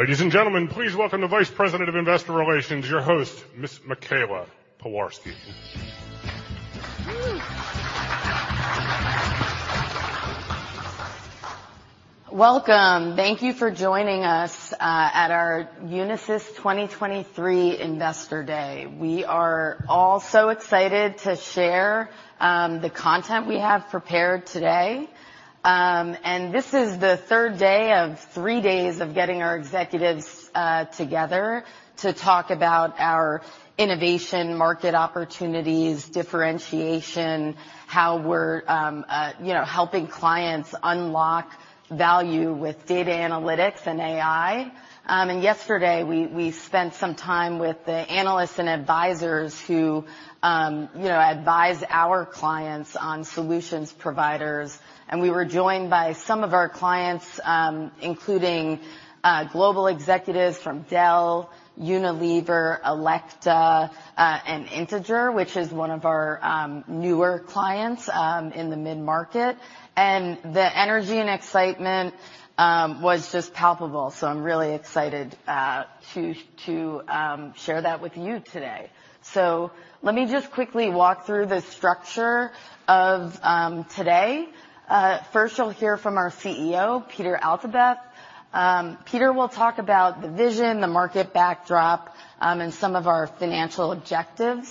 Ladies and gentlemen, please welcome the Vice President of Investor Relations, your host, Ms. Michaela Pewarski. Welcome. Thank you for joining us, at our Unisys 2023 Investor Day. We are all so excited to share, the content we have prepared today. This is the third day of three days of getting our executives, together to talk about our innovation, market opportunities, differentiation, how we're, you know, helping clients unlock value with data analytics and AI. Yesterday, we spent some time with the analysts and advisors who, you know, advise our clients on solutions providers. We were joined by some of our clients, including, global executives from Dell, Unilever, Elekta, and Integer, which is one of our, newer clients, in the mid-market. The energy and excitement, was just palpable, so I'm really excited, to share that with you today. Let me just quickly walk through the structure of today. First, you'll hear from our CEO, Peter Altabef. Peter will talk about the vision, the market backdrop, and some of our financial objectives.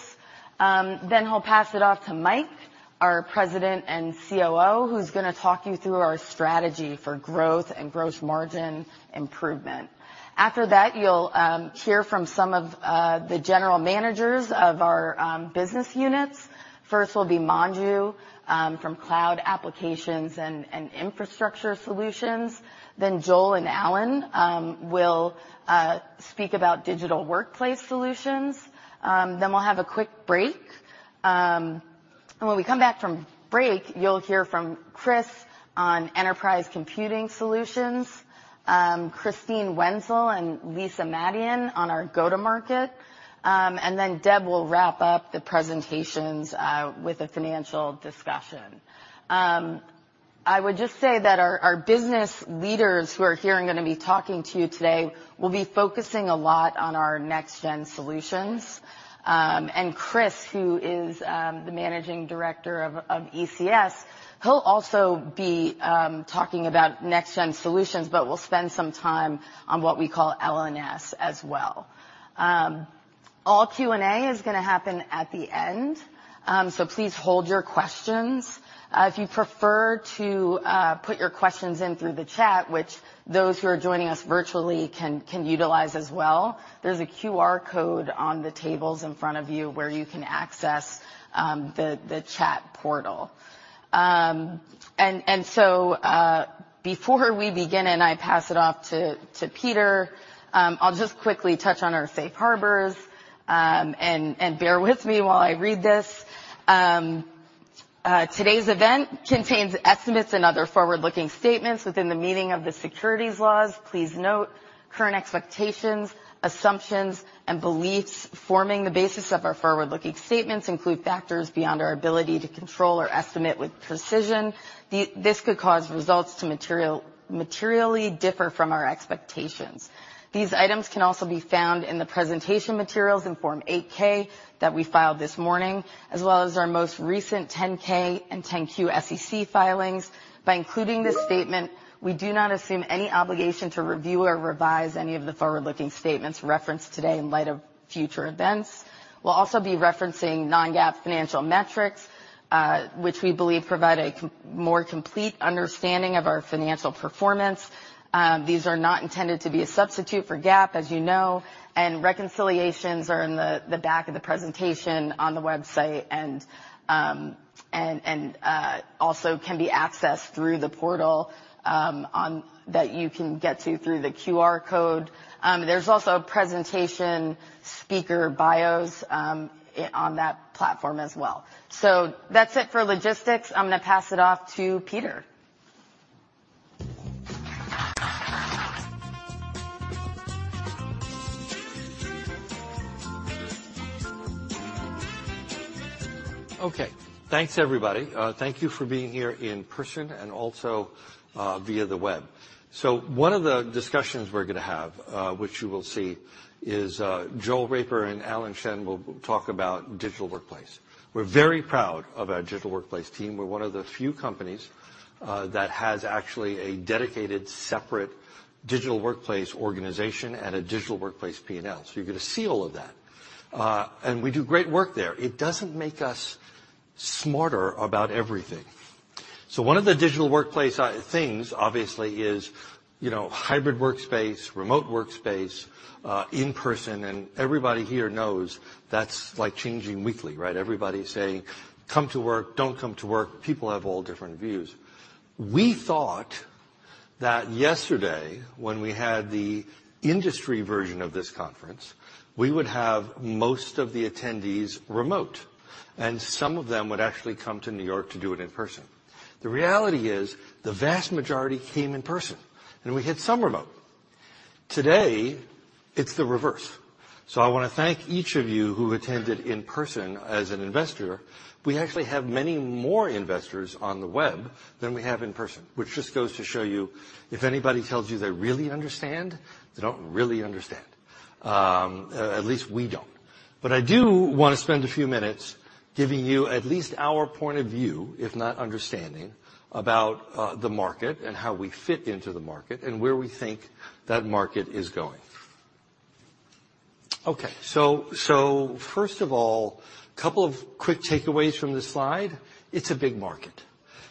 He'll pass it off to Mike, our President and COO, who's gonna talk you through our strategy for growth and gross margin improvement. After that, you'll hear from some of the general managers of our business units. First will be Manju from Cloud Applications and Infrastructure Solutions. Joel and Alan will speak about Digital Workplace Solutions. We'll have a quick break. When we come back from break, you'll hear from Chris on Enterprise Computing Solutions, Christine Wenzel and Lisa Madion on our go-to-market. Deb will wrap up the presentations with a financial discussion. I would just say that our business leaders who are here and gonna be talking to you today, will be focusing a lot on our next-gen solutions. Chris, who is the managing director of ECS, he'll also be talking about next-gen solutions, but we'll spend some time on what we call LNS as well. All Q&A is gonna happen at the end, please hold your questions. If you prefer to put your questions in through the chat, which those who are joining us virtually can utilize as well, there's a QR code on the tables in front of you where you can access the chat portal. Before we begin, and I pass it off to Peter, I'll just quickly touch on our safe harbors, bear with me while I read this. Today's event contains estimates and other forward-looking statements within the meaning of the securities laws. Please note, current expectations, assumptions and beliefs forming the basis of our forward-looking statements include factors beyond our ability to control or estimate with precision. This could cause results to materially differ from our expectations. These items can also be found in the presentation materials in Form 8-K that we filed this morning, as well as our most recent 10-K and 10-Q SEC filings. By including this statement, we do not assume any obligation to review or revise any of the forward-looking statements referenced today in light of future events. We'll also be referencing non-GAAP financial metrics, which we believe provide a more complete understanding of our financial performance. These are not intended to be a substitute for GAAP, as you know, and reconciliations are in the back of the presentation on the website, and also can be accessed through the portal that you can get to through the QR code. There's also a presentation speaker bios on that platform as well. That's it for logistics. I'm gonna pass it off to Peter. Okay. Thanks, everybody. Thank you for being here in person and also via the web. One of the discussions we're going to have, which you will see, is Joel Raper and Alan Shen will talk about Digital Workplace. We're very proud of our Digital Workplace team. We're one of the few companies that has actually a dedicated, separate Digital Workplace organization and a Digital Workplace P&L. You're going to see all of that, and we do great work there. It doesn't make us smarter about everything. One of the Digital Workplace things, obviously is, you know, hybrid workspace, remote workspace, in person, and everybody here knows that's, like, changing weekly, right? Everybody's saying, "Come to work. Don't come to work." People have all different views. We thought that yesterday, when we had the industry version of this conference, we would have most of the attendees remote, and some of them would actually come to New York to do it in person. The reality is, the vast majority came in person, and we had some remote. Today, it's the reverse. I want to thank each of you who attended in person as an investor. We actually have many more investors on the web than we have in person, which just goes to show you, if anybody tells you they really understand, they don't really understand. At least we don't. I do wanna spend a few minutes giving you at least our point of view, if not understanding, about the market and how we fit into the market and where we think that market is going. First of all, couple of quick takeaways from this slide. It's a big market.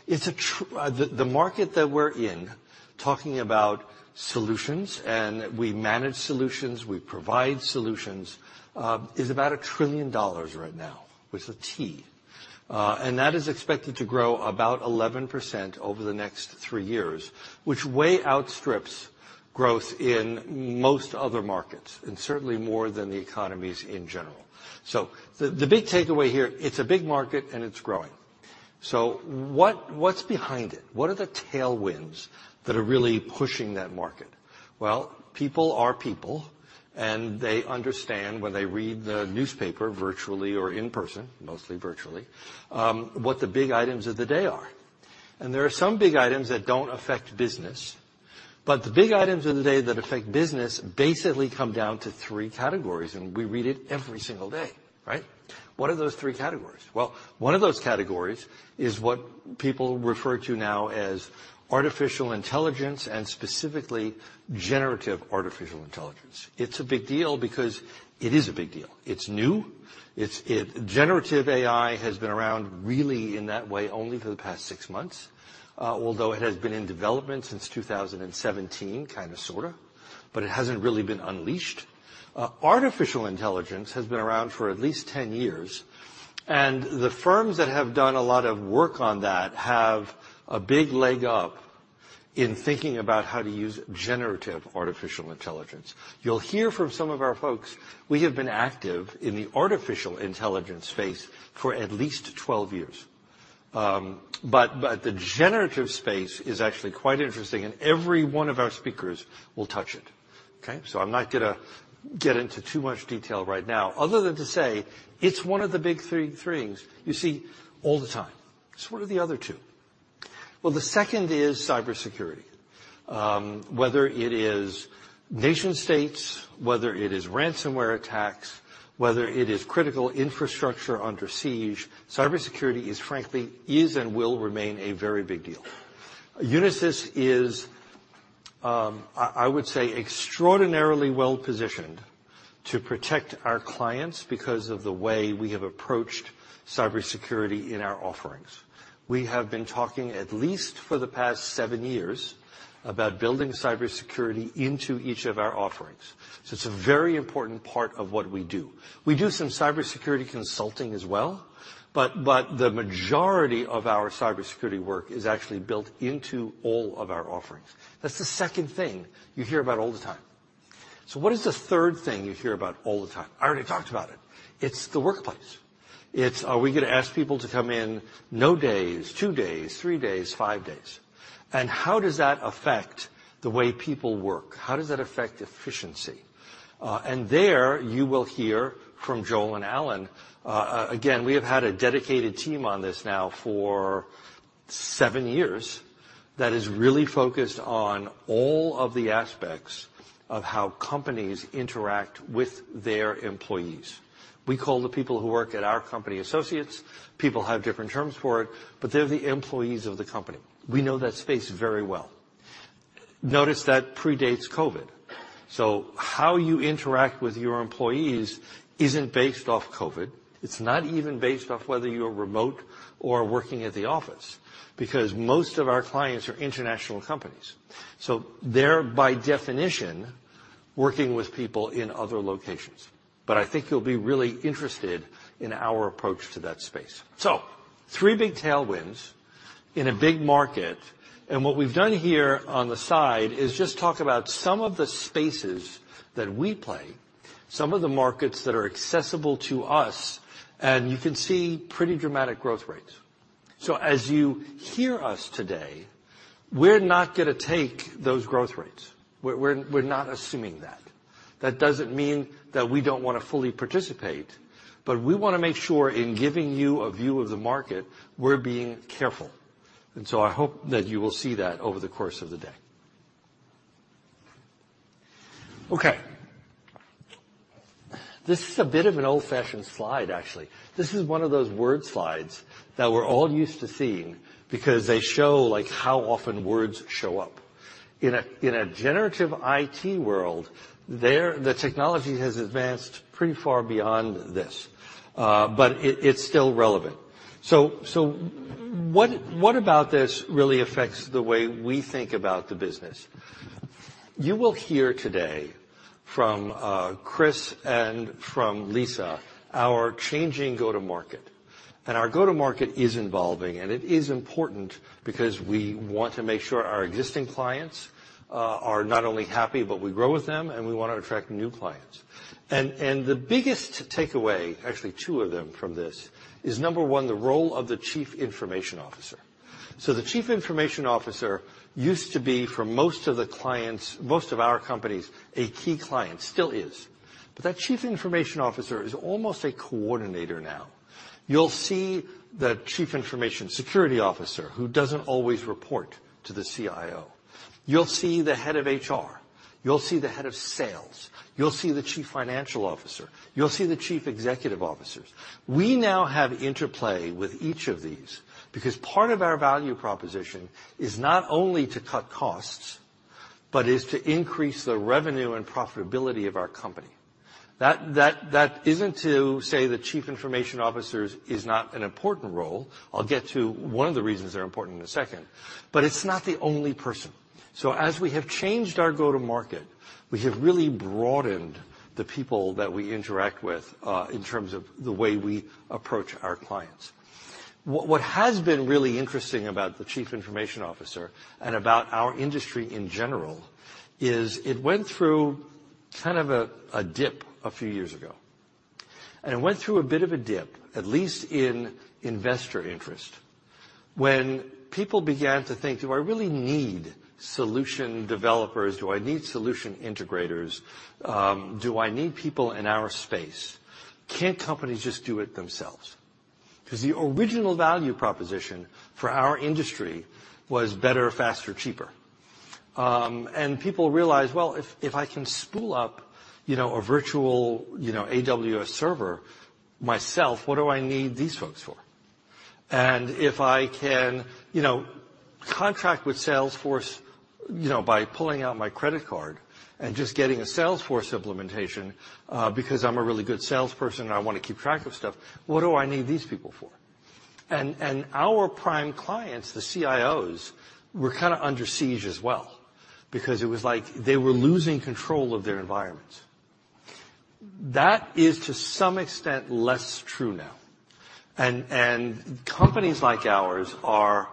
The market that we're in, talking about solutions, and we manage solutions, we provide solutions, is about $1 trillion right now, with a T. That is expected to grow about 11% over the next three years, which way outstrips growth in most other markets, and certainly more than the economies in general. The big takeaway here, it's a big market and it's growing. What's behind it? What are the tailwinds that are really pushing that market? Well, people are people, and they understand when they read the newspaper virtually or in person, mostly virtually, what the big items of the day are. There are some big items that don't affect business, but the big items of the day that affect business basically come down to three categories, and we read it every single day, right? What are those three categories? Well, one of those categories is what people refer to now as artificial intelligence and specifically, generative artificial intelligence. It's a big deal because it is a big deal. It's new. Generative AI has been around really in that way only for the past six months, although it has been in development since 2017, kinda sorta, but it hasn't really been unleashed. Artificial intelligence has been around for at least 10 years, and the firms that have done a lot of work on that have a big leg up in thinking about how to use generative artificial intelligence. You'll hear from some of our folks, we have been active in the artificial intelligence space for at least 12 years. But the generative space is actually quite interesting, and every one of our speakers will touch it, okay? I'm not gonna get into too much detail right now, other than to say, it's one of the big three things you see all the time. What are the other two? Well, the second is cybersecurity. Whether it is nation-states, whether it is ransomware attacks, whether it is critical infrastructure under siege, cybersecurity is, frankly, and will remain a very big deal. Unisys is, I would say, extraordinarily well-positioned to protect our clients because of the way we have approached cybersecurity in our offerings. We have been talking, at least for the past seven years, about building cybersecurity into each of our offerings. It's a very important part of what we do. We do some cybersecurity consulting as well, but the majority of our cybersecurity work is actually built into all of our offerings. That's the second thing you hear about all the time. What is the third thing you hear about all the time? I already talked about it. It's the workplace. It's are we gonna ask people to come in no days, two days, three days, five days? How does that affect the way people work? How does that affect efficiency? There you will hear from Joel and Alan. Again, we have had a dedicated team on this now for seven years, that is really focused on all of the aspects of how companies interact with their employees. We call the people who work at our company associates. People have different terms for it, but they're the employees of the company. We know that space very well. Notice that predates COVID, so how you interact with your employees isn't based off COVID. It's not even based off whether you're remote or working at the office, because most of our clients are international companies, so they're, by definition, working with people in other locations. I think you'll be really interested in our approach to that space. Three big tailwinds in a big market. What we've done here on the side is just talk about some of the spaces that we play, some of the markets that are accessible to us. You can see pretty dramatic growth rates. As you hear us today, we're not gonna take those growth rates. We're not assuming that. That doesn't mean that we don't wanna fully participate, but we wanna make sure in giving you a view of the market, we're being careful. I hope that you will see that over the course of the day. Okay. This is a bit of an old-fashioned slide, actually. This is one of those word slides that we're all used to seeing because they show, like, how often words show up. In a generative AI world, their... The technology has advanced pretty far beyond this, but it's still relevant. What about this really affects the way we think about the business? You will hear today from Chris and from Lisa, our changing go-to-market. Our go-to-market is evolving, and it is important because we want to make sure our existing clients are not only happy, but we grow with them, and we want to attract new clients. The biggest takeaway, actually two of them from this, is, number one, the role of the Chief Information Officer. The Chief Information Officer used to be, for most of the clients, most of our companies, a key client, still is. That Chief Information Officer is almost a coordinator now. You'll see the Chief Information Security Officer, who doesn't always report to the CIO. You'll see the head of HR... You'll see the head of sales. You'll see the chief financial officer. You'll see the chief executive officers. We now have interplay with each of these, because part of our value proposition is not only to cut costs, but is to increase the revenue and profitability of our company. That isn't to say the chief information officers is not an important role. I'll get to one of the reasons they're important in a second, but it's not the only person. As we have changed our go-to-market, we have really broadened the people that we interact with in terms of the way we approach our clients. What has been really interesting about the chief information officer and about our industry in general, is it went through kind of a dip a few years ago. It went through a bit of a dip, at least in investor interest, when people began to think: Do I really need solution developers? Do I need solution integrators? Do I need people in our space? Can't companies just do it themselves? Because the original value proposition for our industry was better, faster, cheaper. People realized, well, if I can spool up, you know, a virtual, you know, AWS server myself, what do I need these folks for? If I can, you know, contract with Salesforce, you know, by pulling out my credit card and just getting a Salesforce implementation, because I'm a really good salesperson and I want to keep track of stuff, what do I need these people for? Our prime clients, the CIOs, were kind of under siege as well, because it was like they were losing control of their environments. That is, to some extent, less true now, and companies like ours are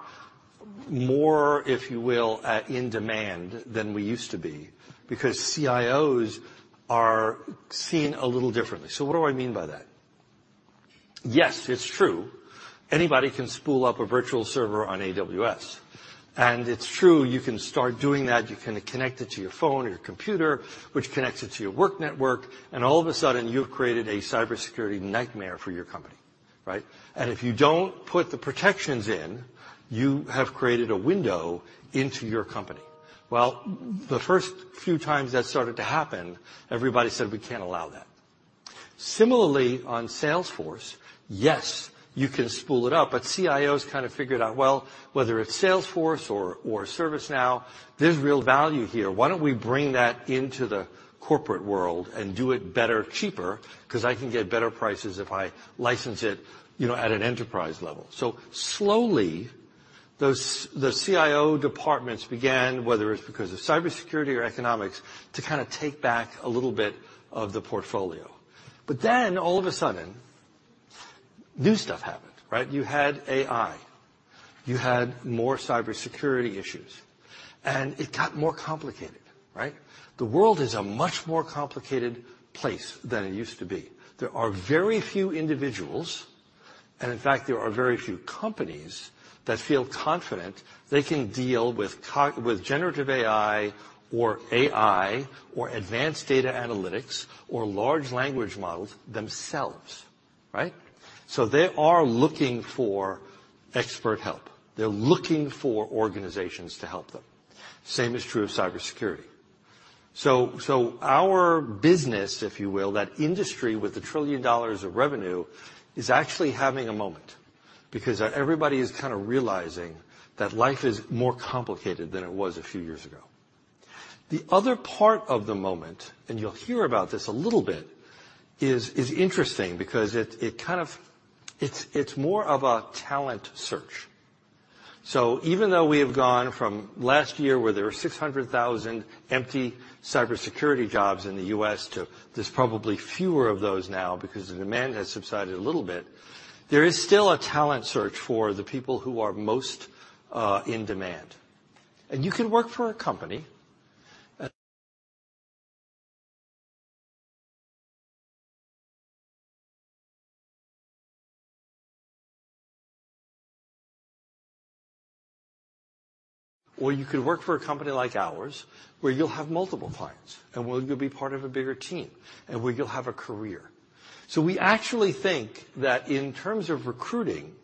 more, if you will, in demand than we used to be, because CIOs are seen a little differently. What do I mean by that? Yes, it's true anybody can spool up a virtual server on AWS, and it's true, you can start doing that. You can connect it to your phone or your computer, which connects it to your work network, and all of a sudden, you've created a cybersecurity nightmare for your company, right? If you don't put the protections in, you have created a window into your company. The first few times that started to happen, everybody said, "We can't allow that." Similarly, on Salesforce, yes, you can spool it up, but CIOs kind of figured out, well, whether it's Salesforce or ServiceNow, there's real value here. Why don't we bring that into the corporate world and do it better, cheaper? I can get better prices if I license it, you know, at an enterprise level. Slowly, those the CIO departments began, whether it's because of cybersecurity or economics, to kinda take back a little bit of the portfolio. All of a sudden, new stuff happened, right? You had AI, you had more cybersecurity issues, and it got more complicated, right? The world is a much more complicated place than it used to be. There are very few individuals, and in fact, there are very few companies, that feel confident they can deal with generative AI or AI or advanced data analytics or large language models themselves, right? They are looking for expert help. They're looking for organizations to help them. Same is true of cybersecurity. Our business, if you will, that industry with $1 trillion of revenue, is actually having a moment because everybody is kind of realizing that life is more complicated than it was a few years ago. The other part of the moment, you'll hear about this a little bit, is interesting because it kind of... It's more of a talent search. Even though we have gone from last year, where there were 600,000 empty cybersecurity jobs in the U.S. to there's probably fewer of those now because the demand has subsided a little bit, there is still a talent search for the people who are most in demand. You could work for a company like ours, where you'll have multiple clients, and where you'll be part of a bigger team, and where you'll have a career. We actually think that in terms of recruiting,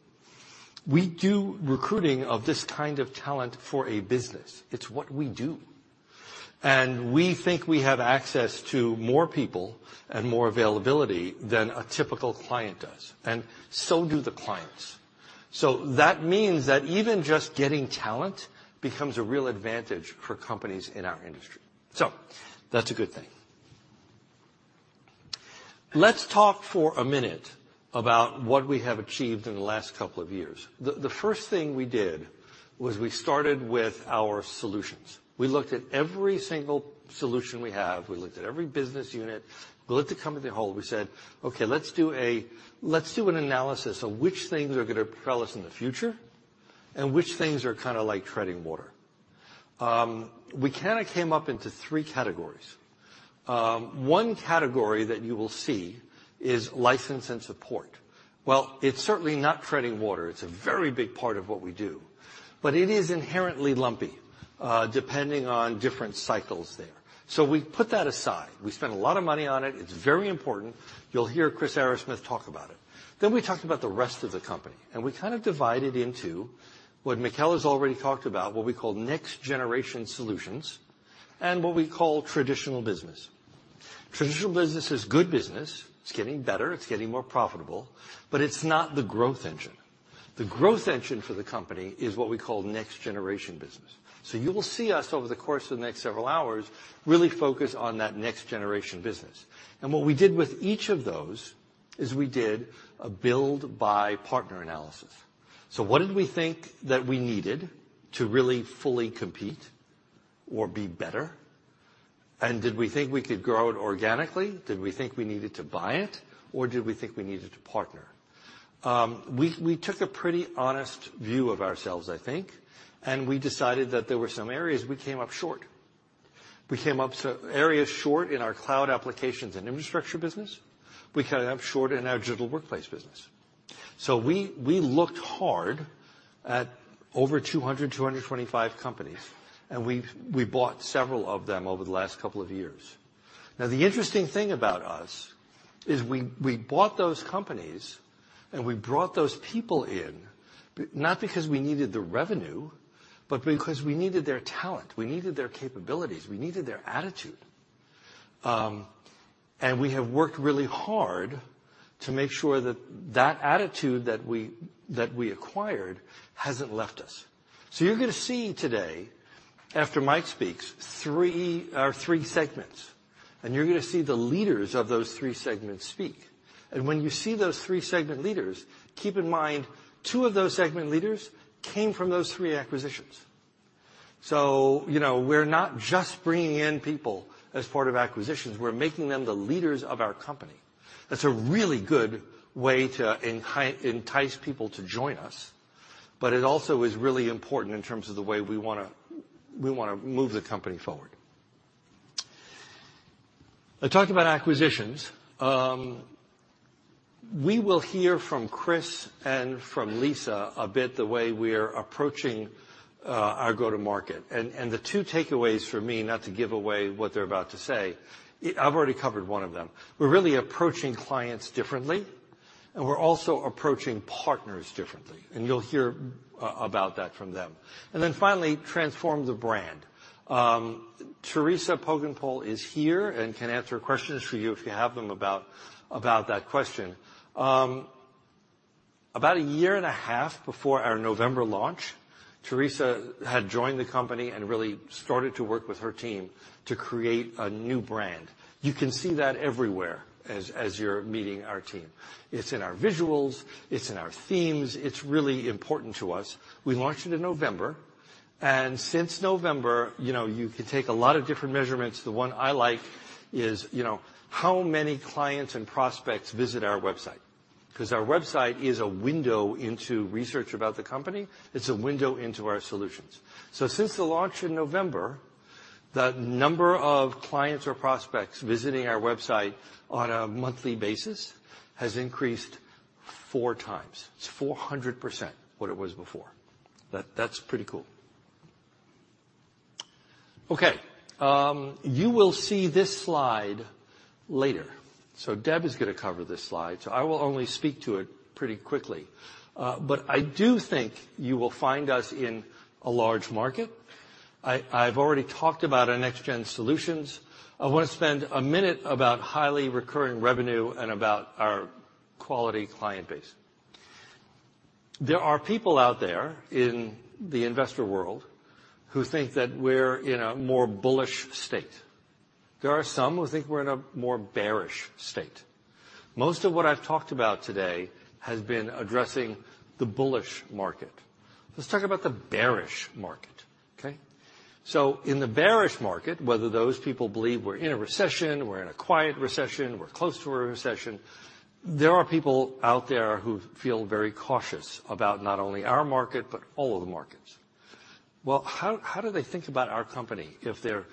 we do recruiting of this kind of talent for a business. It's what we do. We think we have access to more people and more availability than a typical client does, and so do the clients. That means that even just getting talent becomes a real advantage for companies in our industry. That's a good thing. Let's talk for a minute about what we have achieved in the last couple of years. The first thing we did was we started with our solutions. We looked at every single solution we have. We looked at every business unit. We looked at the company as a whole. We said, "Okay, let's do an analysis of which things are gonna propel us in the future and which things are kinda like treading water." We kinda came up into three categories. One category that you will see is license and support. Well, it's certainly not treading water. It's a very big part of what we do. It is inherently lumpy depending on different cycles there. We put that aside. We spent a lot of money on it. It's very important. You'll hear Chris Arrasmith talk about it. We talked about the rest of the company, and we kind of divided into what Michaela has already talked about, what we call next-generation solutions and what we call traditional business. Traditional business is good business. It's getting better, it's getting more profitable, but it's not the growth engine. The growth engine for the company is what we call next-generation business. You will see us, over the course of the next several hours, really focus on that next-generation business. What we did with each of those is we did a build by partner analysis. What did we think that we needed to really fully compete or be better? Did we think we could grow it organically? Did we think we needed to buy it, or did we think we needed to partner? We took a pretty honest view of ourselves, I think, and we decided that there were some areas we came up short. We came up some areas short in our Cloud, Applications & Infrastructure business. We came up short in our Digital Workplace Solutions business. We looked hard at over 200, 225 companies, and we bought several of them over the last couple of years. The interesting thing about us is we bought those companies, and we brought those people in, not because we needed the revenue, but because we needed their talent, we needed their capabilities, we needed their attitude. We have worked really hard to make sure that that attitude that we acquired hasn't left us. You're gonna see today, after Mike speaks, three segments, and you're gonna see the leaders of those three segments speak. When you see those three segment leaders, keep in mind, two of those segment leaders came from those three acquisitions. You know, we're not just bringing in people as part of acquisitions, we're making them the leaders of our company. That's a really good way to entice people to join us, but it also is really important in terms of the way we wanna, we wanna move the company forward. I talked about acquisitions. We will hear from Chris and from Lisa a bit the way we're approaching our go-to-market. The two takeaways for me, not to give away what they're about to say, I've already covered one of them. We're really approaching clients differently, we're also approaching partners differently, and you'll hear about that from them. Finally, transform the brand. Teresa Poggenpohl is here and can answer questions for you if you have them about that question. About a year and a half before our November launch, Teresa had joined the company and really started to work with her team to create a new brand. You can see that everywhere as you're meeting our team. It's in our visuals, it's in our themes. It's really important to us. We launched it in November. Since November, you know, you could take a lot of different measurements. The one I like is, you know, how many clients and prospects visit our website? 'Cause our website is a window into research about the company. It's a window into our solutions. Since the launch in November, the number of clients or prospects visiting our website on a monthly basis has increased four times. It's 400% what it was before. That's pretty cool. You will see this slide later. Deb is gonna cover this slide, so I will only speak to it pretty quickly. I do think you will find us in a large market. I've already talked about our next gen solutions. I wanna spend a minute about highly recurring revenue and about our quality client base. There are people out there in the investor world who think that we're in a more bullish state. There are some who think we're in a more bearish state. Most of what I've talked about today has been addressing the bullish market. Let's talk about the bearish market, okay? In the bearish market, whether those people believe we're in a recession or we're in a quiet recession, we're close to a recession, there are people out there who feel very cautious about not only our market, but all of the markets. Well, how do they think about our company if they're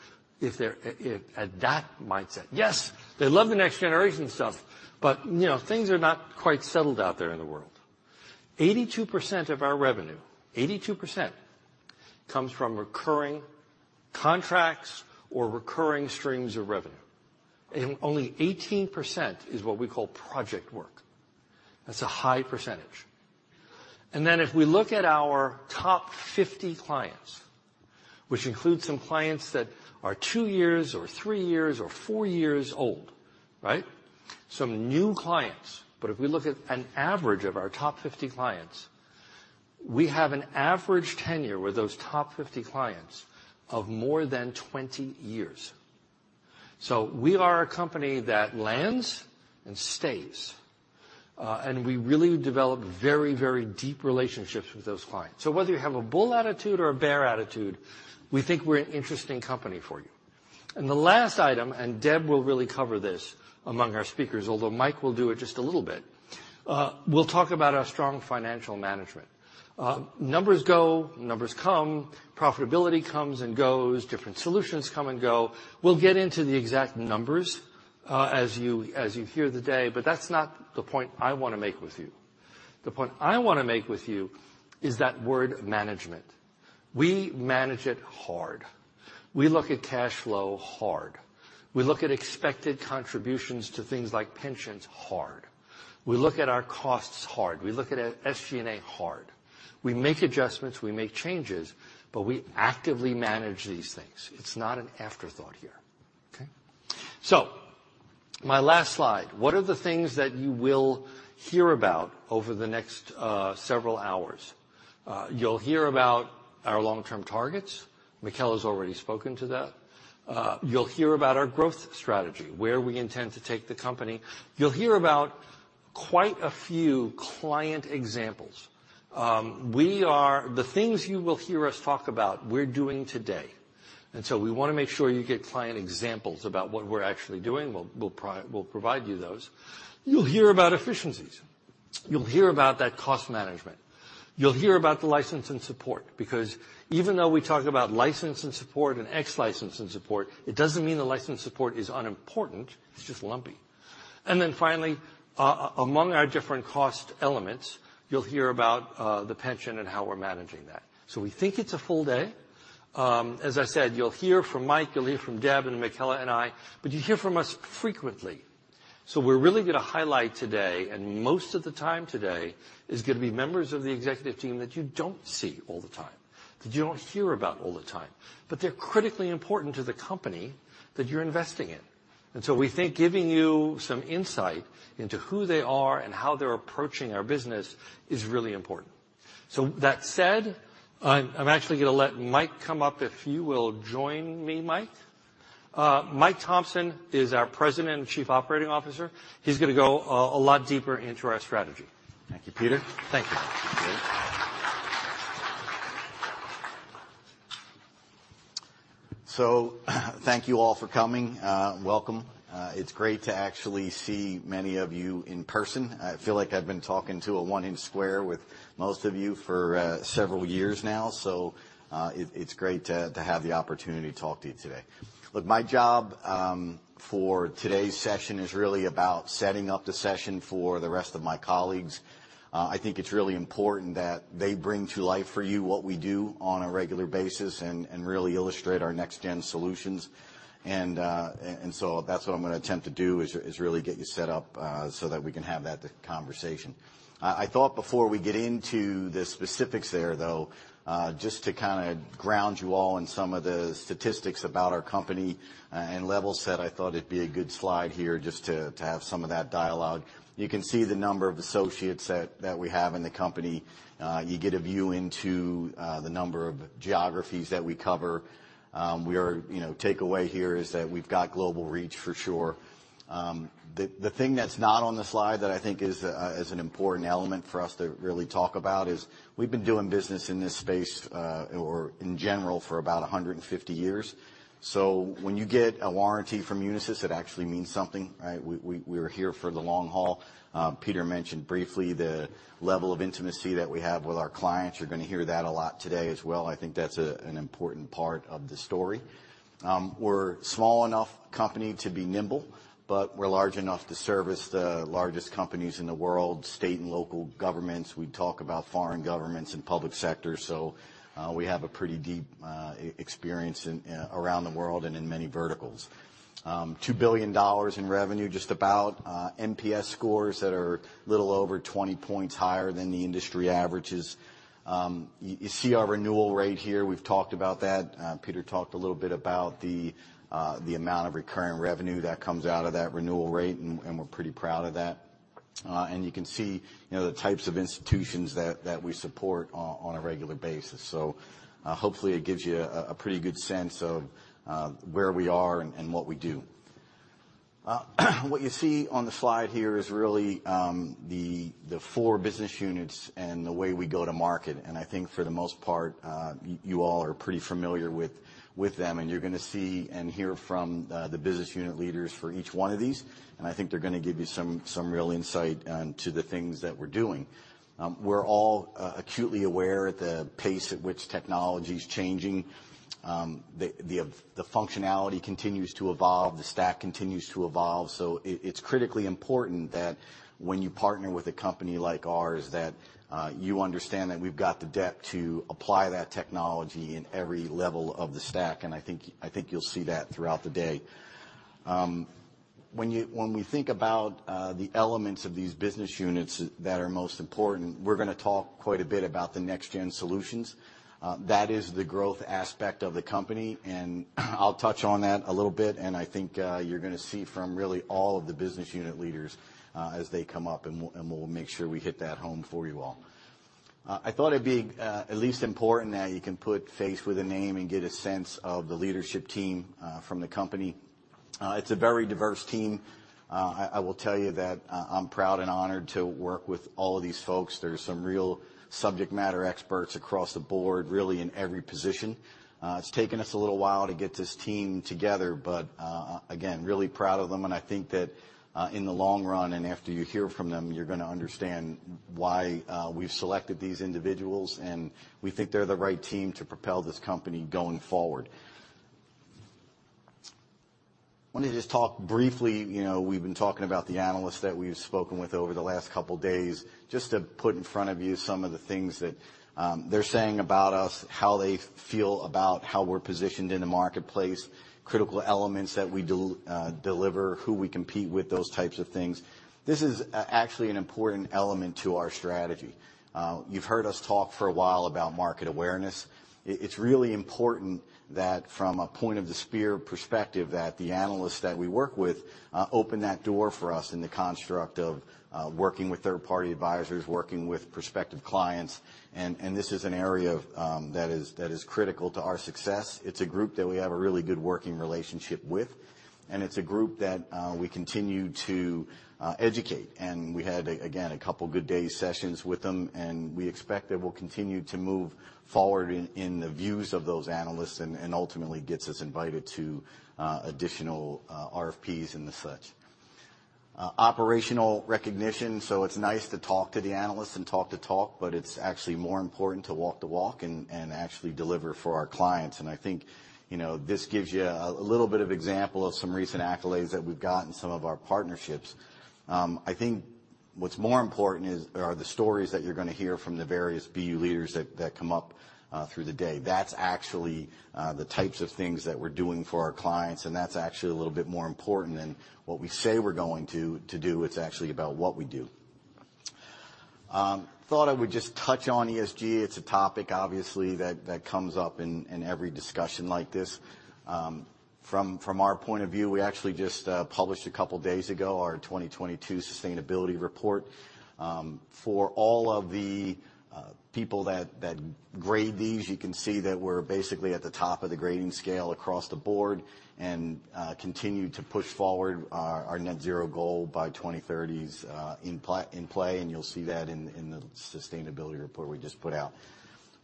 at that mindset? Yes, they love the next generation stuff, but, you know, things are not quite settled out there in the world. 82% of our revenue, 82%, comes from recurring contracts or recurring streams of revenue, and only 18% is what we call project work. That's a high percentage. If we look at our top 50 clients, which includes some clients that are two years or three years or four years old, right? Some new clients, but if we look at an average of our top 50 clients, we have an average tenure with those top 50 clients of more than 20 years. We are a company that lands and stays, and we really develop very, very deep relationships with those clients. Whether you have a bull attitude or a bear attitude, we think we're an interesting company for you. The last item, and Deb will really cover this among our speakers, although Mike will do it just a little bit, we'll talk about our strong financial management. Numbers go, numbers come, profitability comes and goes, different solutions come and go. We'll get into the exact numbers, as you hear the day, but that's not the point I wanna make with you. The point I wanna make with you is that word management. We manage it hard. We look at cash flow hard. We look at expected contributions to things like pensions hard. We look at our costs hard. We look at SG&A hard. We make adjustments, we make changes, but we actively manage these things. It's not an afterthought here, okay. My last slide. What are the things that you will hear about over the next several hours? You'll hear about our long-term targets. Michaela's already spoken to that. You'll hear about our growth strategy, where we intend to take the company. You'll hear about quite a few client examples. The things you will hear us talk about, we're doing today, and so we wanna make sure you get client examples about what we're actually doing. We'll provide you those. You'll hear about efficiencies. You'll hear about that cost management. You'll hear about the license and support, because even though we talk about license and support, it doesn't mean the license and support is unimportant, it's just lumpy. Finally, among our different cost elements, you'll hear about the pension and how we're managing that. We think it's a full day. As I said, you'll hear from Mike, you'll hear from Deb and Michaela and I, you hear from us frequently. We're really gonna highlight today, and most of the time today is gonna be members of the executive team that you don't see all the time, that you don't hear about all the time. They're critically important to the company that you're investing in, we think giving you some insight into who they are and how they're approaching our business is really important. That said, I'm actually gonna let Mike come up. If you will join me, Mike. Mike Thomson is our President and Chief Operating Officer. He's gonna go a lot deeper into our strategy. Thank you, Peter. Thank you. Thank you all for coming. Welcome. It's great to actually see many of you in person. I feel like I've been talking to a one-inch square with most of you for several years now, so it's great to have the opportunity to talk to you today. Look, my job for today's session is really about setting up the session for the rest of my colleagues. I think it's really important that they bring to life for you what we do on a regular basis and really illustrate our next-gen solutions. That's what I'm gonna attempt to do, is really get you set up so that we can have that conversation. I thought before we get into the specifics there, though, just to kinda ground you all in some of the statistics about our company, and level set, I thought it'd be a good slide here just to have some of that dialogue. You can see the number of associates that we have in the company. You get a view into, the number of geographies that we cover. You know, takeaway here is that we've got global reach for sure. The thing that's not on the slide that I think is a, is an important element for us to really talk about is, we've been doing business in this space, or in general, for about 150 years. When you get a warranty from Unisys, it actually means something, right? We're here for the long haul. Peter mentioned briefly the level of intimacy that we have with our clients. You're gonna hear that a lot today as well. I think that's an important part of the story. We're small enough company to be nimble, but we're large enough to service the largest companies in the world, state and local governments. We talk about foreign governments and public sectors, so we have a pretty deep experience around the world and in many verticals. $2 billion in revenue, just about, NPS scores that are little over 20 points higher than the industry averages. You see our renewal rate here. We've talked about that. Peter talked a little bit about the amount of recurring revenue that comes out of that renewal rate, and we're pretty proud of that. You can see, you know, the types of institutions that we support on a regular basis. Hopefully, it gives you a pretty good sense of where we are and what we do. What you see on the slide here is really the four business units and the way we go to market. I think for the most part, you all are pretty familiar with them, and you're gonna see and hear from the business unit leaders for each one of these, I think they're gonna give you some real insight to the things that we're doing. We're all acutely aware at the pace at which technology's changing. The functionality continues to evolve, the stack continues to evolve, so it's critically important that when you partner with a company like ours, that you understand that we've got the depth to apply that technology in every level of the stack, and I think you'll see that throughout the day. When we think about the elements of these business units that are most important, we're gonna talk quite a bit about the next gen solutions. That is the growth aspect of the company, and I'll touch on that a little bit, and I think you're gonna see from really all of the business unit leaders, as they come up, and we'll make sure we hit that home for you all. I thought it'd be at least important that you can put face with a name and get a sense of the leadership team from the company. It's a very diverse team. I will tell you that I'm proud and honored to work with all of these folks. There's some real subject matter experts across the board, really in every position. It's taken us a little while to get this team together, but again, really proud of them, and I think that in the long run, and after you hear from them, you're gonna understand why we've selected these individuals, and we think they're the right team to propel this company going forward. Wanted to just talk briefly, you know, we've been talking about the analysts that we've spoken with over the last couple days. Just to put in front of you some of the things that they're saying about us, how they feel about how we're positioned in the marketplace, critical elements that we deliver, who we compete with, those types of things. This is actually an important element to our strategy. You've heard us talk for a while about market awareness. It's really important that from a point-of-the-spear perspective, that the analysts that we work with open that door for us in the construct of working with third-party advisors, working with prospective clients, and this is an area that is critical to our success. It's a group that we have a really good working relationship with. It's a group that we continue to educate. We had, again, a couple good days sessions with them, we expect that we'll continue to move forward in the views of those analysts and ultimately gets us invited to additional RFPs and the such. Operational recognition, so it's nice to talk to the analysts and talk the talk, but it's actually more important to walk the walk and actually deliver for our clients. I think, you know, this gives you a little bit of example of some recent accolades that we've gotten, some of our partnerships. I think what's more important are the stories that you're gonna hear from the various BU leaders that come up through the day. That's actually the types of things that we're doing for our clients, and that's actually a little bit more important than what we say we're going to do. It's actually about what we do. Thought I would just touch on ESG. It's a topic, obviously, that comes up in every discussion like this. From our point of view, we actually just published a couple days ago our 2022 sustainability report. For all of the people that grade these, you can see that we're basically at the top of the grading scale across the board, and continue to push forward our net zero goal by 2030s in play, and you'll see that in the sustainability report we just put out.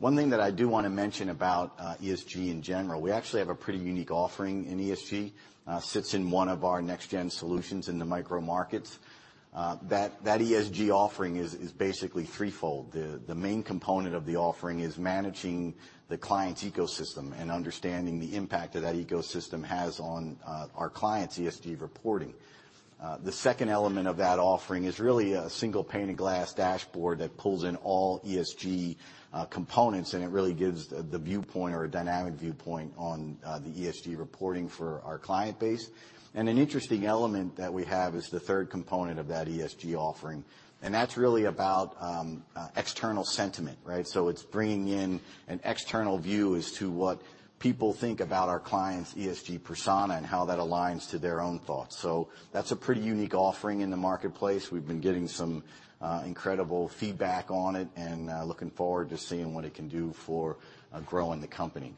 One thing that I do wanna mention about ESG in general, we actually have a pretty unique offering in ESG. Sits in one of our next-gen solutions in the micro markets. That ESG offering is basically threefold. The main component of the offering is managing the client's ecosystem and understanding the impact that that ecosystem has on our client's ESG reporting. The second element of that offering is really a single pane of glass dashboard that pulls in all ESG components, and it really gives the viewpoint or a dynamic viewpoint on the ESG reporting for our client base. An interesting element that we have is the third component of that ESG offering, and that's really about external sentiment, right? It's bringing in an external view as to what people think about our client's ESG persona and how that aligns to their own thoughts. That's a pretty unique offering in the marketplace. We've been getting some incredible feedback on it and looking forward to seeing what it can do for growing the company.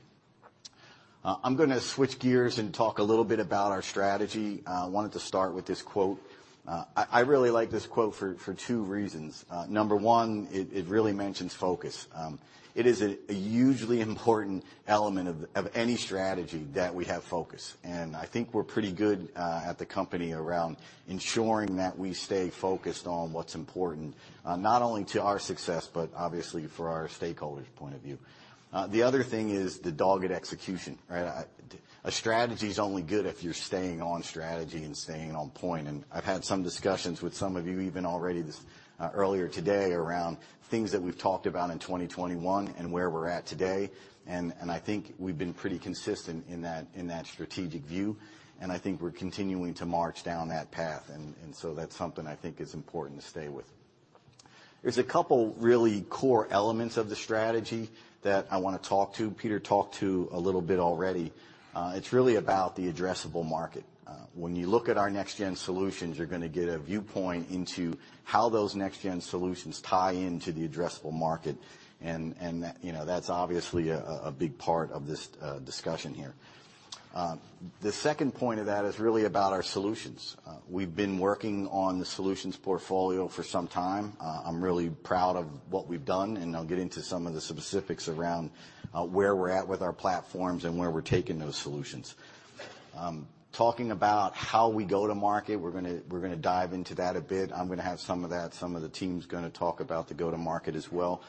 I'm gonna switch gears and talk a little bit about our strategy. Wanted to start with this quote. I really like this quote for two reasons. Number one, it really mentions focus. It is a hugely important element of any strategy that we have focus, and I think we're pretty good at the company around ensuring that we stay focused on what's important, not only to our success, but obviously for our stakeholders' point of view. The other thing is the dogged execution, right? A strategy is only good if you're staying on strategy and staying on point, and I've had some discussions with some of you, even already earlier today, around things that we've talked about in 2021 and where we're at today, and I think we've been pretty consistent in that, in that strategic view, and I think we're continuing to march down that path. That's something I think is important to stay with. There's a couple really core elements of the strategy that I wanna talk to. Peter talked to a little bit already. It's really about the addressable market. When you look at our next-gen solutions, you're gonna get a viewpoint into how those next-gen solutions tie into the addressable market, and, you know, that's obviously a big part of this discussion here. The second point of that is really about our solutions. We've been working on the solutions portfolio for some time. I'm really proud of what we've done, and I'll get into some of the specifics around where we're at with our platforms and where we're taking those solutions. Talking about how we go to market, we're gonna dive into that a bit. I'm gonna have some of that, some of the team's gonna talk about the go-to-market as well.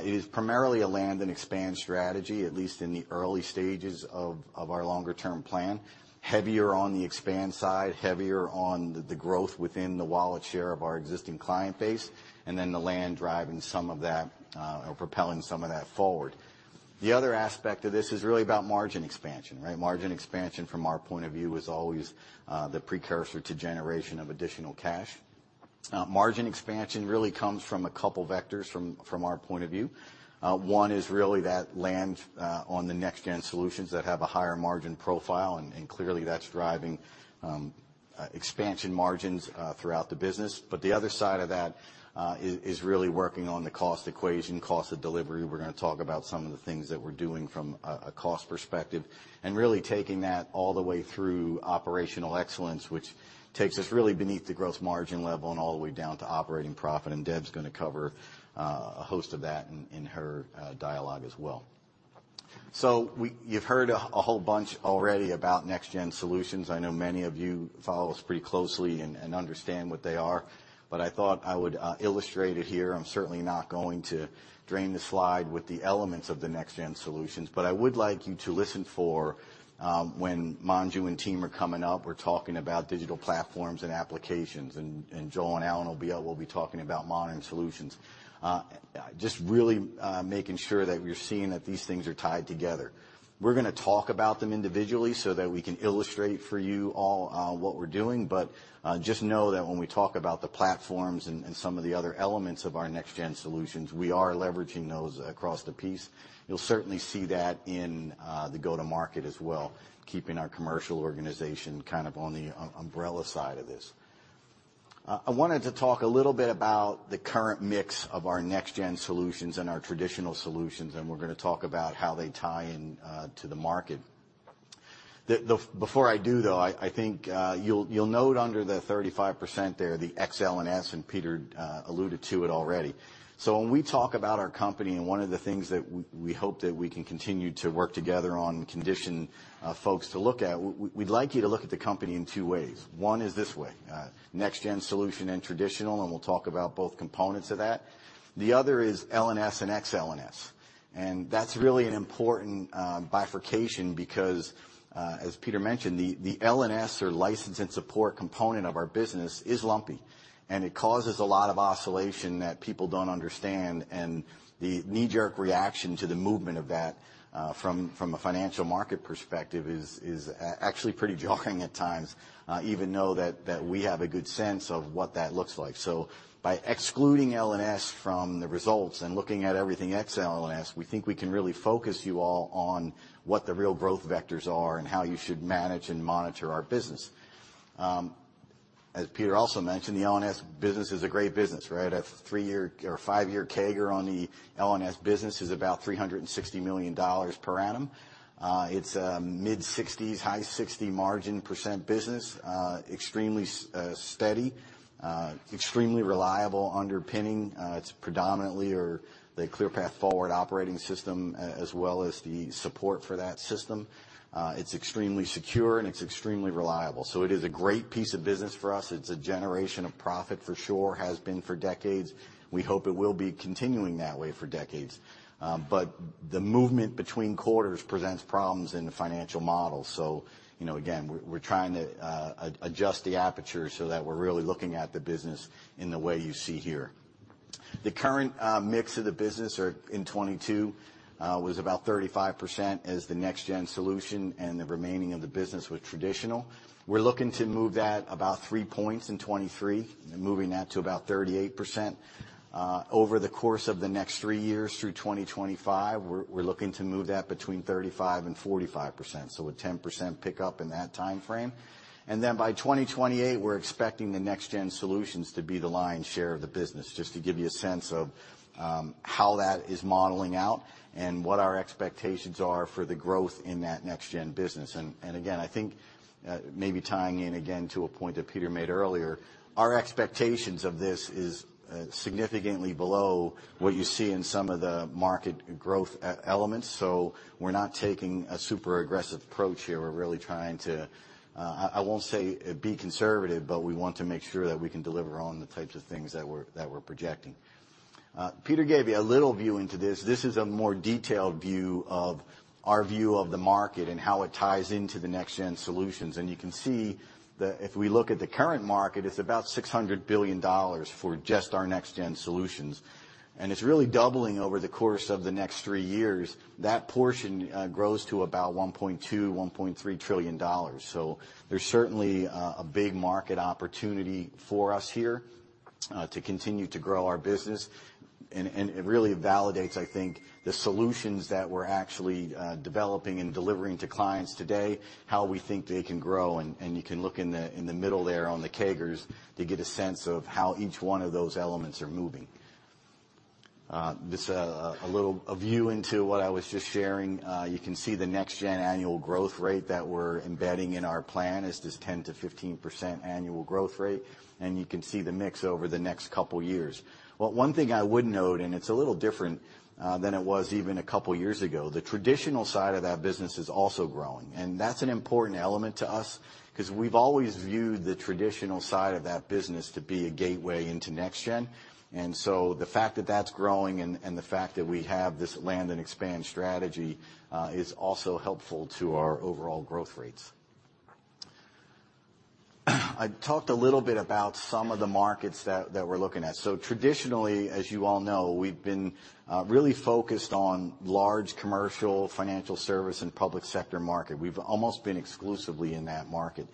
It is primarily a land and expand strategy, at least in the early stages of our longer-term plan. Heavier on the expand side, heavier on the growth within the wallet share of our existing client base, and then the land driving some of that, or propelling some of that forward. The other aspect of this is really about margin expansion, right? Margin expansion, from our point of view, is always the precursor to generation of additional cash. Margin expansion really comes from a couple vectors from our point of view. One is really that land on the next-gen solutions that have a higher margin profile, and clearly, that's driving expansion margins throughout the business. The other side of that, is really working on the cost equation, cost of delivery. We're gonna talk about some of the things that we're doing from a cost perspective, and really taking that all the way through operational excellence, which takes us really beneath the gross margin level and all the way down to operating profit. Deb's gonna cover a host of that in her dialogue as well. You've heard a whole bunch already about next-gen solutions. I know many of you follow us pretty closely and understand what they are, but I thought I would illustrate it here. I'm certainly not going to drain the slide with the elements of the next gen solutions, but I would like you to listen for when Manju and team are coming up, we're talking about digital platforms and applications, and Joel and Alan will be talking about monitoring solutions. Just really making sure that we're seeing that these things are tied together. We're gonna talk about them individually, so that we can illustrate for you all what we're doing, but just know that when we talk about the platforms and some of the other elements of our next gen solutions, we are leveraging those across the piece. You'll certainly see that in the go-to-market as well, keeping our commercial organization kind of on the umbrella side of this. I wanted to talk a little bit about the current mix of our next gen solutions and our traditional solutions, and we're gonna talk about how they tie in to the market. Before I do, though, I think you'll note under the 35% there, the XLNS, and Peter alluded to it already. When we talk about our company, and one of the things that we hope that we can continue to work together on and condition, folks to look at, we'd like you to look at the company in two ways. One is this way, next gen solution and traditional, and we'll talk about both components of that. The other is LNS and XLNS, and that's really an important bifurcation because, as Peter mentioned, the LNS, or license and support component of our business, is lumpy, and it causes a lot of oscillation that people don't understand. The knee-jerk reaction to the movement of that, from a financial market perspective is actually pretty jarring at times, even though we have a good sense of what that looks like. By excluding LNS from the results and looking at everything XLNS, we think we can really focus you all on what the real growth vectors are and how you should manage and monitor our business. As Peter also mentioned, the LNS business is a great business, right? A three-year or five-year CAGR on the LNS business is about $360 million per annum. It's a mid-60%s, high-60% margin business. Extremely steady, extremely reliable underpinning. It's predominantly the ClearPath Forward operating system as well as the support for that system. It's extremely secure, and it's extremely reliable, so it is a great piece of business for us. It's a generation of profit, for sure. Has been for decades. We hope it will be continuing that way for decades, the movement between quarters presents problems in the financial model. You know, again, we're trying to adjust the aperture so that we're really looking at the business in the way you see here. The current mix of the business in 2022 was about 35% is the next gen solution, and the remaining of the business was traditional. We're looking to move that about three points in 2023 and moving that to about 38%. Over the course of the next three years through 2025, we're looking to move that between 35% and 45%, so a 10% pickup in that time frame. By 2028, we're expecting the next gen solutions to be the lion's share of the business, just to give you a sense of how that is modeling out and what our expectations are for the growth in that next gen business. Again, I think maybe tying in again to a point that Peter made earlier, our expectations of this is significantly below what you see in some of the market growth elements. We're not taking a super aggressive approach here. We're really trying to I won't say, be conservative, but we want to make sure that we can deliver on the types of things that we're projecting. Peter gave you a little view into this. This is a more detailed view of our view of the market and how it ties into the next gen solutions. You can see that if we look at the current market, it's about $600 billion for just our next gen solutions, and it's really doubling over the course of the next three years. That portion grows to about $1.2 trillion-$1.3 trillion. There's certainly a big market opportunity for us here to continue to grow our business. It really validates, I think, the solutions that we're actually developing and delivering to clients today, how we think they can grow. You can look in the, in the middle there on the CAGRs to get a sense of how each one of those elements are moving. This. A view into what I was just sharing. You can see the next gen annual growth rate that we're embedding in our plan is this 10%-15% annual growth rate. You can see the mix over the next couple years. One thing I would note, and it's a little different than it was even a couple years ago, the traditional side of that business is also growing, and that's an important element to us. Cause we've always viewed the traditional side of that business to be a gateway into next gen. The fact that that's growing and the fact that we have this land and expand strategy is also helpful to our overall growth rates. I talked a little bit about some of the markets that we're looking at. Traditionally, as you all know, we've been really focused on large commercial, financial service, and public sector market. We've almost been exclusively in that market.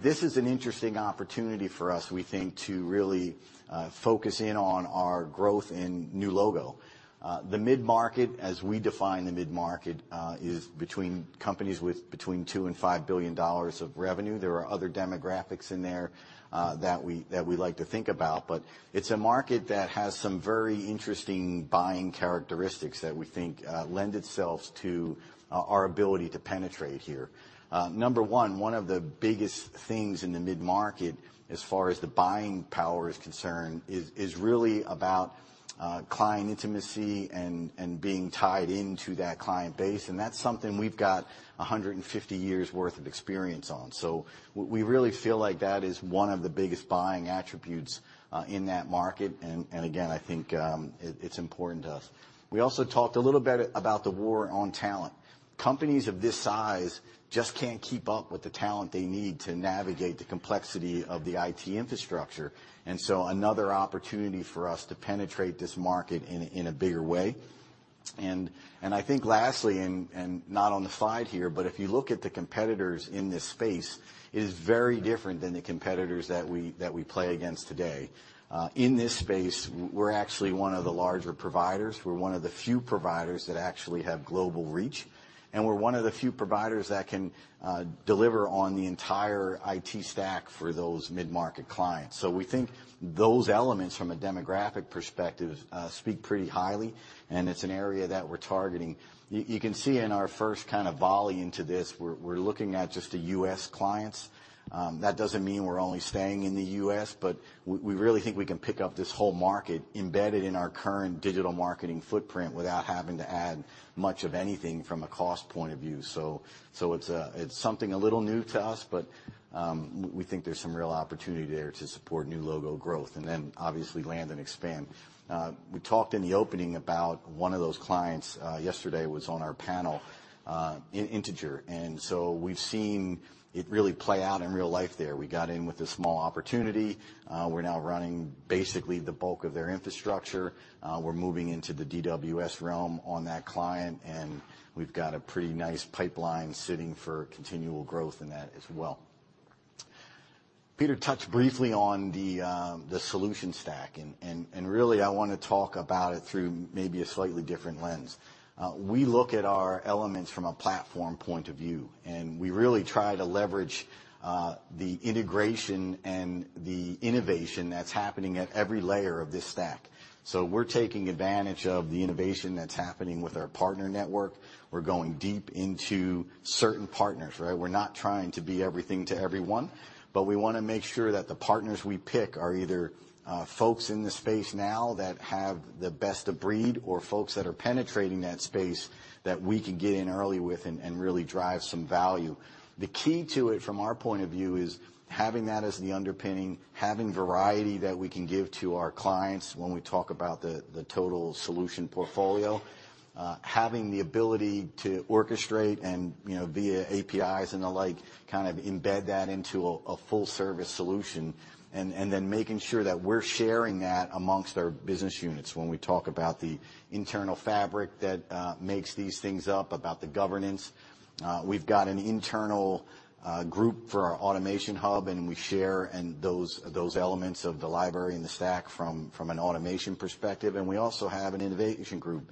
This is an interesting opportunity for us, we think, to really focus in on our growth in new logo. The mid-market, as we define the mid-market, is between companies with between $2 billion and $5 billion of revenue. There are other demographics in there that we like to think about, but it's a market that has some very interesting buying characteristics that we think lend itself to our ability to penetrate here. Number one of the biggest things in the mid-market, as far as the buying power is concerned, is really about client intimacy and being tied into that client base, and that's something we've got 150 years' worth of experience on. We really feel like that is one of the biggest buying attributes in that market, and again, I think it's important to us. We also talked a little bit about the war on talent. Companies of this size just can't keep up with the talent they need to navigate the complexity of the IT infrastructure. Another opportunity for us to penetrate this market in a bigger way. I think lastly, and not on the slide here, but if you look at the competitors in this space, it is very different than the competitors that we play against today. In this space, we're actually one of the larger providers. We're one of the few providers that actually have global reach, and we're one of the few providers that can deliver on the entire IT stack for those mid-market clients. We think those elements from a demographic perspective, speak pretty highly, and it's an area that we're targeting. You can see in our first kind of volley into this, we're looking at just the U.S. clients. That doesn't mean we're only staying in the U.S., we really think we can pick up this whole market embedded in our current digital marketing footprint without having to add much of anything from a cost point of view. It's something a little new to us, we think there's some real opportunity there to support new logo growth, obviously land and expand. We talked in the opening about one of those clients, yesterday, was on our panel, in Integer, we've seen it really play out in real life there. We got in with a small opportunity. We're now running basically the bulk of their infrastructure. We're moving into the DWS realm on that client, we've got a pretty nice pipeline sitting for continual growth in that as well. Peter touched briefly on the solution stack, and really, I want to talk about it through maybe a slightly different lens. We look at our elements from a platform point of view, and we really try to leverage the integration and the innovation that's happening at every layer of this stack. We're taking advantage of the innovation that's happening with our partner network. We're going deep into certain partners, right? We're not trying to be everything to everyone, but we wanna make sure that the partners we pick are either folks in the space now that have the best of breed, or folks that are penetrating that space, that we can get in early with and really drive some value. The key to it, from our point of view, is having that as the underpinning, having variety that we can give to our clients when we talk about the total solution portfolio. Having the ability to orchestrate and, you know, via APIs and the like, kind of embed that into a full-service solution, and then making sure that we're sharing that amongst our business units when we talk about the internal fabric that makes these things up, about the governance. We've got an internal group for our automation hub, and we share those elements of the library and the stack from an automation perspective, and we also have an innovation group,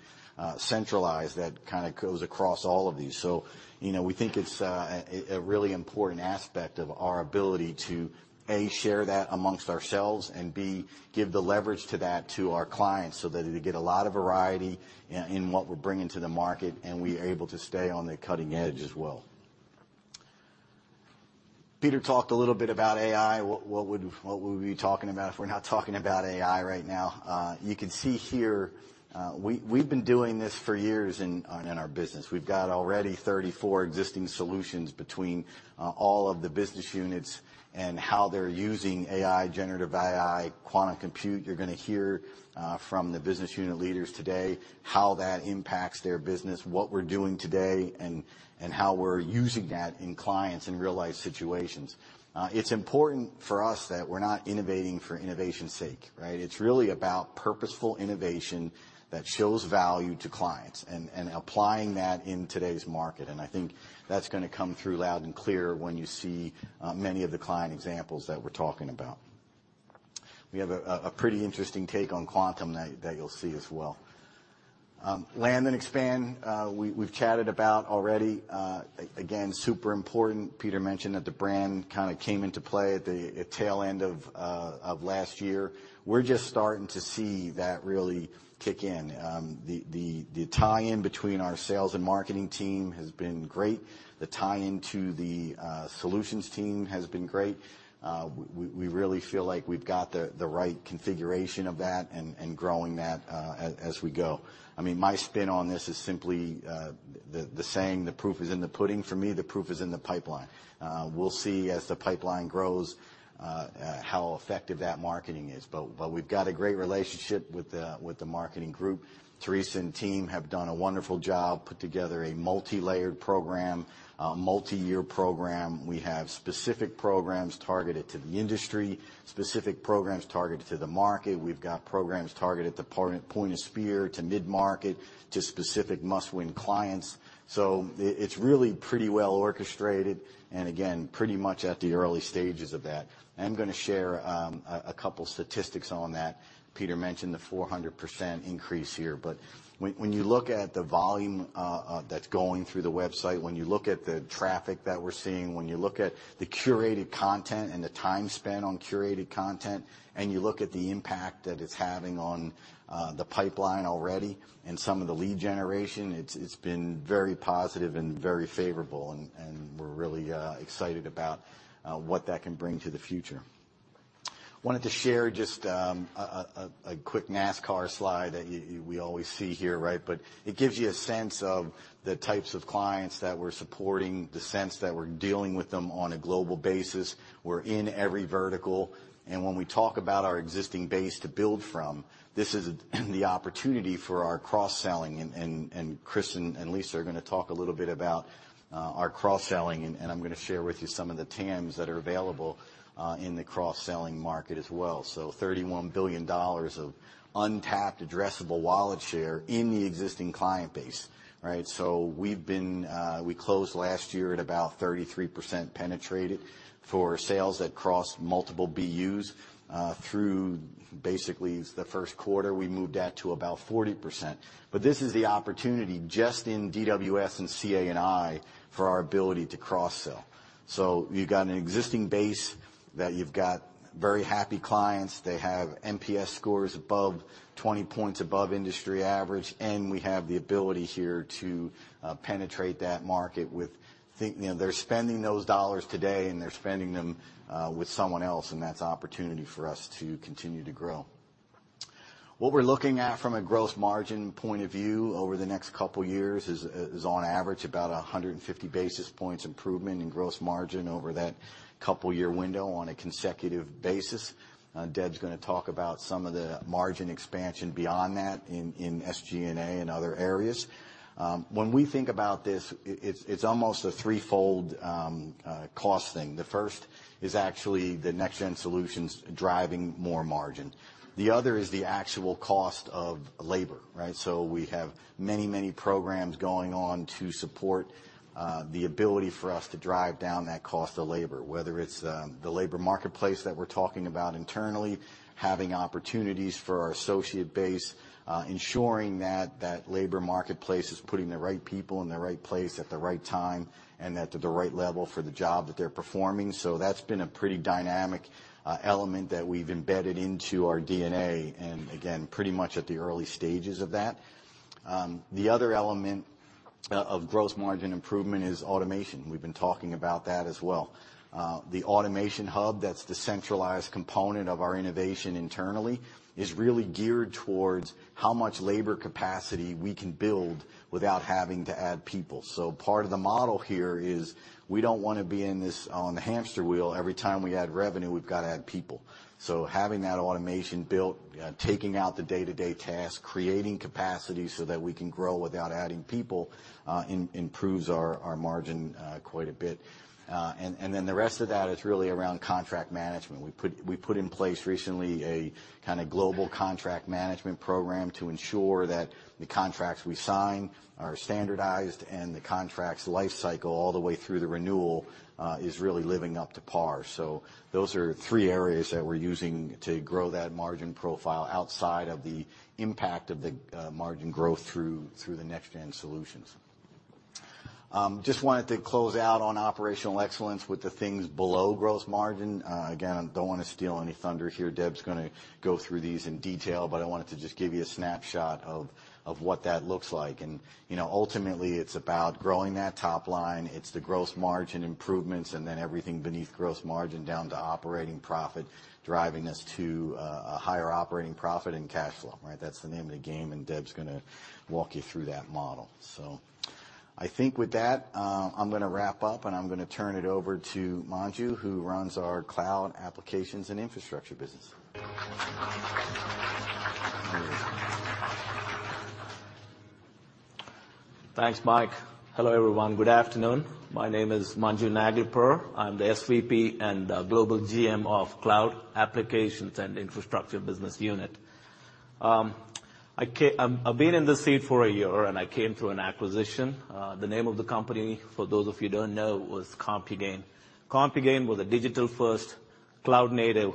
centralized, that kind of goes across all of these. You know, we think it's a really important aspect of our ability to, A, share that amongst ourselves, and B, give the leverage to that to our clients so that they get a lot of variety in what we're bringing to the market, and we're able to stay on the cutting edge as well. Peter talked a little bit about AI. What would we be talking about if we're not talking about AI right now? You can see here, we've been doing this for years in our business. We've got already 34 existing solutions between all of the business units and how they're using AI, generative AI, quantum compute. You're gonna hear from the business unit leaders today, how that impacts their business, what we're doing today, and how we're using that in clients in real-life situations. It's important for us that we're not innovating for innovation's sake, right? It's really about purposeful innovation that shows value to clients and applying that in today's market. I think that's gonna come through loud and clear when you see many of the client examples that we're talking about. We have a pretty interesting take on quantum that you'll see as well. Land and expand, we've chatted about already. Again, super important. Peter mentioned that the brand kind of came into play at the tail end of last year. We're just starting to see that really kick in. The tie-in between our sales and marketing team has been great. The tie-in to the solutions team has been great. We really feel like we've got the right configuration of that and growing that as we go. I mean, my spin on this is simply the saying, "The proof is in the pudding." For me, the proof is in the pipeline. We'll see as the pipeline grows how effective that marketing is. We've got a great relationship with the marketing group. Teresa and team have done a wonderful job, put together a multilayered program, a multiyear program. We have specific programs targeted to the industry, specific programs targeted to the market. We've got programs targeted to point of spear, to mid-market, to specific must-win clients. It's really pretty well orchestrated. Again, pretty much at the early stages of that. I'm gonna share a couple statistics on that. Peter mentioned the 400% increase here. When you look at the volume that's going through the website, when you look at the traffic that we're seeing, when you look at the curated content and the time spent on curated content, you look at the impact that it's having on the pipeline already and some of the lead generation, it's been very positive and very favorable. We're really excited about what that can bring to the future. Wanted to share just a quick NASCAR slide that we always see here, right? It gives you a sense of the types of clients that we're supporting, the sense that we're dealing with them on a global basis. We're in every vertical, and when we talk about our existing base to build from, this is the opportunity for our cross-selling. Chris and Lisa are gonna talk a little bit about our cross-selling, and I'm gonna share with you some of the TAMs that are available in the cross-selling market as well. $31 billion of untapped, addressable wallet share in the existing client base, right? We've been. We closed last year at about 33% penetrated for sales that crossed multiple BUs. Through basically the first quarter, we moved that to about 40%. This is the opportunity, just in DWS and CA&I, for our ability to cross-sell. You've got an existing base that you've got very happy clients. They have NPS scores above 20 points above industry average, and we have the ability here to penetrate that market with You know, they're spending those dollars today, and they're spending them with someone else, and that's opportunity for us to continue to grow. What we're looking at from a gross margin point of view over the next couple years is on average, about 150 basis points improvement in gross margin over that couple year window on a consecutive basis. Deb's gonna talk about some of the margin expansion beyond that in SG&A and other areas. When we think about this, it's almost a threefold cost thing. The first is actually the next-gen solutions driving more margin. The other is the actual cost of labor, right? We have many, many programs going on to support the ability for us to drive down that cost of labor, whether it's the labor marketplace that we're talking about internally, having opportunities for our associate base, ensuring that that labor marketplace is putting the right people in the right place at the right time, and at the right level for the job that they're performing. That's been a pretty dynamic element that we've embedded into our DNA, and again, pretty much at the early stages of that. The other element of gross margin improvement is automation. We've been talking about that as well. The automation hub, that's the centralized component of our innovation internally, is really geared towards how much labor capacity we can build without having to add people. Part of the model here is we don't wanna be on the hamster wheel. Every time we add revenue, we've gotta add people. Having that automation built, taking out the day-to-day tasks, creating capacity so that we can grow without adding people, improves our margin quite a bit. Then the rest of that is really around contract management. We put in place recently a kinda global contract management program to ensure that the contracts we sign are standardized, and the contract's life cycle, all the way through the renewal, is really living up to par. Those are three areas that we're using to grow that margin profile outside of the impact of the margin growth through the next gen solutions. Just wanted to close out on operational excellence with the things below gross margin. Again, I don't wanna steal any thunder here. Deb's gonna go through these in detail, but I wanted to just give you a snapshot of what that looks like. You know, ultimately, it's about growing that top line. It's the gross margin improvements, and then everything beneath gross margin, down to operating profit, driving us to a higher operating profit and cash flow, right? That's the name of the game. Deb's gonna walk you through that model. I think with that, I'm gonna wrap up, and I'm gonna turn it over to Manju, who runs our Cloud, Applications & Infrastructure business. Thanks, Mike. Hello, everyone. Good afternoon. My name is Manju Naglapur. I'm the SVP and global GM of Cloud Applications and Infrastructure business unit. I've been in this seat for a year, and I came through an acquisition. The name of the company, for those of you who don't know, was CompuGain. CompuGain was a digital-first, cloud-native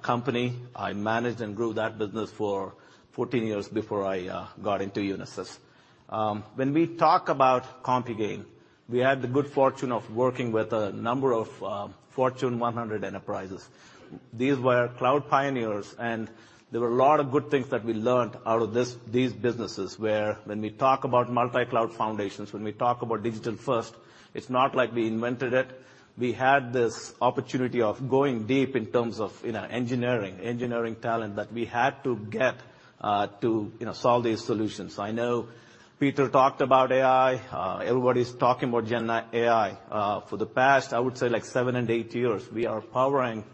company. I managed and grew that business for 14 years before I got into Unisys. When we talk about CompuGain, we had the good fortune of working with a number of Fortune 100 enterprises. These were cloud pioneers, and there were a lot of good things that we learned out of this, these businesses, where when we talk about multi-cloud foundations, when we talk about digital first, it's not like we invented it. We had this opportunity of going deep in terms of, you know, engineering talent that we had to get to, you know, solve these solutions. I know Peter talked about AI. Everybody's talking about gen AI. For the past, I would say, like seven and eight years, we are powering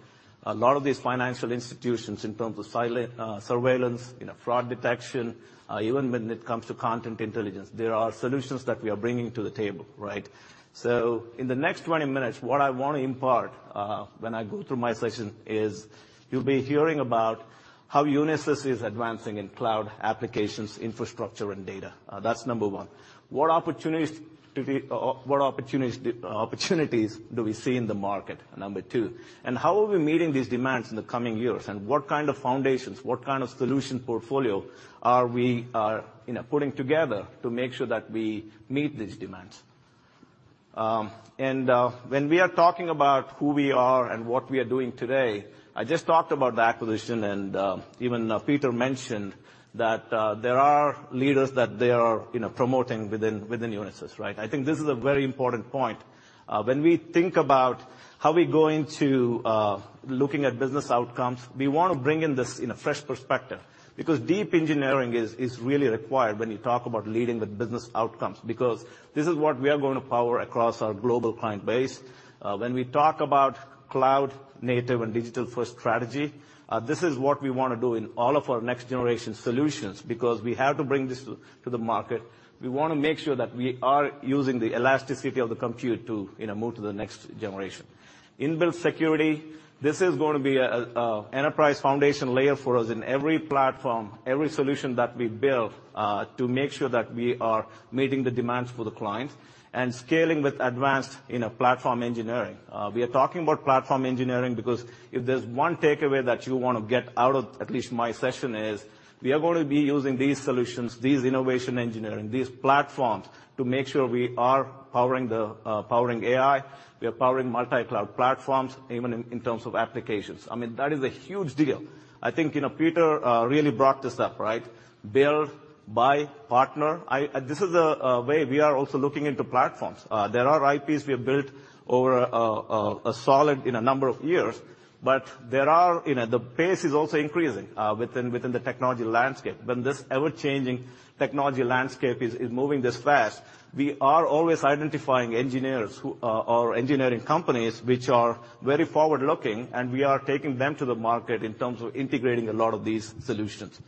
a lot of these financial institutions in terms of surveillance, you know, fraud detection, even when it comes to content intelligence. There are solutions that we are bringing to the table, right? In the next 20 minutes, what I want to impart, when I go through my session, is you'll be hearing about how Unisys is advancing in cloud applications, infrastructure, and data. That's number one. What opportunities do we see in the market? Number two. How are we meeting these demands in the coming years, and what kind of foundations, what kind of solution portfolio are we, you know, putting together to make sure that we meet these demands? When we are talking about who we are and what we are doing today, I just talked about the acquisition, and even Peter mentioned that there are leaders that they are, you know, promoting within Unisys, right? I think this is a very important point. When we think about. How we going to, looking at business outcomes? We want to bring in this in a fresh perspective, because deep engineering is really required when you talk about leading with business outcomes, because this is what we are going to power across our global client base. When we talk about cloud native and digital-first strategy, this is what we want to do in all of our next-generation solutions, because we have to bring this to the market. We want to make sure that we are using the elasticity of the compute to, you know, move to the next generation. Inbuilt security, this is going to be a enterprise foundation layer for us in every platform, every solution that we build, to make sure that we are meeting the demands for the clients. Scaling with advanced, you know, platform engineering. We are talking about platform engineering, because if there's one takeaway that you want to get out of at least my session, is we are going to be using these solutions, these innovation engineering, these platforms, to make sure we are powering the powering AI, we are powering multi-cloud platforms, even in terms of applications. I mean, that is a huge deal. I think, you know, Peter really brought this up, right? Build, buy, partner. This is a way we are also looking into platforms. There are IPs we have built over a solid, you know, number of years, but there are. You know, the pace is also increasing within the technology landscape. When this ever-changing technology landscape is moving this fast, we are always identifying engineers or engineering companies which are very forward-looking, we are taking them to the market in terms of integrating a lot of these solutions.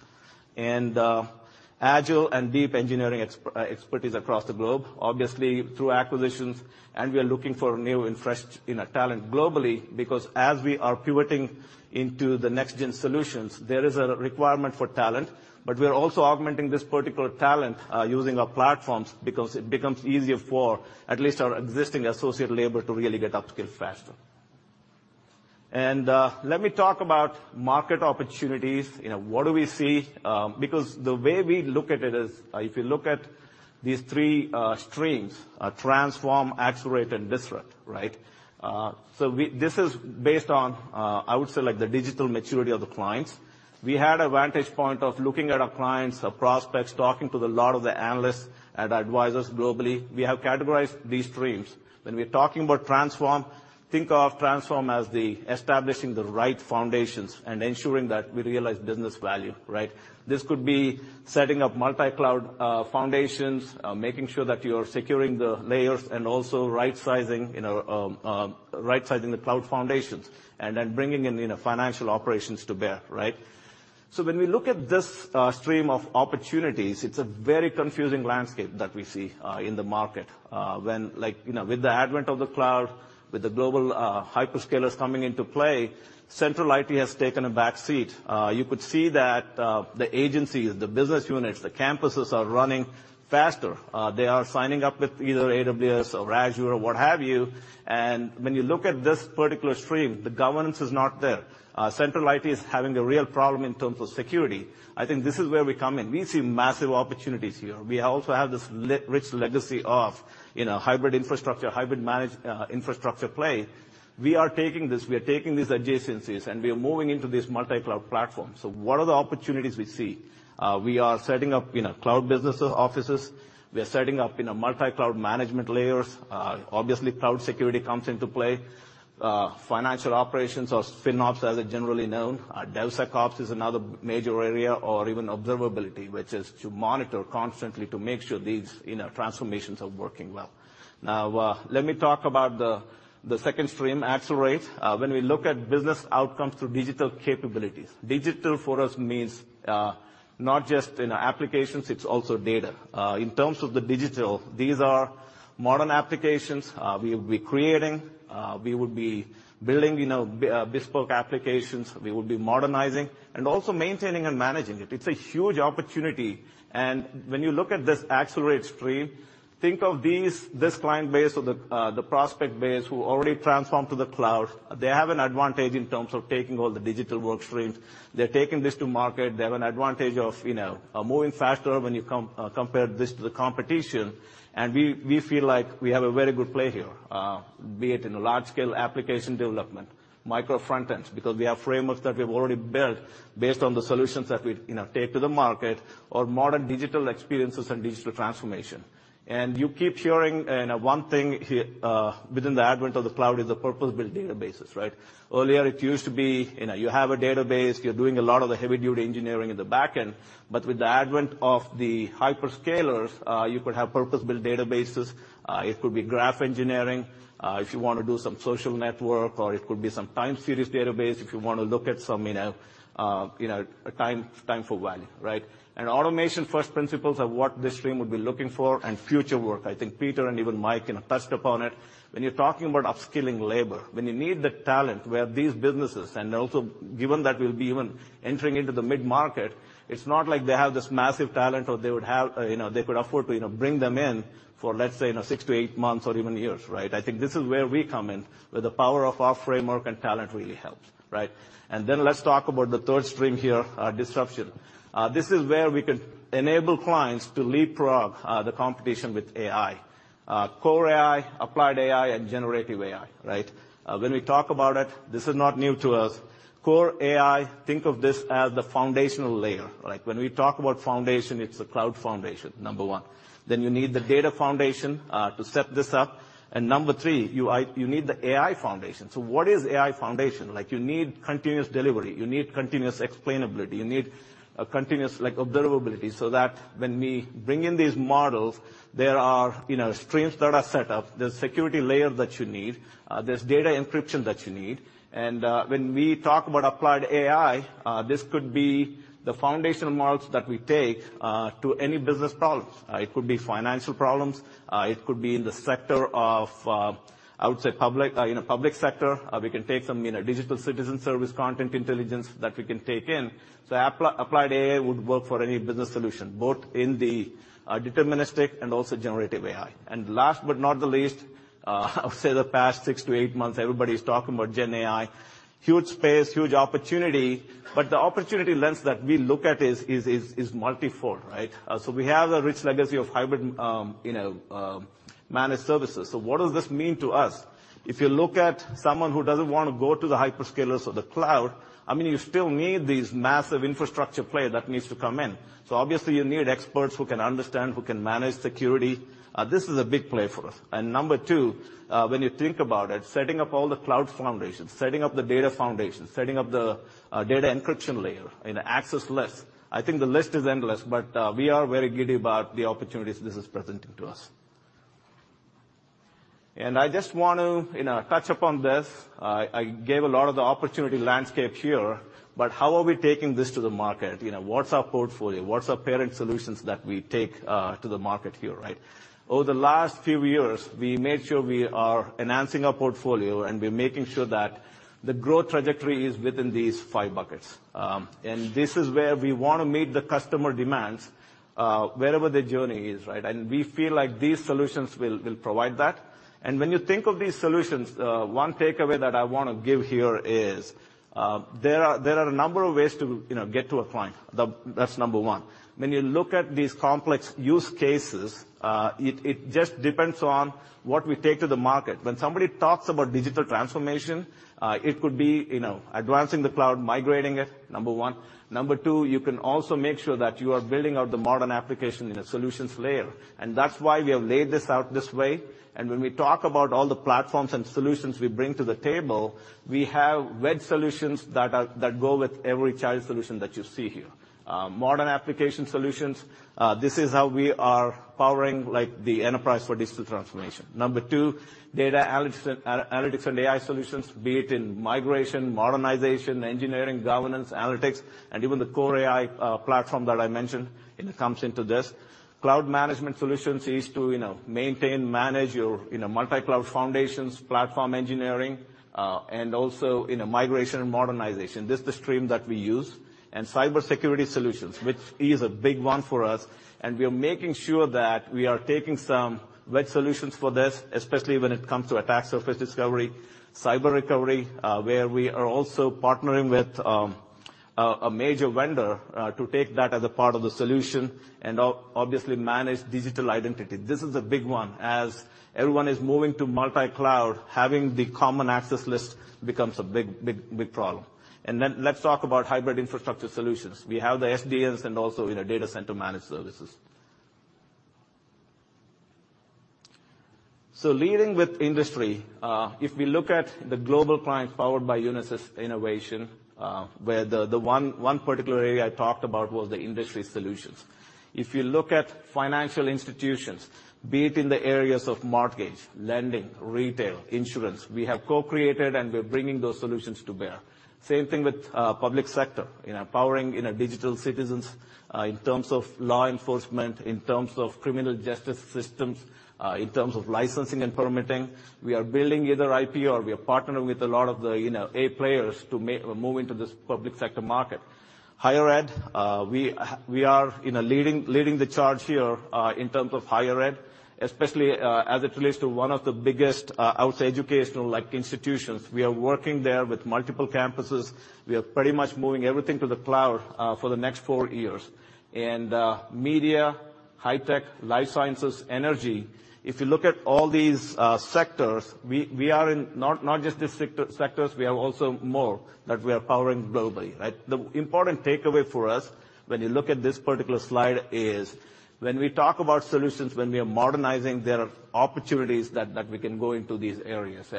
Agile and deep engineering expertise across the globe, obviously through acquisitions, and we are looking for new and fresh, you know, talent globally, because as we are pivoting into the next-gen solutions, there is a requirement for talent. We are also augmenting this particular talent using our platforms, because it becomes easier for at least our existing associate labor to really get up to skill faster. Let me talk about market opportunities. You know, what do we see? Because the way we look at it is, if you look at these three streams, transform, accelerate, and disrupt, right? This is based on, I would say, like, the digital maturity of the clients. We had a vantage point of looking at our clients, our prospects, talking to a lot of the analysts and advisors globally. We have categorized these streams. When we're talking about transform, think of transform as the establishing the right foundations and ensuring that we realize business value, right? This could be setting up multi-cloud foundations, making sure that you're securing the layers, and also right-sizing, you know, right-sizing the cloud foundations, and then bringing in, you know, financial operations to bear, right? When we look at this stream of opportunities, it's a very confusing landscape that we see in the market. Like, you know, with the advent of the cloud, with the global hyperscalers coming into play, Central IT has taken a back seat. You could see that the agencies, the business units, the campuses are running faster. They are signing up with either AWS or Azure or what have you, and when you look at this particular stream, the governance is not there. Central IT is having a real problem in terms of security. I think this is where we come in. We see massive opportunities here. We also have this rich legacy of, you know, hybrid infrastructure, hybrid infrastructure play. We are taking this, we are taking these adjacencies, and we are moving into this multi-cloud platform. What are the opportunities we see? We are setting up, you know, cloud business offices. We are setting up, you know, multi-cloud management layers. Obviously, cloud security comes into play. Financial operations or FinOps, as they're generally known. DevSecOps is another major area, or even observability, which is to monitor constantly to make sure these, you know, transformations are working well. Now, let me talk about the second stream, accelerate. When we look at business outcomes through digital capabilities, digital for us means not just, you know, applications, it's also data. In terms of the digital, these are modern applications, we're creating. We would be building, you know, bespoke applications. We would be modernizing and also maintaining and managing it. It's a huge opportunity. When you look at this accelerate stream, think of this client base or the prospect base who already transformed to the cloud. They have an advantage in terms of taking all the digital work streams. They're taking this to market. They have an advantage of, you know, moving faster when you compare this to the competition. We feel like we have a very good play here, be it in a large-scale application development, micro front ends, because we have frameworks that we've already built based on the solutions that we've, you know, take to the market, or modern digital experiences and digital transformation. You keep hearing one thing here within the advent of the cloud, is the purpose-built databases, right? Earlier, it used to be, you know, you have a database, you're doing a lot of the heavy-duty engineering in the back end, but with the advent of the hyperscalers, you could have purpose-built databases. It could be graph engineering, if you want to do some social network, or it could be some time series database, if you want to look at some, you know, you know, a time for value, right? Automation-first principles are what this stream would be looking for, and future work. I think Peter and even Mike, you know, touched upon it. When you're talking about upskilling labor, when you need the talent where these businesses... Also, given that we'll be even entering into the mid-market, it's not like they have this massive talent, or they could afford to, you know, bring them in for, let's say, you know, six to eight months or even years, right? I think this is where we come in, where the power of our framework and talent really helps, right? Let's talk about the third stream here, disruption. This is where we could enable clients to leapfrog the competition with AI. Core AI, applied AI, and Generative AI, right? When we talk about it, this is not new to us. Core AI, think of this as the foundational layer. Like, when we talk about foundation, it's the cloud foundation, number one. You need the data foundation to set this up. Number three, you need the AI foundation. What is AI foundation? You need continuous delivery, you need continuous explainability, you need a continuous, like, observability, so that when we bring in these models, there are, you know, streams that are set up, there's security layer that you need, there's data encryption that you need. When we talk about applied AI, this could be the foundational marks that we take to any business problems. It could be financial problems, it could be in the sector of, I would say, public, you know, public sector. We can take some, you know, digital citizen service content intelligence that we can take in. Applied AI would work for any business solution, both in the deterministic and also generative AI. Last but not the least, I would say the past six to eight months, everybody's talking about GenAI. Huge space, huge opportunity, the opportunity lens that we look at is multifold, right? We have a rich legacy of hybrid, you know, managed services. What does this mean to us? If you look at someone who doesn't want to go to the hyperscalers or the cloud, I mean, you still need these massive infrastructure player that needs to come in. Obviously, you need experts who can understand, who can manage security. This is a big play for us. Number two, when you think about it, setting up all the cloud foundations, setting up the data foundations, setting up the data encryption layer in the access list, I think the list is endless, but we are very giddy about the opportunities this is presenting to us. I just want to, you know, touch upon this. I gave a lot of the opportunity landscape here, but how are we taking this to the market? You know, what's our portfolio? What's our parent solutions that we take to the market here, right? Over the last few years, we made sure we are enhancing our portfolio, and we're making sure that the growth trajectory is within these five buckets. This is where we wanna meet the customer demands wherever the journey is, right? We feel like these solutions will provide that. When you think of these solutions, one takeaway that I wanna give here is, there are a number of ways to, you know, get to a client. That's number one. When you look at these complex use cases, it just depends on what we take to the market. When somebody talks about digital transformation, it could be, you know, advancing the cloud, migrating it, number one. Number two, you can also make sure that you are building out the modern application in a solutions layer, and that's why we have laid this out this way. When we talk about all the platforms and solutions we bring to the table, we have web solutions that go with every child solution that you see here. Modern application solutions, this is how we are powering, like, the enterprise for digital transformation. Number two, data analytics and AI solutions, be it in migration, modernization, engineering, governance, analytics, and even the core AI platform that I mentioned, and it comes into this. Cloud management solutions is to, you know, maintain, manage your, you know, multi-cloud foundations, platform engineering, and also, you know, migration and modernization. This is the stream that we use. Cybersecurity solutions, which is a big one for us, and we are making sure that we are taking some web solutions for this, especially when it comes to attack surface discovery, cyber recovery, where we are also partnering with a major vendor to take that as a part of the solution, and obviously, manage digital identity. This is a big one. As everyone is moving to multi-cloud, having the common access list becomes a big, big, big problem. Let's talk about hybrid infrastructure solutions. We have the SDNs and also, you know, data center managed services. Leading with industry, if we look at the global clients powered by Unisys innovation, where the one particular area I talked about was the industry solutions. If you look at financial institutions, be it in the areas of mortgage, lending, retail, insurance, we have co-created, and we're bringing those solutions to bear. Same thing with public sector. In empowering, you know, digital citizens, in terms of law enforcement, in terms of criminal justice systems, in terms of licensing and permitting, we are building either IP or we are partnering with a lot of the, you know, A players to move into this public sector market. Higher ed, we are, you know, leading the charge here, in terms of higher ed, especially, as it relates to one of the biggest, I would say, educational, like, institutions. We are working there with multiple campuses. We are pretty much moving everything to the cloud, for the next four years. Media, high tech, life sciences, energy, if you look at all these sectors, we are in not just these sectors, we have also more that we are powering globally, right? The important takeaway for us when you look at this particular slide is, when we talk about solutions, when we are modernizing, there are opportunities that we can go into these areas.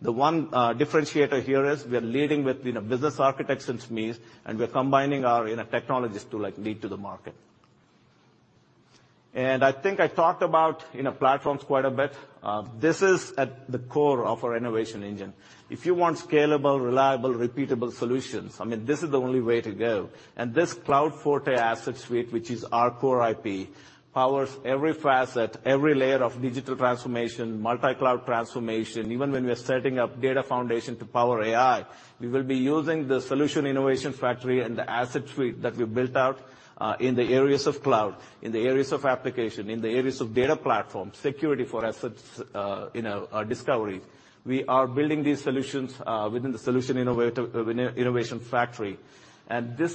The one differentiator here is we are leading with, you know, business architects and SMEs, and we are combining our, you know, technologies to, like, lead to the market. I think I talked about, you know, platforms quite a bit. This is at the core of our innovation engine. If you want scalable, reliable, repeatable solutions, I mean, this is the only way to go. This CloudForte asset suite, which is our core IP, powers every facet, every layer of digital transformation, multi-cloud transformation. Even when we are setting up data foundation to power AI, we will be using the solution innovation factory and the asset suite that we built out, in the areas of cloud, in the areas of application, in the areas of data platform, security for assets, you know, discovery. We are building these solutions within the solution innovation factory. These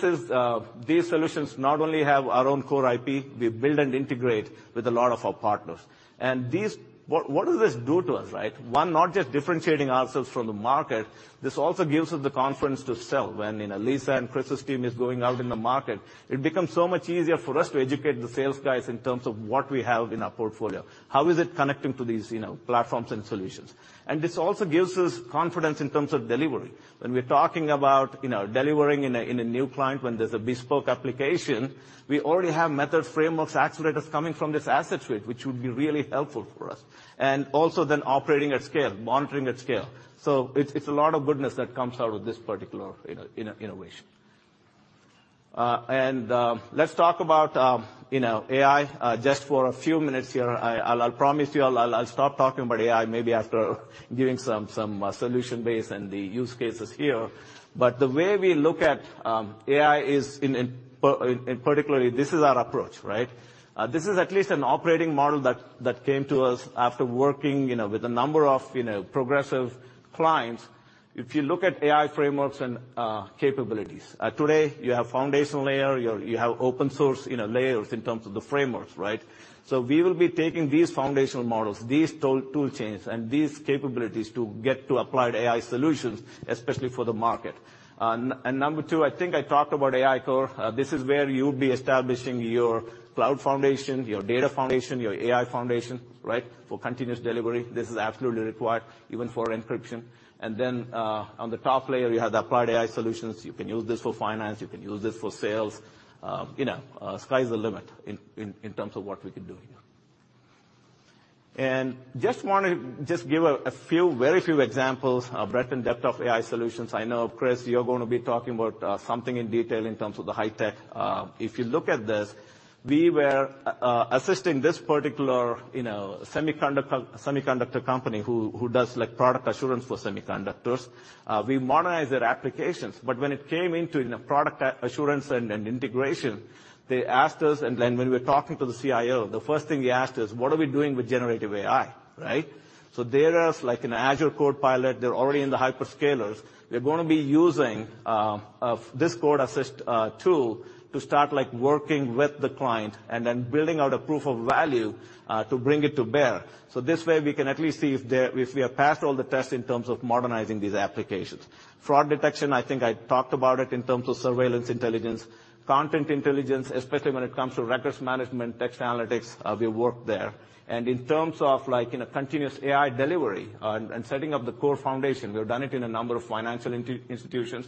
solutions not only have our own core IP, we build and integrate with a lot of our partners. What does this do to us, right? One, not just differentiating ourselves from the market, this also gives us the confidence to sell. When, you know, Lisa and Chris's team is going out in the market, it becomes so much easier for us to educate the sales guys in terms of what we have in our portfolio. How is it connecting to these, you know, platforms and solutions? This also gives us confidence in terms of delivery. When we're talking about, you know, delivering in a new client, when there's a bespoke application, we already have methods, frameworks, accelerators coming from this asset suite, which would be really helpful for us. Also operating at scale, monitoring at scale. It's a lot of goodness that comes out of this particular innovation. Let's talk about, you know, AI just for a few minutes here. I'll promise you I'll stop talking about AI maybe after giving some solution base and the use cases here. The way we look at AI is in particularly, this is our approach, right? This is at least an operating model that came to us after working, you know, with a number of, you know, progressive clients. If you look at AI frameworks and capabilities, today you have foundational layer, you have open source, you know, layers in terms of the frameworks, right? We will be taking these foundational models, these tool chains, and these capabilities to get to applied AI solutions, especially for the market. Number two, I think I talked about AI core. This is where you'll be establishing your cloud foundation, your data foundation, your AI foundation, right, for continuous delivery. This is absolutely required even for encryption. On the top layer, you have the applied AI solutions. You can use this for finance, you can use this for sales. you know, sky's the limit in terms of what we can do here. just wanna give a few, very few examples of breadth and depth of AI solutions. I know, Chris, you're gonna be talking about something in detail in terms of the high tech. If you look at this, we were assisting this particular, you know, semiconductor company who does, like, product assurance for semiconductors. We modernized their applications, but when it came into, you know, product assurance and integration, they asked us... When we were talking to the CIO, the first thing he asked is, "What are we doing with generative AI?" Right? There is, like, an Azure code pilot. They're already in the hyperscalers. We're gonna be using this code assist tool to start, like, working with the client and then building out a proof of value to bring it to bear. This way, we can at least see if we have passed all the tests in terms of modernizing these applications. Fraud detection, I think I talked about it in terms of surveillance intelligence. Content intelligence, especially when it comes to records management, text analytics, we work there. In terms of, like, in a continuous AI delivery and setting up the core foundation, we've done it in a number of financial institutions.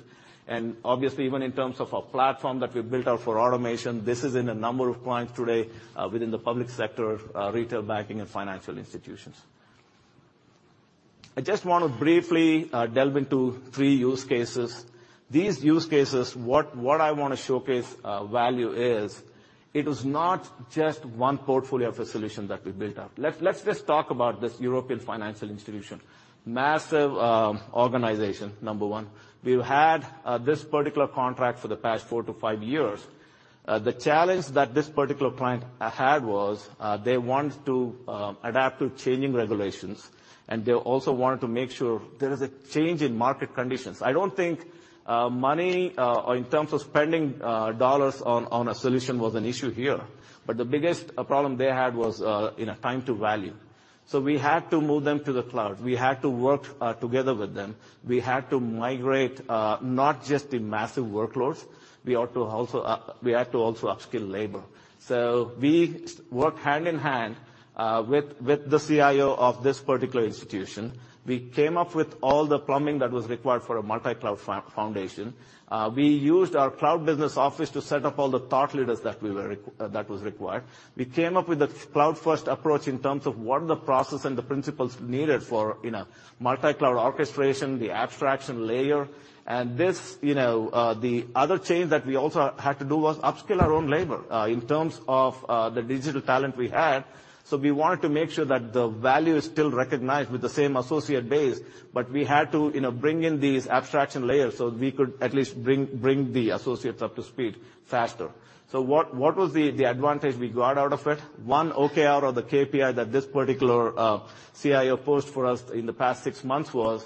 Obviously, even in terms of a platform that we built out for automation, this is in a number of clients today within the public sector, retail banking, and financial institutions. I just want to briefly delve into three use cases. These use cases, what I want to showcase, value is, it is not just one portfolio of a solution that we built up. Let's just talk about this European financial institution. Massive, organization, number one. We've had this particular contract for the past four to five years. The challenge that this particular client had was, they wanted to adapt to changing regulations, and they also wanted to make sure there is a change in market conditions. I don't think money, or in terms of spending dollars on a solution was an issue here, but the biggest problem they had was, you know, time to value. We had to move them to the cloud. We had to work together with them. We had to migrate, not just the massive workloads, we had to also upskill labor. We worked hand in hand with the CIO of this particular institution. We came up with all the plumbing that was required for a multi-cloud foundation. We used our cloud business office to set up all the thought leaders that was required. We came up with a cloud-first approach in terms of what are the process and the principles needed for, you know, multi-cloud orchestration, the abstraction layer. This, you know, the other change that we also had to do was upskill our own labor in terms of the digital talent we had. We wanted to make sure that the value is still recognized with the same associate base, but we had to, you know, bring in these abstraction layers, so we could at least bring the associates up to speed faster. What was the advantage we got out of it? One OKR or the KPI that this particular CIO posed for us in the past six months was: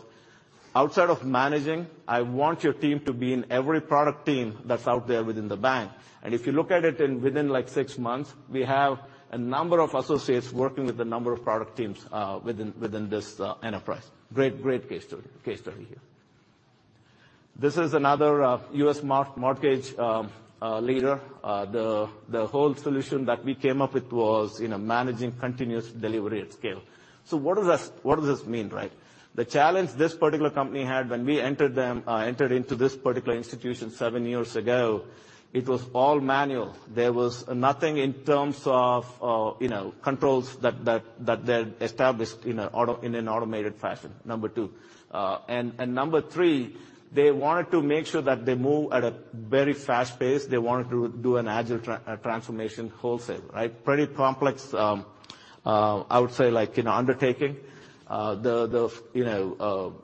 "Outside of managing, I want your team to be in every product team that's out there within the bank." If you look at it in within, like, six months, we have a number of associates working with a number of product teams within this enterprise. Great case study here. This is another U.S. mortgage leader. The whole solution that we came up with was, you know, managing continuous delivery at scale. What does this, what does this mean, right? The challenge this particular company had when we entered them, entered into this particular institution seven years ago, it was all manual. There was nothing in terms of, you know, controls that they had established in an automated fashion, number two. Number three, they wanted to make sure that they move at a very fast pace. They wanted to do an agile transformation wholesale, right? Pretty complex, I would say, like, you know, undertaking. The, you know,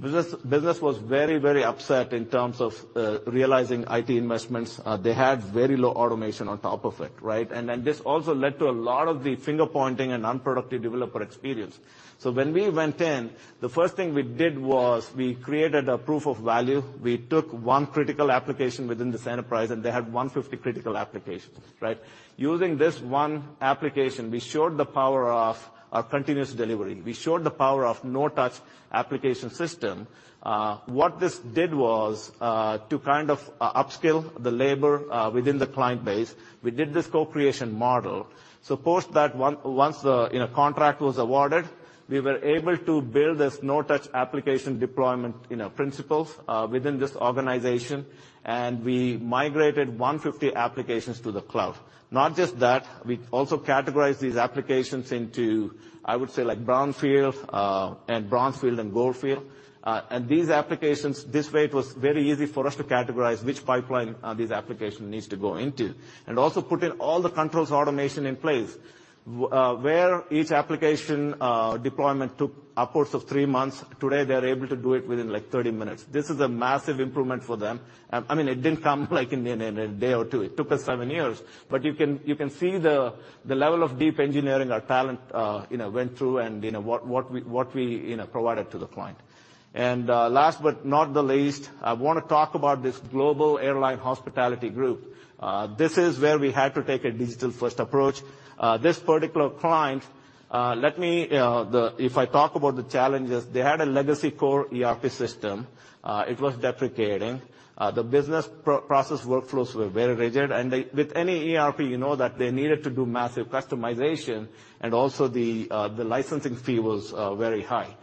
business was very, very upset in terms of realizing IT investments. They had very low automation on top of it, right? This also led to a lot of the finger-pointing and unproductive developer experience. When we went in, the first thing we did was we created a proof of value. We took one critical application within this enterprise, and they had 150 critical applications, right? Using this one application, we showed the power of a continuous delivery. We showed the power of no-touch application system. What this did was to kind of upskill the labor within the client base. We did this co-creation model. Post that, once the, you know, contract was awarded-... We were able to build this no-touch application deployment, you know, principles, within this organization, and we migrated 150 applications to the cloud. Not just that, we also categorized these applications into, I would say, like brownfield, and brownfield and goldfield. These applications, this way it was very easy for us to categorize which pipeline, these application needs to go into. Also put in all the controls automation in place. Where each application, deployment took upwards of three months, today they're able to do it within, like, 30 minutes. This is a massive improvement for them. I mean, it didn't come, like in a day or two. It took us seven years. You can see the level of deep engineering our talent, you know, went through and, you know, what we, you know, provided to the client. Last but not the least, I wanna talk about this global airline hospitality group. This is where we had to take a digital-first approach. This particular client, let me. If I talk about the challenges, they had a legacy core ERP system. It was deprecating. The business process workflows were very rigid, and with any ERP, you know that they needed to do massive customization, and also the licensing fee was very high.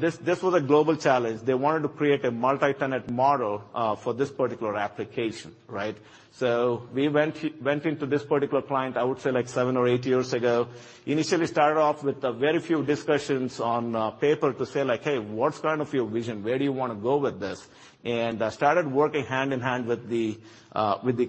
This was a global challenge. They wanted to create a multi-tenant model for this particular application, right? We went into this particular client, I would say, like, seven or eight years ago. Initially started off with a very few discussions on paper to say, like: "Hey, what's kind of your vision? Where do you wanna go with this?" Started working hand-in-hand with the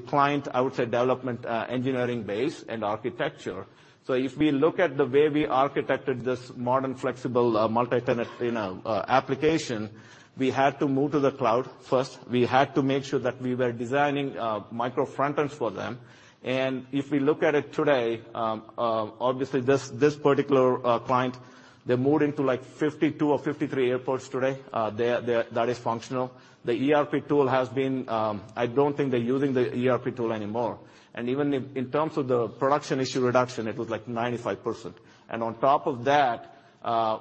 client, I would say, development, engineering base and architecture. If we look at the way we architected this modern, flexible, multi-tenant, you know, application, we had to move to the cloud first. We had to make sure that we were designing micro frontends for them. If we look at it today, obviously this particular client, they're moving to, like, 52 or 53 airports today. That is functional. I don't think they're using the ERP tool anymore. Even in terms of the production issue reduction, it was, like, 95%. On top of that,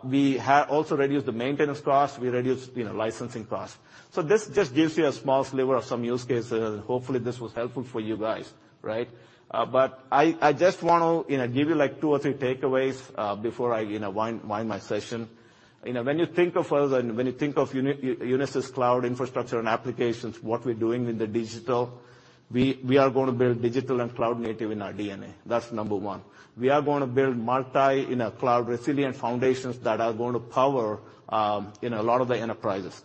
we had also reduced the maintenance cost, we reduced, you know, licensing cost. This just gives you a small sliver of some use cases. Hopefully, this was helpful for you guys, right? I just want to, you know, give you, like, two or three takeaways, before I, you know, wind my session. You know, when you think of us and when you think of Unisys cloud infrastructure and applications, what we're doing in the digital, we are going to build digital and cloud native in our DNA. That's number one. We are going to build multi, you know, cloud-resilient foundations that are going to power, you know, a lot of the enterprises.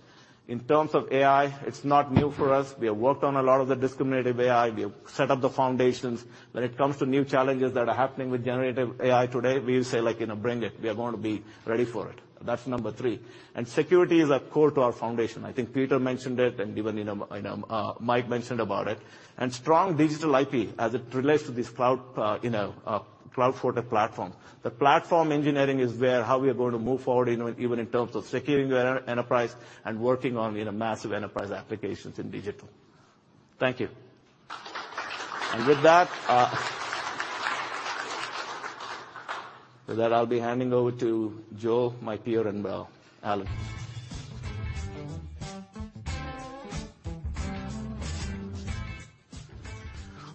In terms of AI, it's not new for us. We have worked on a lot of the discriminative AI. We have set up the foundations. When it comes to new challenges that are happening with generative AI today, we say, like, you know, "Bring it." We are going to be ready for it. That's number three. Security is a core to our foundation. I think Peter mentioned it, even, you know, Mike mentioned about it. Strong digital IP, as it relates to this cloud-forward platform. The platform engineering is where how we are going to move forward, even in terms of securing the enterprise and working on massive enterprise applications in digital. Thank you. With that, I'll be handing over to Joe, my peer, and, well, Alan.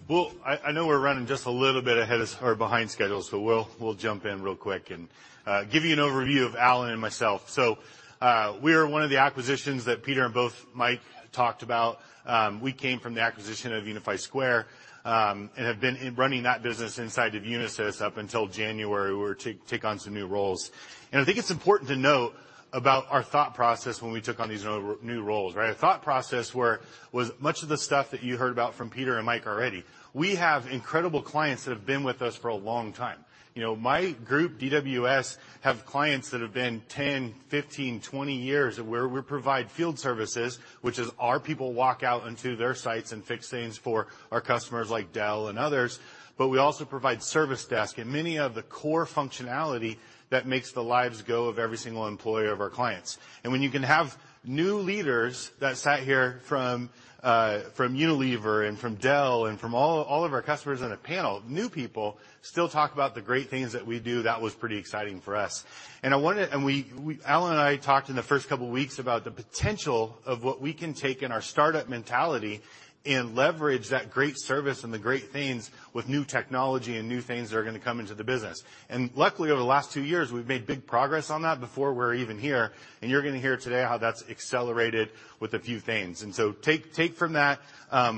Well, I know we're running just a little bit ahead of-- or behind schedule, so we'll jump in real quick and give you an overview of Alan and myself. We are one of the acquisitions that Peter and both Mike talked about. We came from the acquisition of Unify Square and have been in running that business inside of Unisys up until January, where we take on some new roles. I think it's important to note about our thought process when we took on these new roles, right? Our thought process was much of the stuff that you heard about from Peter and Mike already. We have incredible clients that have been with us for a long time. You know, my group, DWS, have clients that have been 10, 15, 20 years, where we provide field services, which is our people walk out into their sites and fix things for our customers, like Dell and others, but we also provide service desk and many of the core functionality that makes the lives go of every single employee of our clients. When you can have new leaders that sat here from Unilever and from Dell and from all of our customers on a panel, new people still talk about the great things that we do, that was pretty exciting for us. I wanna... We, Alan and I talked in the first couple of weeks about the potential of what we can take in our startup mentality and leverage that great service and the great things with new technology and new things that are gonna come into the business. Luckily, over the last two years, we've made big progress on that before we're even here, and you're gonna hear today how that's accelerated with a few things. Take from that,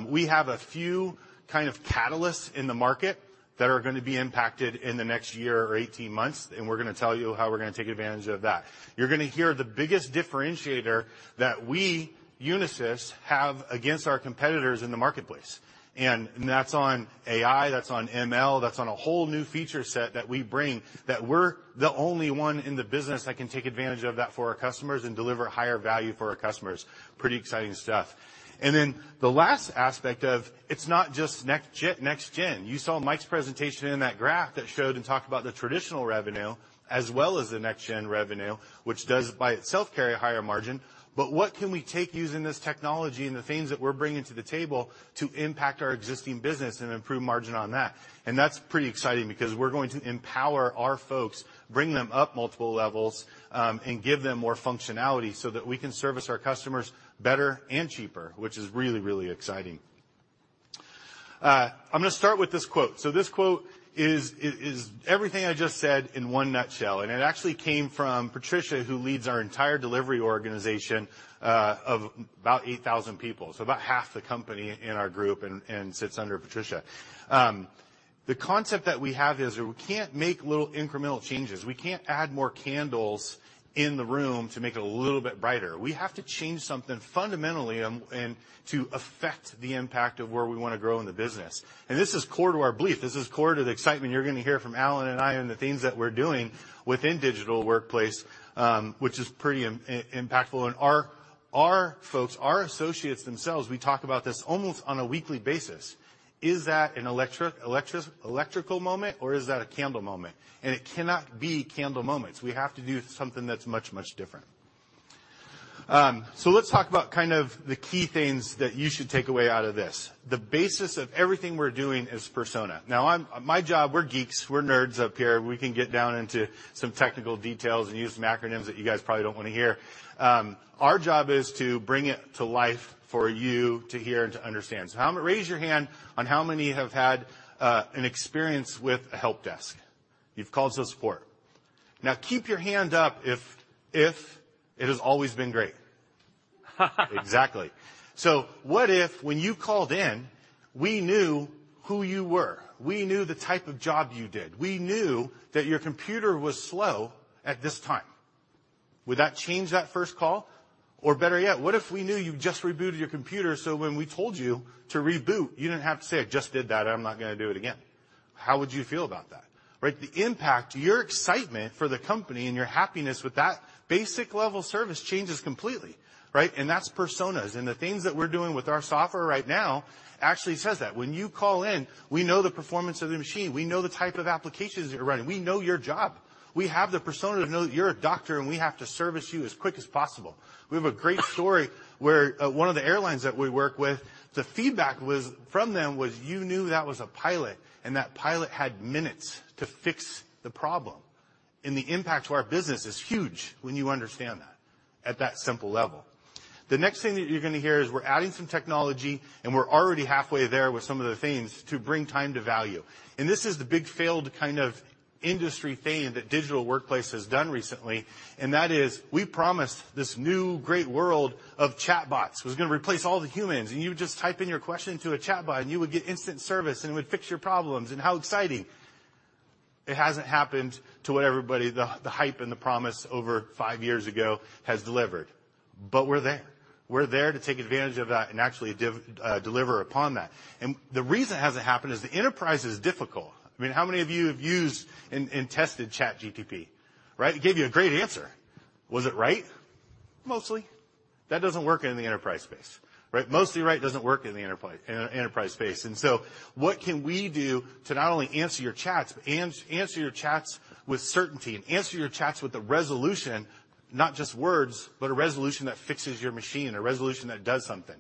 we have a few kind of catalysts in the market that are gonna be impacted in the next year or 18 months, and we're gonna tell you how we're gonna take advantage of that. You're gonna hear the biggest differentiator that we, Unisys, have against our competitors in the marketplace, and that's on AI, that's on ML, that's on a whole new feature set that we bring, that we're the only one in the business that can take advantage of that for our customers and deliver higher value for our customers. Pretty exciting stuff. The last aspect of it's not just next gen. You saw Mike's presentation in that graph that showed and talked about the traditional revenue as well as the next-gen revenue, which does by itself carry a higher margin. What can we take using this technology and the things that we're bringing to the table to impact our existing business and improve margin on that? That's pretty exciting because we're going to empower our folks, bring them up multiple levels, and give them more functionality, so that we can service our customers better and cheaper, which is really, really exciting. I'm gonna start with this quote. This quote is everything I just said in one nutshell, and it actually came from Patricia, who leads our entire delivery organization of about 8,000 people. About half the company in our group and sits under Patricia. The concept that we have is that we can't make little incremental changes. We can't add more candles in the room to make it a little bit brighter. We have to change something fundamentally, and to affect the impact of where we wanna grow in the business, and this is core to our belief. This is core to the excitement you're gonna hear from Alan and I, and the things that we're doing within Digital Workplace, which is pretty impactful. Our, our folks, our associates themselves, we talk about this almost on a weekly basis: Is that an electrical moment, or is that a candle moment? It cannot be candle moments. We have to do something that's much, much different. Let's talk about kind of the key things that you should take away out of this. The basis of everything we're doing is persona. Now, my job, we're geeks, we're nerds up here. We can get down into some technical details and use some acronyms that you guys probably don't wanna hear. Our job is to bring it to life for you to hear and to understand. How. Raise your hand on how many have had an experience with a help desk. You've called tech support. Keep your hand up if it has always been great. Exactly. What if, when you called in, we knew who you were, we knew the type of job you did, we knew that your computer was slow at this time? Would that change that first call? Better yet, what if we knew you just rebooted your computer, so when we told you to reboot, you didn't have to say, "I just did that, I'm not gonna do it again." How would you feel about that? Right, the impact, your excitement for the company and your happiness with that basic level of service changes completely, right? That's personas. The things that we're doing with our software right now actually says that. When you call in, we know the performance of the machine. We know the type of applications you're running. We know your job. We have the persona to know that you're a doctor, and we have to service you as quick as possible. We have a great story where one of the airlines that we work with, the feedback from them was, "You knew that was a pilot, and that pilot had minutes to fix the problem." The impact to our business is huge when you understand that at that simple level. The next thing that you're gonna hear is we're adding some technology, and we're already halfway there with some of the things to bring time to value. This is the big, failed kind of industry thing that Digital Workplace has done recently, and that is, we promised this new great world of chatbots. It was gonna replace all the humans. You would just type in your question into a chatbot, and you would get instant service, and it would fix your problems, and how exciting! It hasn't happened to what everybody... the hype and the promise over five years ago has delivered. We're there. We're there to take advantage of that and actually deliver upon that. The reason it hasn't happened is the enterprise is difficult. I mean, how many of you have used and tested ChatGPT, right? It gave you a great answer. Was it right? Mostly. That doesn't work in the enterprise space, right? Mostly right doesn't work in the enterprise space. What can we do to not only answer your chats, but answer your chats with certainty and answer your chats with a resolution, not just words, but a resolution that fixes your machine, a resolution that does something?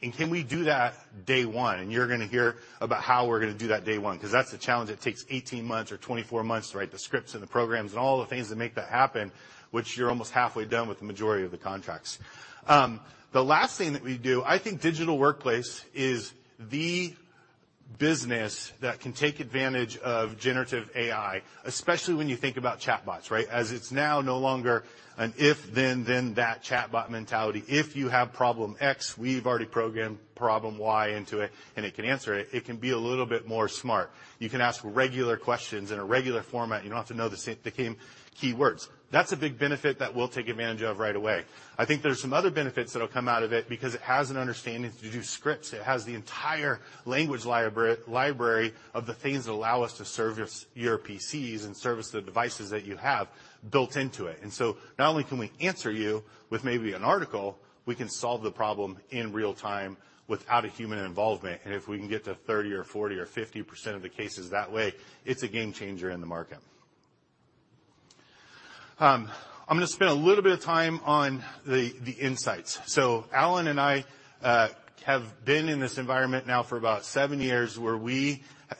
Can we do that day one? You're gonna hear about how we're gonna do that day one, 'cause that's the challenge. It takes 18 months or 24 months to write the scripts and the programs and all the things that make that happen, which you're almost halfway done with the majority of the contracts. The last thing that we do, I think Digital Workplace is the business that can take advantage of generative AI, especially when you think about chatbots, right? As it's now no longer an if/then that chatbot mentality. If you have problem X, we've already programmed problem Y into it can answer it. It can be a little bit more smart. You can ask regular questions in a regular format, you don't have to know the same keywords. That's a big benefit that we'll take advantage of right away. I think there's some other benefits that'll come out of it because it has an understanding to do scripts. It has the entire language library of the things that allow us to service your PCs and service the devices that you have built into it. Not only can we answer you with maybe an article, we can solve the problem in real time without a human involvement. If we can get to 30% or 40% or 50% of the cases that way, it's a game changer in the market. I'm gonna spend a little bit of time on the insights. Alan and I have been in this environment now for about seven years, where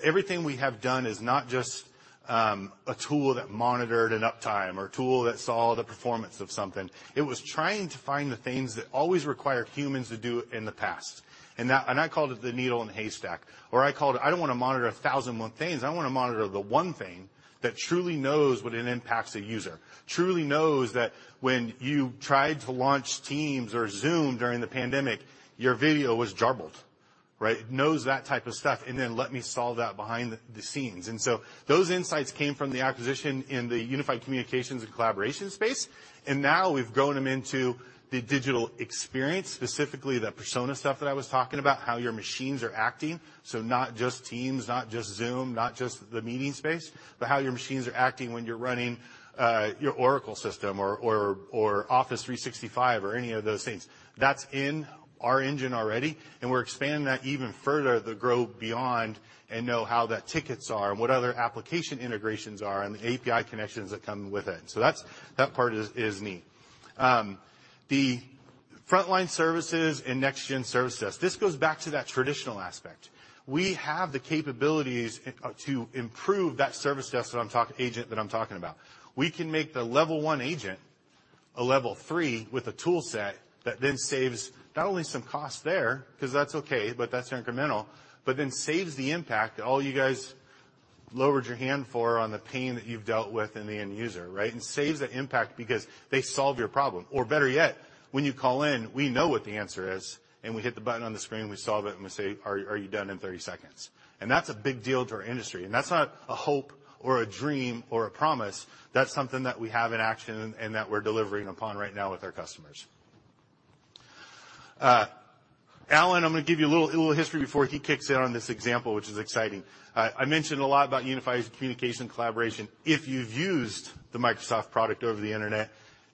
Everything we have done is not just a tool that monitored an uptime or a tool that saw the performance of something. It was trying to find the things that always required humans to do in the past, and I called it the needle in the haystack, or I called it, I don't wanna monitor 1,001 things. I wanna monitor the one thing that truly knows when it impacts a user, truly knows that when you tried to launch Teams or Zoom during the pandemic, your video was garbled, right? It knows that type of stuff, and then let me solve that behind the scenes. Those insights came from the acquisition in the unified communications and collaboration space, and now we've grown them into the digital experience, specifically the persona stuff that I was talking about, how your machines are acting. Not just Teams, not just Zoom, not just the meeting space, but how your machines are acting when you're running your Oracle system or Office 365 or any of those things. That's in our engine already, and we're expanding that even further to grow beyond and know how that tickets are and what other application integrations are and the API connections that come with it. That's, that part is neat. The frontline services and next gen service desk, this goes back to that traditional aspect. We have the capabilities to improve that service desk agent that I'm talking about. We can make the level one agent a level three with a tool set that saves not only some cost there, because that's okay, but that's incremental, saves the impact that all you guys lowered your hand for on the pain that you've dealt with in the end user, right? Saves the impact because they solve your problem. Better yet, when you call in, we know what the answer is, and we hit the button on the screen, and we solve it, and we say, "Are you done?" in 30 seconds. That's a big deal to our industry, and that's not a hope or a dream or a promise. That's something that we have in action and that we're delivering upon right now with our customers. Alan, I'm gonna give you a little history before he kicks in on this example, which is exciting. I mentioned a lot about unified communication and collaboration. If you've used the Microsoft product over the internet,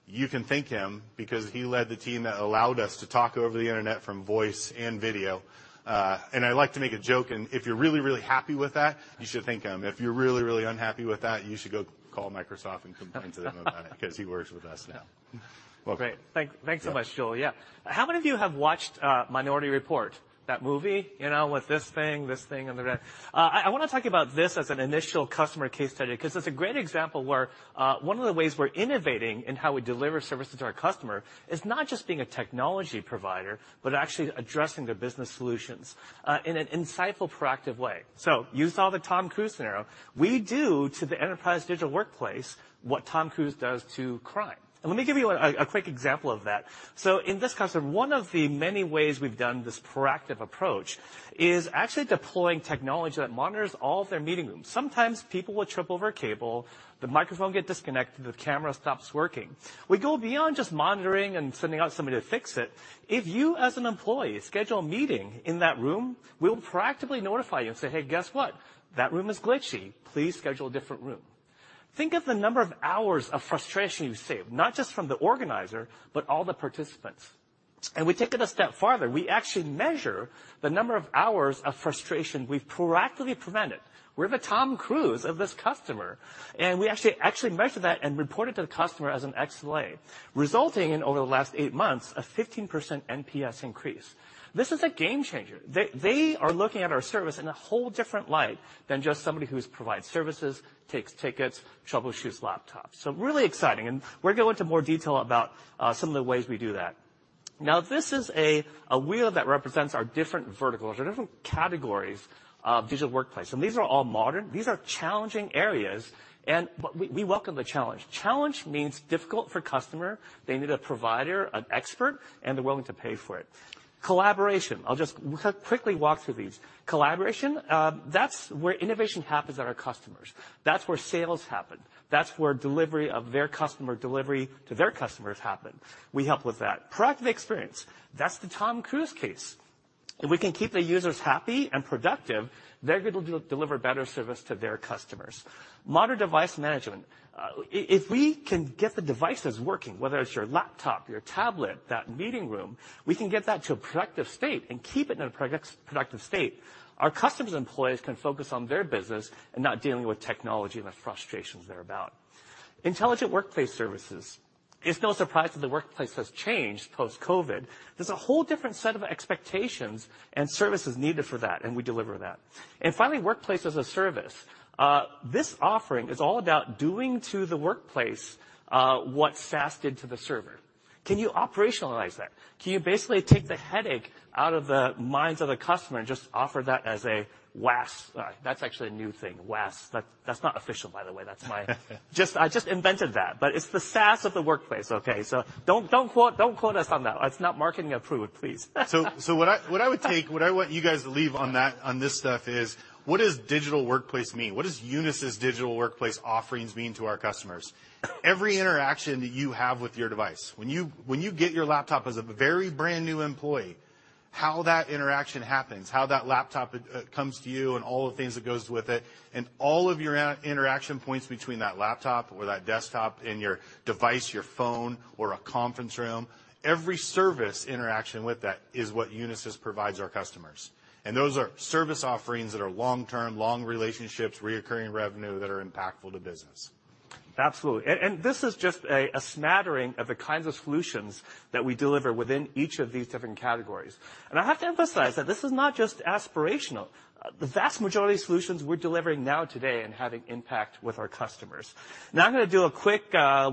you can thank him because he led the team that allowed us to talk over the internet from voice and video. I like to make a joke, and if you're really, really happy with that, you should thank him. If you're really, really unhappy with that, you should go call Microsoft and complain to them about it. Because he works with us now. Welcome. Great. Thanks so much, Joel. How many of you have watched Minority Report, that movie, you know, with this thing, this thing, and the... I wanna talk about this as an initial customer case study 'cause it's a great example where one of the ways we're innovating in how we deliver services to our customer is not just being a technology provider but actually addressing the business solutions in an insightful, proactive way. You saw the Tom Cruise scenario. We do to the enterprise digital workplace what Tom Cruise does to crime, and let me give you a quick example of that. In this customer, one of the many ways we've done this proactive approach is actually deploying technology that monitors all of their meeting rooms. Sometimes people will trip over a cable, the microphone will get disconnected, the camera stops working. We go beyond just monitoring and sending out somebody to fix it. If you, as an employee, schedule a meeting in that room, we'll proactively notify you and say, "Hey, guess what? That room is glitchy. Please schedule a different room." Think of the number of hours of frustration you save, not just from the organizer, but all the participants. We take it a step farther. We actually measure the number of hours of frustration we've proactively prevented. We're the Tom Cruise of this customer, and we actually measure that and report it to the customer as an SLA, resulting in, over the last eight months, a 15% NPS increase. This is a game changer. They are looking at our service in a whole different light than just somebody who provides services, takes tickets, troubleshoots laptops. Really exciting, and we'll go into more detail about some of the ways we do that. This is a wheel that represents our different verticals, our different categories of digital workplace. These are all modern. These are challenging areas. We welcome the challenge. Challenge means difficult for customer. They need a provider, an expert, and they're willing to pay for it. Collaboration, I'll just quickly walk through these. Collaboration, that's where innovation happens at our customers. That's where sales happen. That's where delivery of their customer, delivery to their customers happen. We help with that. Productive experience, that's the Tom Cruise case. If we can keep the users happy and productive, they're going to deliver better service to their customers. Modern device management, if we can get the devices working, whether it's your laptop, your tablet, that meeting room, we can get that to a productive state and keep it in a productive state. Our customers' employees can focus on their business and not dealing with technology and the frustrations thereabout. Intelligent workplace services, it's no surprise that the workplace has changed post-COVID. There's a whole different set of expectations and services needed for that. We deliver that. Finally, workplace as a service. This offering is all about doing to the workplace what SaaS did to the server. Can you operationalize that? Can you basically take the headache out of the minds of the customer and just offer that as a WaaS? That's actually a new thing, WaaS. That's not official, by the way. I just invented that, but it's the SaaS of the workplace, okay? Don't quote us on that. It's not marketing approved, please. What I would take, what I want you guys to leave on this stuff is what does digital workplace mean? What does Unisys digital workplace offerings mean to our customers? Every interaction that you have with your device, when you get your laptop as a very brand-new employee, how that interaction happens, how that laptop comes to you, and all the things that goes with it, and all of your interaction points between that laptop or that desktop and your device, your phone, or a conference room, every service interaction with that is what Unisys provides our customers. Those are service offerings that are long-term, long relationships, recurring revenue that are impactful to business. Absolutely, this is just a smattering of the kinds of solutions that we deliver within each of these different categories, and I have to emphasize that this is not just aspirational. The vast majority of solutions we're delivering now today and having impact with our customers. I'm gonna do a quick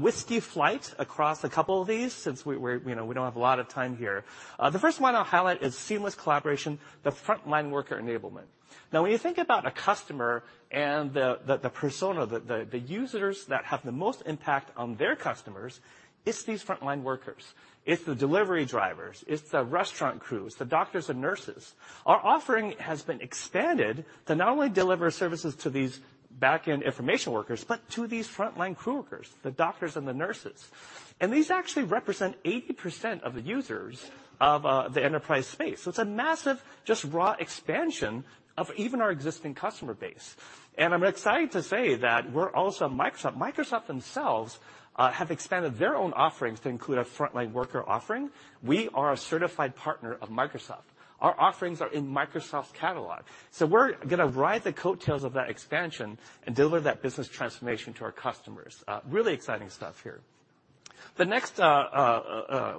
whiskey flight across a couple of these since we're you know, we don't have a lot of time here. The first one I'll highlight is seamless collaboration, the frontline worker enablement. When you think about a customer and the persona, the users that have the most impact on their customers, it's these frontline workers. It's the delivery drivers. It's the restaurant crews, the doctors and nurses. Our offering has been expanded to not only deliver services to these back-end information workers but to these frontline coworkers, the doctors and the nurses. These actually represent 80% of the users of the enterprise space. It's a massive, just raw expansion of even our existing customer base. I'm excited to say that we're also Microsoft. Microsoft themselves have expanded their own offerings to include a frontline worker offering. We are a certified partner of Microsoft. Our offerings are in Microsoft's catalog. We're gonna ride the coattails of that expansion and deliver that business transformation to our customers. Really exciting stuff here. The next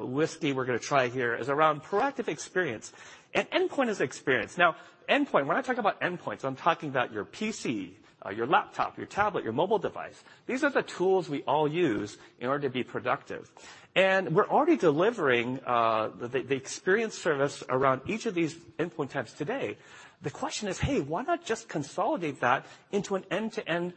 whiskey we're gonna try here is around proactive experience and endpoint as experience. Endpoint, when I talk about endpoints, I'm talking about your PC, your laptop, your tablet, your mobile device. These are the tools we all use in order to be productive. We're already delivering the experience service around each of these endpoint types today. The question is, hey, why not just consolidate that into an end-to-end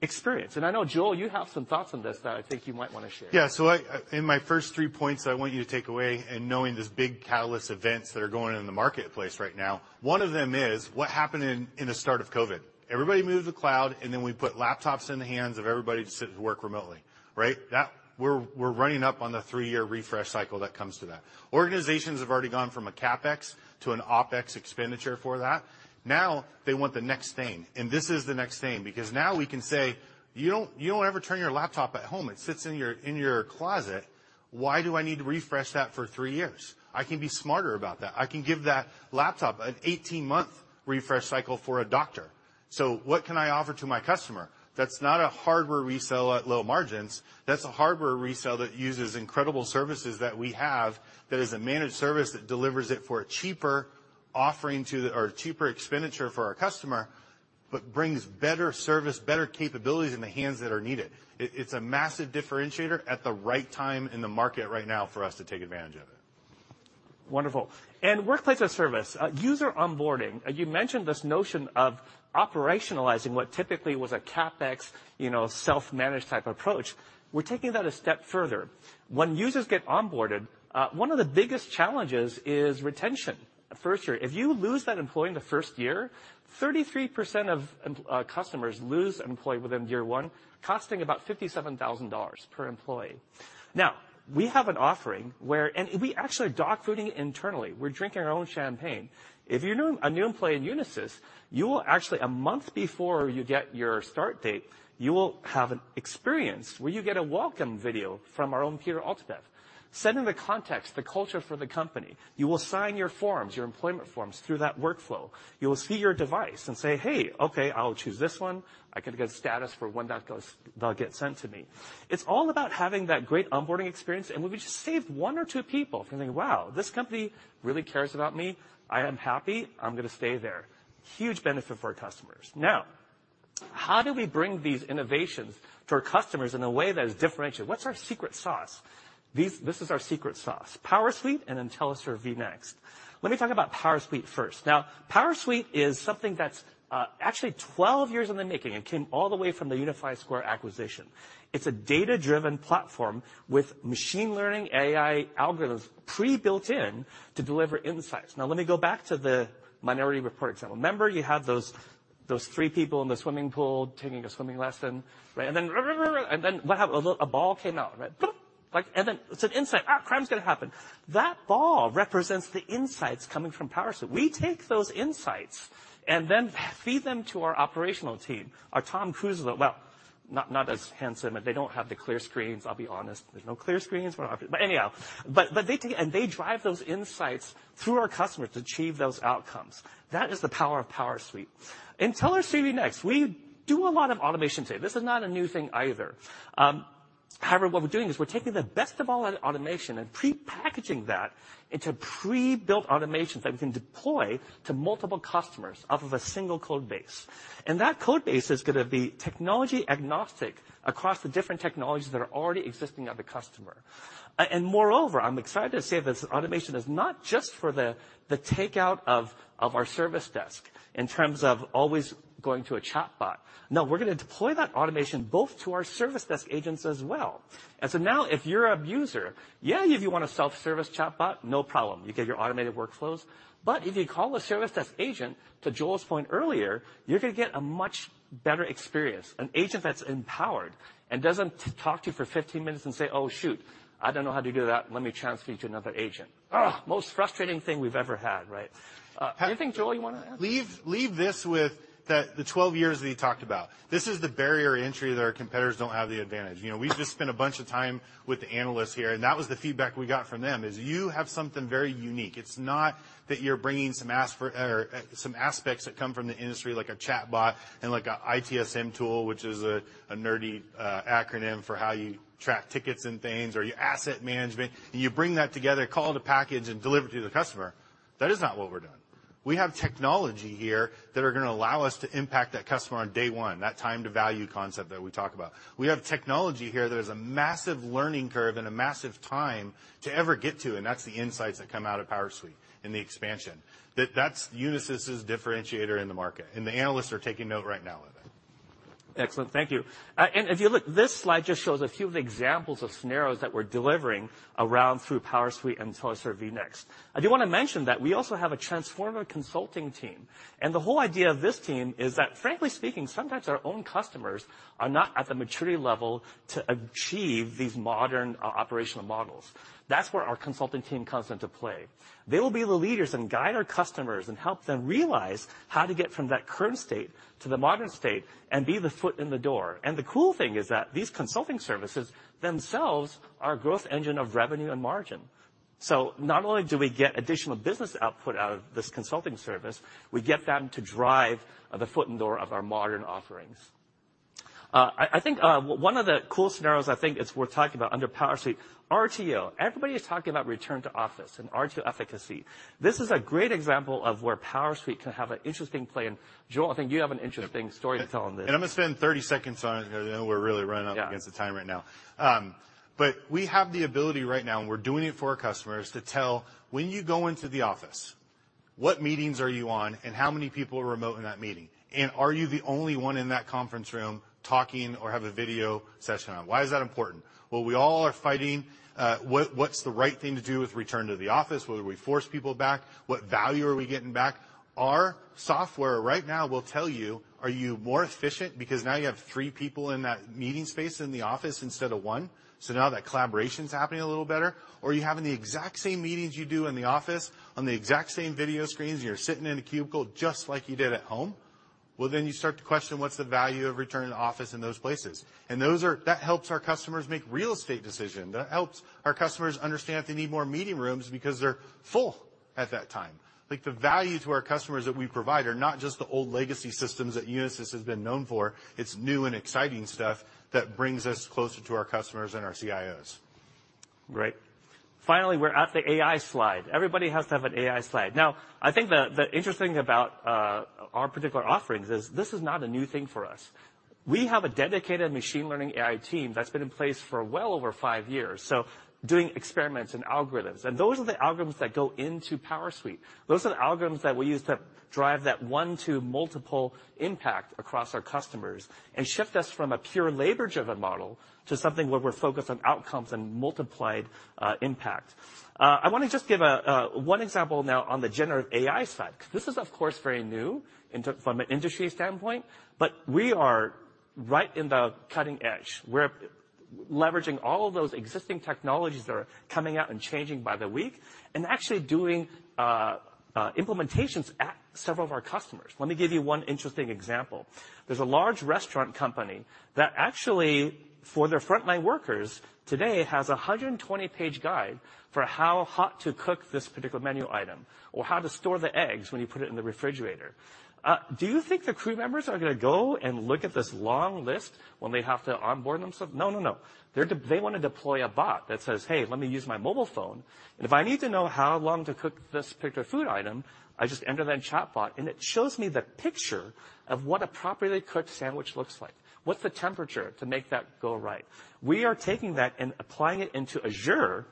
experience? I know, Joel, you have some thoughts on this that I think you might wanna share. I, in my first three points, I want you to take away in knowing there's big catalyst events that are going on in the marketplace right now. One of them is what happened in the start of COVID. Everybody moved to the cloud, we put laptops in the hands of everybody to sit and work remotely, right? We're running up on the 3-year refresh cycle that comes to that. Organizations have already gone from a CapEx to an OpEx expenditure for that. They want the next thing, this is the next thing because now we can say, "You don't ever turn your laptop at home. It sits in your closet. Why do I need to refresh that for three years? I can be smarter about that. I can give that laptop an 18-month refresh cycle for a doctor." What can I offer to my customer that's not a hardware resale at low margins? That's a hardware resale that uses incredible services that we have, that is a managed service that delivers it for a cheaper offering or a cheaper expenditure for our customer, but brings better service, better capabilities in the hands that are needed. It's a massive differentiator at the right time in the market right now for us to take advantage of it. Wonderful. Workplace as service, user onboarding, you mentioned this notion of operationalizing what typically was a CapEx, you know, self-managed type approach. We're taking that a step further. When users get onboarded, one of the biggest challenges is retention the first year. If you lose that employee in the first year, 33% of customers lose an employee within year one, costing about $57,000 per employee. Now, we have an offering where. We actually are dogfooding internally. We're drinking our own champagne. If you're a new employee in Unisys, you will actually, a month before you get your start date, you will have an experience where you get a welcome video from our own Peter Altabef, setting the context, the culture for the company. You will sign your forms, your employment forms through that workflow. You will see your device and say, "Hey, okay, I'll choose this one. I can get a status for when that'll get sent to me." It's all about having that great onboarding experience, and if we just save one or two people from thinking, "Wow, this company really cares about me. I am happy. I'm gonna stay there," huge benefit for our customers. How do we bring these innovations to our customers in a way that is differentiated? What's our secret sauce? This is our secret sauce, PowerSuite and InteliServe vNext. Let me talk about PowerSuite first. PowerSuite is something that's actually 12 years in the making and came all the way from the Unify Square acquisition. It's a data-driven platform with machine learning, AI algorithms, pre-built in to deliver insights. Let me go back to the Minority Report example. Remember, you had those three people in the swimming pool, taking a swimming lesson, right? Then what happened? A ball came out, right? Like, then it's an insight. Crime's gonna happen. That ball represents the insights coming from PowerSuite. We take those insights then feed them to our operational team. Our Tom Cruise... Well, not as handsome, and they don't have the clear screens. I'll be honest. There's no clear screens, but anyhow, they take it, and they drive those insights through our customers to achieve those outcomes. That is the power of PowerSuite. InteliServe vNext, we do a lot of automation today. This is not a new thing either. However, what we're doing is we're taking the best of all that automation and pre-packaging that into pre-built automations that we can deploy to multiple customers off of a single code base, and that code base is gonna be technology-agnostic across the different technologies that are already existing at the customer. Moreover, I'm excited to say this automation is not just for the takeout of our service desk in terms of always going to a chatbot. No, we're gonna deploy that automation both to our service desk agents as well. Now if you're a user, yeah, if you want a self-service chatbot, no problem, you get your automated workflows. If you call a service desk agent, to Joel's point earlier, you're gonna get a much better experience, an agent that's empowered and doesn't talk to you for 15 minutes and say, "Oh, shoot! I don't know how to do that. Let me transfer you to another agent." Ugh, most frustrating thing we've ever had, right? Anything, Joel, you wanna add? Leave this with the 12 years that he talked about. This is the barrier to entry that our competitors don't have the advantage. You know, we've just spent a bunch of time with the analysts here, and that was the feedback we got from them, is you have something very unique. It's not that you're bringing some or some aspects that come from the industry, like a chatbot and like a ITSM tool, which is a nerdy acronym for how you track tickets and things, or your asset management, and you bring that together, call it a package, and deliver it to the customer. That is not what we're doing. We have technology here that are gonna allow us to impact that customer on day 1, that time-to-value concept that we talk about. We have technology here that is a massive learning curve and a massive time to ever get to, and that's the insights that come out of PowerSuite and the expansion. That's Unisys' differentiator in the market, and the analysts are taking note right now of it. Excellent. Thank you. If you look, this slide just shows a few of the examples of scenarios that we're delivering around through PowerSuite and InteliServe vNext. I do wanna mention that we also have a transformer consulting team, and the whole idea of this team is that, frankly speaking, sometimes our own customers are not at the maturity level to achieve these modern operational models. That's where our consulting team comes into play. They will be the leaders and guide our customers and help them realize how to get from that current state to the modern state and be the foot in the door. The cool thing is that these consulting services themselves are a growth engine of revenue and margin. Not only do we get additional business output out of this consulting service, we get them to drive the foot in the door of our modern offerings. I think one of the cool scenarios I think is worth talking about under PowerSuite, RTO. Everybody is talking about return to office and RTO efficacy. This is a great example of where PowerSuite can have an interesting play, and, Joel, I think you have an interesting story to tell on this. I'm gonna spend 30 seconds on it, because I know we're really running up. Yeah... against the time right now. We have the ability right now, and we're doing it for our customers, to tell when you go into the office, what meetings are you on, and how many people are remote in that meeting? Are you the only one in that conference room talking or have a video session on? Why is that important? We all are fighting, what's the right thing to do with return to the office, whether we force people back, what value are we getting back? Our software right now will tell you, are you more efficient because now you have three people in that meeting space in the office instead of one, now that collaboration's happening a little better? Are you having the exact same meetings you do in the office on the exact same video screens, and you're sitting in a cubicle just like you did at home? Then you start to question, what's the value of returning to the office in those places? That helps our customers make real estate decision. That helps our customers understand if they need more meeting rooms because they're full at that time. Like, the value to our customers that we provide are not just the old legacy systems that Unisys has been known for, it's new and exciting stuff that brings us closer to our customers and our CIOs. Great. Finally, we're at the AI slide. Everybody has to have an AI slide. I think the interesting about our particular offerings is this is not a new thing for us. We have a dedicated machine learning AI team that's been in place for well over five years, so doing experiments and algorithms. Those are the algorithms that go into PowerSuite. Those are the algorithms that we use to drive that one-to-multiple impact across our customers and shift us from a pure labor-driven model to something where we're focused on outcomes and multiplied impact. I wanna just give a one example now on the generative AI side. This is, of course, very new from an industry standpoint. We are right in the cutting edge. We're leveraging all of those existing technologies that are coming out and changing by the week, actually doing implementations at several of our customers. Let me give you one interesting example. There's a large restaurant company that actually, for their frontline workers, today has a 120-page guide for how hot to cook this particular menu item or how to store the eggs when you put it in the refrigerator. Do you think the crew members are gonna go and look at this long list when they have to onboard themselves? No, no, they wanna deploy a bot that says, "Hey, let me use my mobile phone, if I need to know how long to cook this particular food item, I just enter that chatbot, it shows me the picture of what a properly cooked sandwich looks like. What's the temperature to make that go right?" We are taking that and applying it into Azure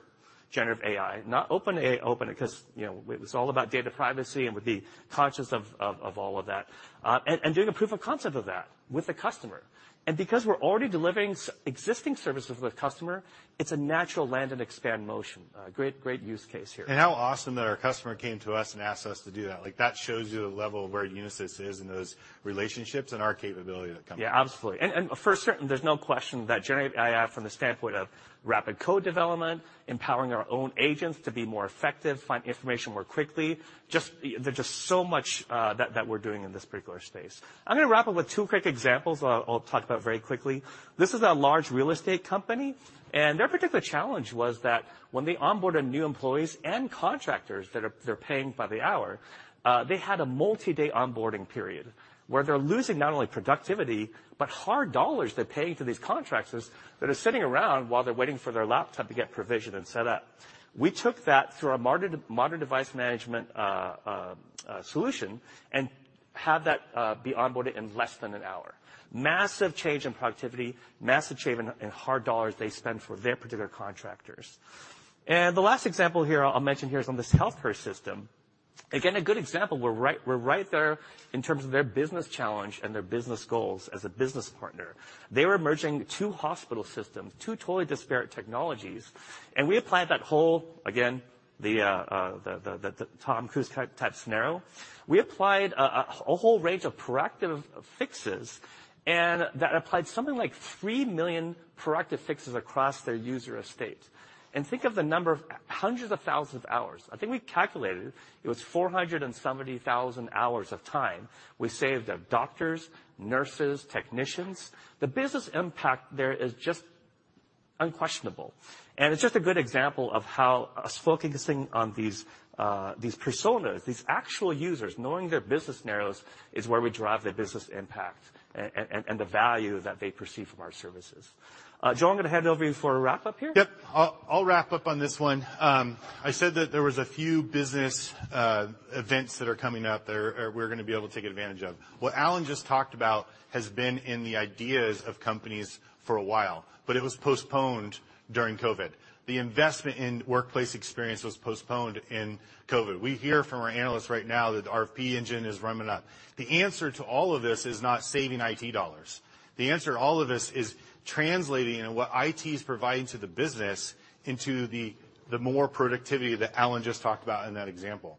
Generative AI, not OpenAI, cause, you know, it's all about data privacy and with the conscious of all of that, and doing a proof of concept of that with the customer. Because we're already delivering existing services with customer, it's a natural land and expand motion. Great use case here. How awesome that our customer came to us and asked us to do that. Like, that shows you the level of where Unisys is in those relationships and our capability to the company. Yeah, absolutely. For certain, there's no question that generative AI, from the standpoint of rapid code development, empowering our own agents to be more effective, find information more quickly. There's just so much that we're doing in this particular space. I'm gonna wrap up with two quick examples I'll talk about very quickly. This is a large real estate company. Their particular challenge was that when they onboarded new employees and contractors that they're paying by the hour, they had a multi-day onboarding period, where they're losing not only productivity, but hard dollars they're paying for these contractors that are sitting around while they're waiting for their laptop to get provisioned and set up. We took that through our modern device management solution, and had that be onboarded in less than one hour. Massive change in productivity, massive change in hard dollars they spend for their particular contractors. The last example here I'll mention here is on this healthcare system. Again, a good example, we're right there in terms of their business challenge and their business goals as a business partner. They were merging two hospital systems, two totally disparate technologies, and we applied that whole, again, the Tom Cruise type scenario. We applied a whole range of proactive fixes, and that applied something like $3 million proactive fixes across their user estate. Think of the number of hundreds of thousands of hours. I think we calculated it was 470,000 hours of time we saved their doctors, nurses, technicians. The business impact there is just unquestionable, and it's just a good example of how us focusing on these personas, these actual users, knowing their business scenarios, is where we drive the business impact and the value that they perceive from our services. Joel, I'm gonna hand it over to you for a wrap-up here? Yep. I'll wrap up on this one. I said that there was a few business events that are coming up that we're gonna be able to take advantage of. What Alan just talked about has been in the ideas of companies for a while, but it was postponed during COVID. The investment in workplace experience was postponed in COVID. We hear from our analysts right now that the RFP engine is revving up. The answer to all of this is not saving IT dollars. The answer to all of this is translating what IT is providing to the business into the more productivity that Alan just talked about in that example.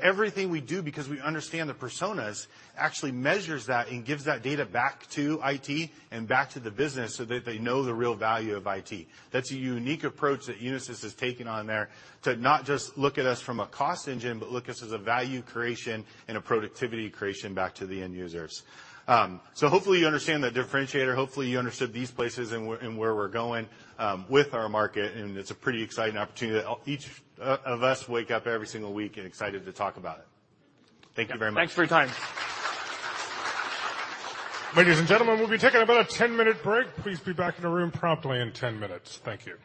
Everything we do, because we understand the personas, actually measures that and gives that data back to IT and back to the business so that they know the real value of IT. That's a unique approach that Unisys has taken on there, to not just look at us from a cost engine, but look at us as a value creation and a productivity creation back to the end users. Hopefully, you understand that differentiator. Hopefully, you understood these places and where, and where we're going with our market. It's a pretty exciting opportunity that each of us wake up every single week and excited to talk about it. Thank you very much. Thanks for your time. Ladies and gentlemen, we'll be taking about a 10-minute break. Please be back in the room promptly in 10 minutes. Thank you.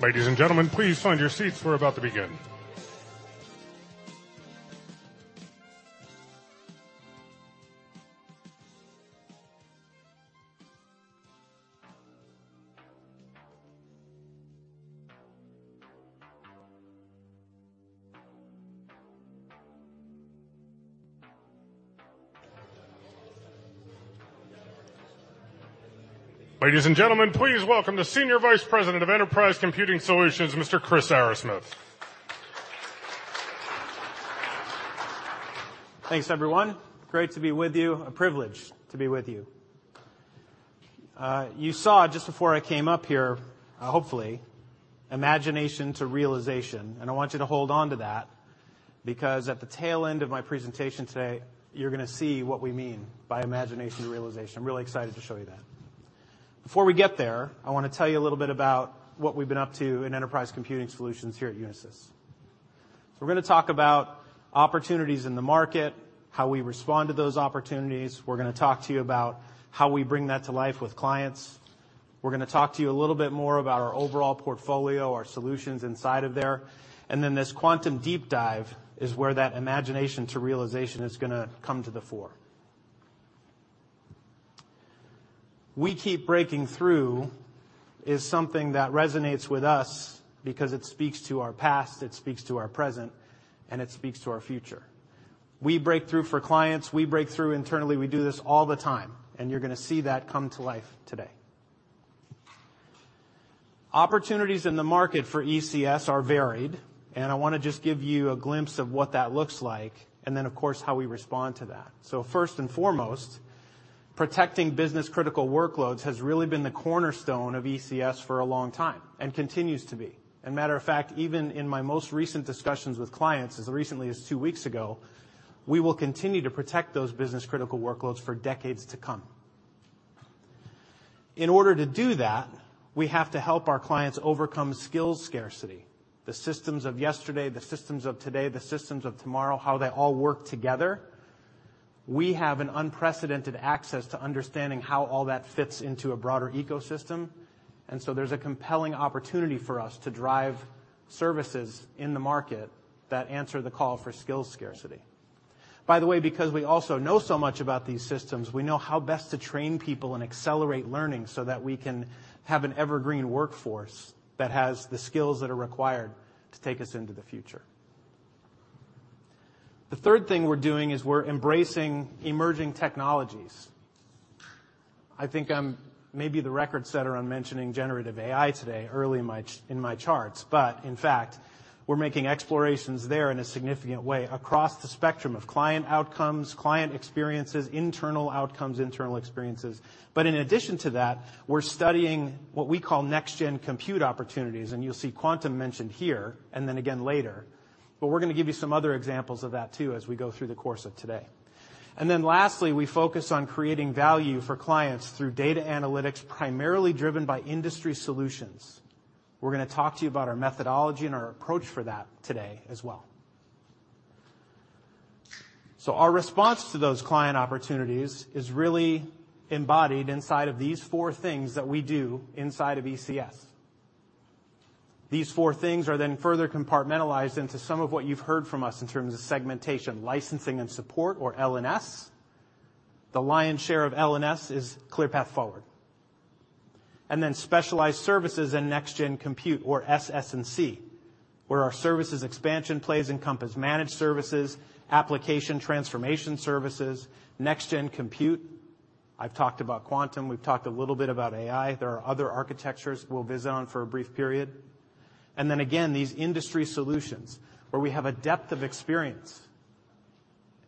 Oh, I'll miss it. I'll take a walk. Yeah, there's a lot of work under the stage. I will take a walk. Thank you, though. All right. Ladies and gentlemen, please find your seats. We're about to begin. Ladies and gentlemen, please welcome the Senior Vice President of Enterprise Computing Solutions, Mr. Chris Arrasmith. Thanks, everyone. Great to be with you. A privilege to be with you. You saw just before I came up here, hopefully, imagination to realization. I want you to hold on to that because at the tail end of my presentation today, you're gonna see what we mean by imagination to realization. I'm really excited to show you that. Before we get there, I want to tell you a little bit about what we've been up to in Enterprise Computing Solutions here at Unisys. We're gonna talk about opportunities in the market, how we respond to those opportunities. We're gonna talk to you about how we bring that to life with clients. We're gonna talk to you a little bit more about our overall portfolio, our solutions inside of there, and then this quantum deep dive is where that imagination to realization is gonna come to the fore. We keep breaking through is something that resonates with us because it speaks to our past, it speaks to our present, and it speaks to our future. We break through for clients, we break through internally. We do this all the time, and you're gonna see that come to life today. Opportunities in the market for ECS are varied, and I wanna just give you a glimpse of what that looks like, and then, of course, how we respond to that. First and foremost, protecting business-critical workloads has really been the cornerstone of ECS for a long time and continues to be. Matter of fact, even in my most recent discussions with clients, as recently as two weeks ago, we will continue to protect those business-critical workloads for decades to come. In order to do that, we have to help our clients overcome skill scarcity. The systems of yesterday, the systems of today, the systems of tomorrow, how they all work together? We have an unprecedented access to understanding how all that fits into a broader ecosystem, there's a compelling opportunity for us to drive services in the market that answer the call for skill scarcity. By the way, because we also know so much about these systems, we know how best to train people and accelerate learning so that we can have an evergreen workforce that has the skills that are required to take us into the future. The third thing we're doing is we're embracing emerging technologies. I think I'm maybe the record setter on mentioning generative AI today early in my charts. In fact, we're making explorations there in a significant way across the spectrum of client outcomes, client experiences, internal outcomes, internal experiences. In addition to that, we're studying what we call next gen compute opportunities. You'll see quantum mentioned here and then again later. We're gonna give you some other examples of that too, as we go through the course of today. Lastly, we focus on creating value for clients through data analytics, primarily driven by industry solutions. We're gonna talk to you about our methodology and our approach for that today as well. Our response to those client opportunities is really embodied inside of these four things that we do inside of ECS. These four things are then further compartmentalized into some of what you've heard from us in terms of segmentation, licensing and support or LNS. The lion's share of LNS is ClearPath Forward. Then specialized services and next gen compute, or SSNC, where our services expansion plays encompass managed services, application transformation services, next gen compute. I've talked about quantum. We've talked a little bit about AI. There are other architectures we'll visit on for a brief period. Then again, these industry solutions, where we have a depth of experience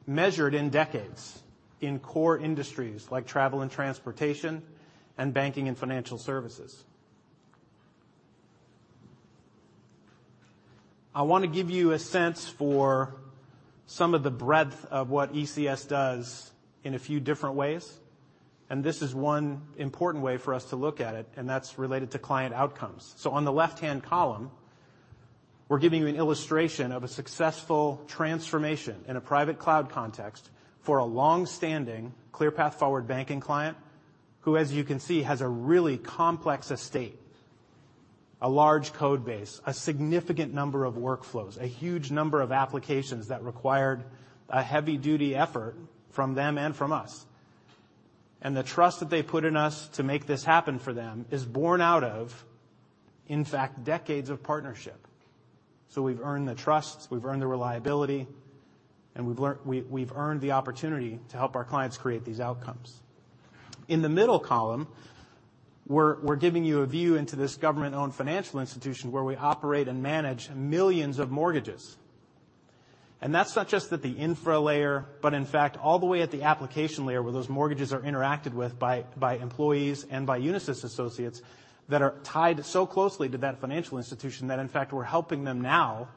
measured in decades in core industries like travel and transportation and banking and financial services. I want to give you a sense for some of the breadth of what ECS does in a few different ways, this is one important way for us to look at it, and that's related to client outcomes. On the left-hand column, we're giving you an illustration of a successful transformation in a private cloud context for a long-standing, ClearPath Forward banking client, who, as you can see, has a really complex estate, a large code base, a significant number of workflows, a huge number of applications that required a heavy-duty effort from them and from us. The trust that they put in us to make this happen for them is born out of, in fact, decades of partnership. We've earned the trust, we've earned the reliability, and we've earned the opportunity to help our clients create these outcomes. In the middle column, we're giving you a view into this government-owned financial institution where we operate and manage millions of mortgages. That's not just at the infra layer, but in fact, all the way at the application layer, where those mortgages are interacted with by employees and by Unisys associates that are tied so closely to that financial institution that, in fact, we're helping them now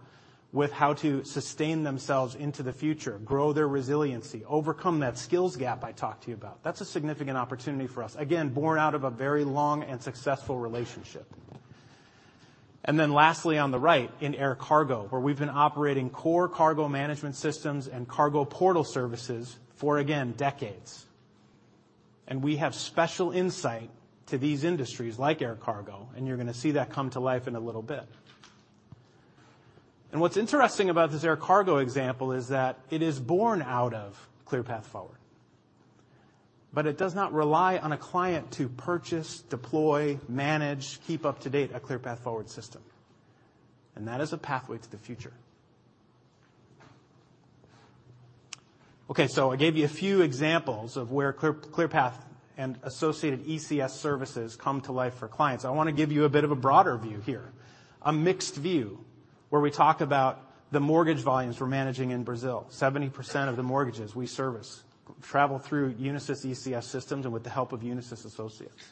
with how to sustain themselves into the future, grow their resiliency, overcome that skills gap I talked to you about. That's a significant opportunity for us, again, born out of a very long and successful relationship. Lastly, on the right, in air cargo, where we've been operating core cargo management systems and cargo portal services for, again, decades. We have special insight to these industries like air cargo, and you're gonna see that come to life in a little bit. What's interesting about this air cargo example is that it is born out of ClearPath Forward, but it does not rely on a client to purchase, deploy, manage, keep up to date a ClearPath Forward system, and that is a pathway to the future. Okay, I gave you a few examples of where ClearPath and associated ECS services come to life for clients. I want to give you a bit of a broader view here, a mixed view, where we talk about the mortgage volumes we're managing in Brazil. 70% of the mortgages we service travel through Unisys ECS systems and with the help of Unisys associates.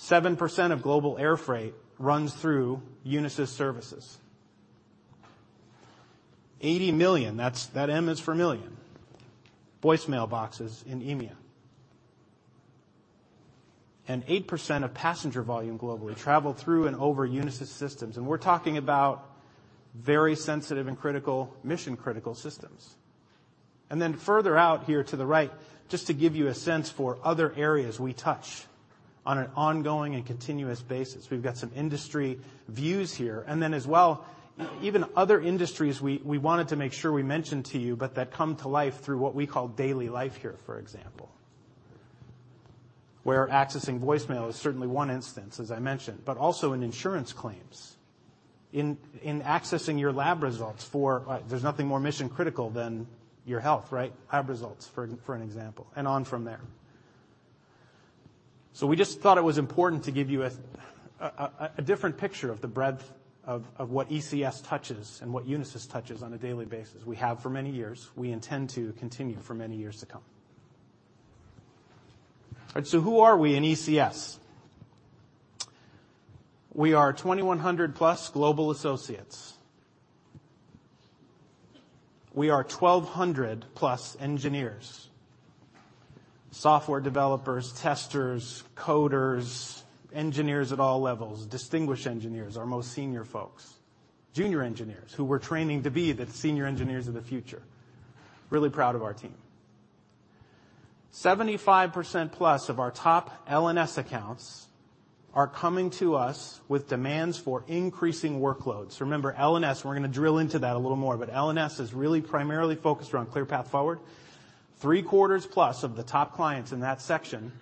7% of global air freight runs through Unisys services. 80 million, that's, that M is for million, voicemail boxes in EMEA. 8% of passenger volume globally travel through and over Unisys systems, and we're talking about very sensitive and critical, mission-critical systems. Further out here to the right, just to give you a sense for other areas we touch on an ongoing and continuous basis. We've got some industry views here, and then as well, even other industries we wanted to make sure we mentioned to you, but that come to life through what we call daily life here, for example, where accessing voicemail is certainly one instance, as I mentioned, but also in insurance claims, in accessing your lab results for... There's nothing more mission-critical than your health, right? Lab results, for an example, and on from there. We just thought it was important to give you a different picture of the breadth of what ECS touches and what Unisys touches on a daily basis. We have for many years. We intend to continue for many years to come. Who are we in ECS? We are 2,100+ global associates. We are 1,200+ engineers.... software developers, testers, coders, engineers at all levels, distinguished engineers, our most senior folks, junior engineers who we're training to be the senior engineers of the future. Really proud of our team. 75%+ of our top LNS accounts are coming to us with demands for increasing workloads. Remember, LNS, we're going to drill into that a little more, but LNS is really primarily focused on ClearPath Forward. Three-quarters plus of the top clients in that section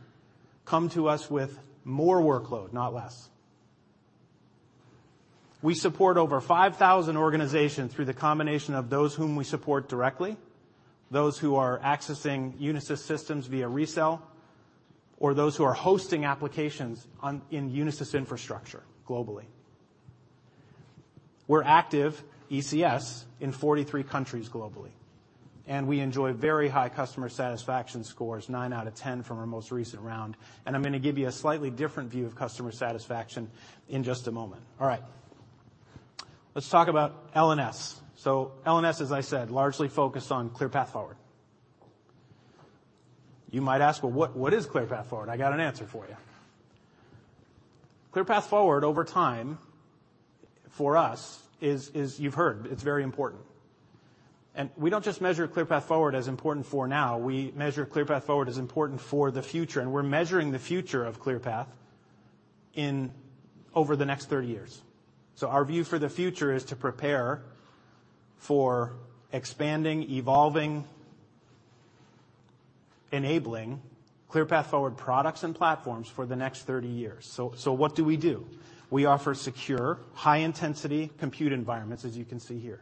come to us with more workload, not less. We support over 5,000 organizations through the combination of those whom we support directly, those who are accessing Unisys systems via resell, or those who are hosting applications in Unisys infrastructure globally. We're active ECS in 43 countries globally, we enjoy very high customer satisfaction scores, nine out of 10 from our most recent round, and I'm going to give you a slightly different view of customer satisfaction in just a moment. All right. Let's talk about LNS. LNS, as I said, largely focused on ClearPath Forward. You might ask, "Well, what is ClearPath Forward?" I got an answer for you. ClearPath Forward, over time, for us, is you've heard, it's very important. We don't just measure ClearPath Forward as important for now, we measure ClearPath Forward as important for the future, and we're measuring the future of ClearPath in over the next 30 years. Our view for the future is to prepare for expanding, evolving, enabling ClearPath Forward products and platforms for the next 30 years. What do we do? We offer secure, high-intensity compute environments, as you can see here.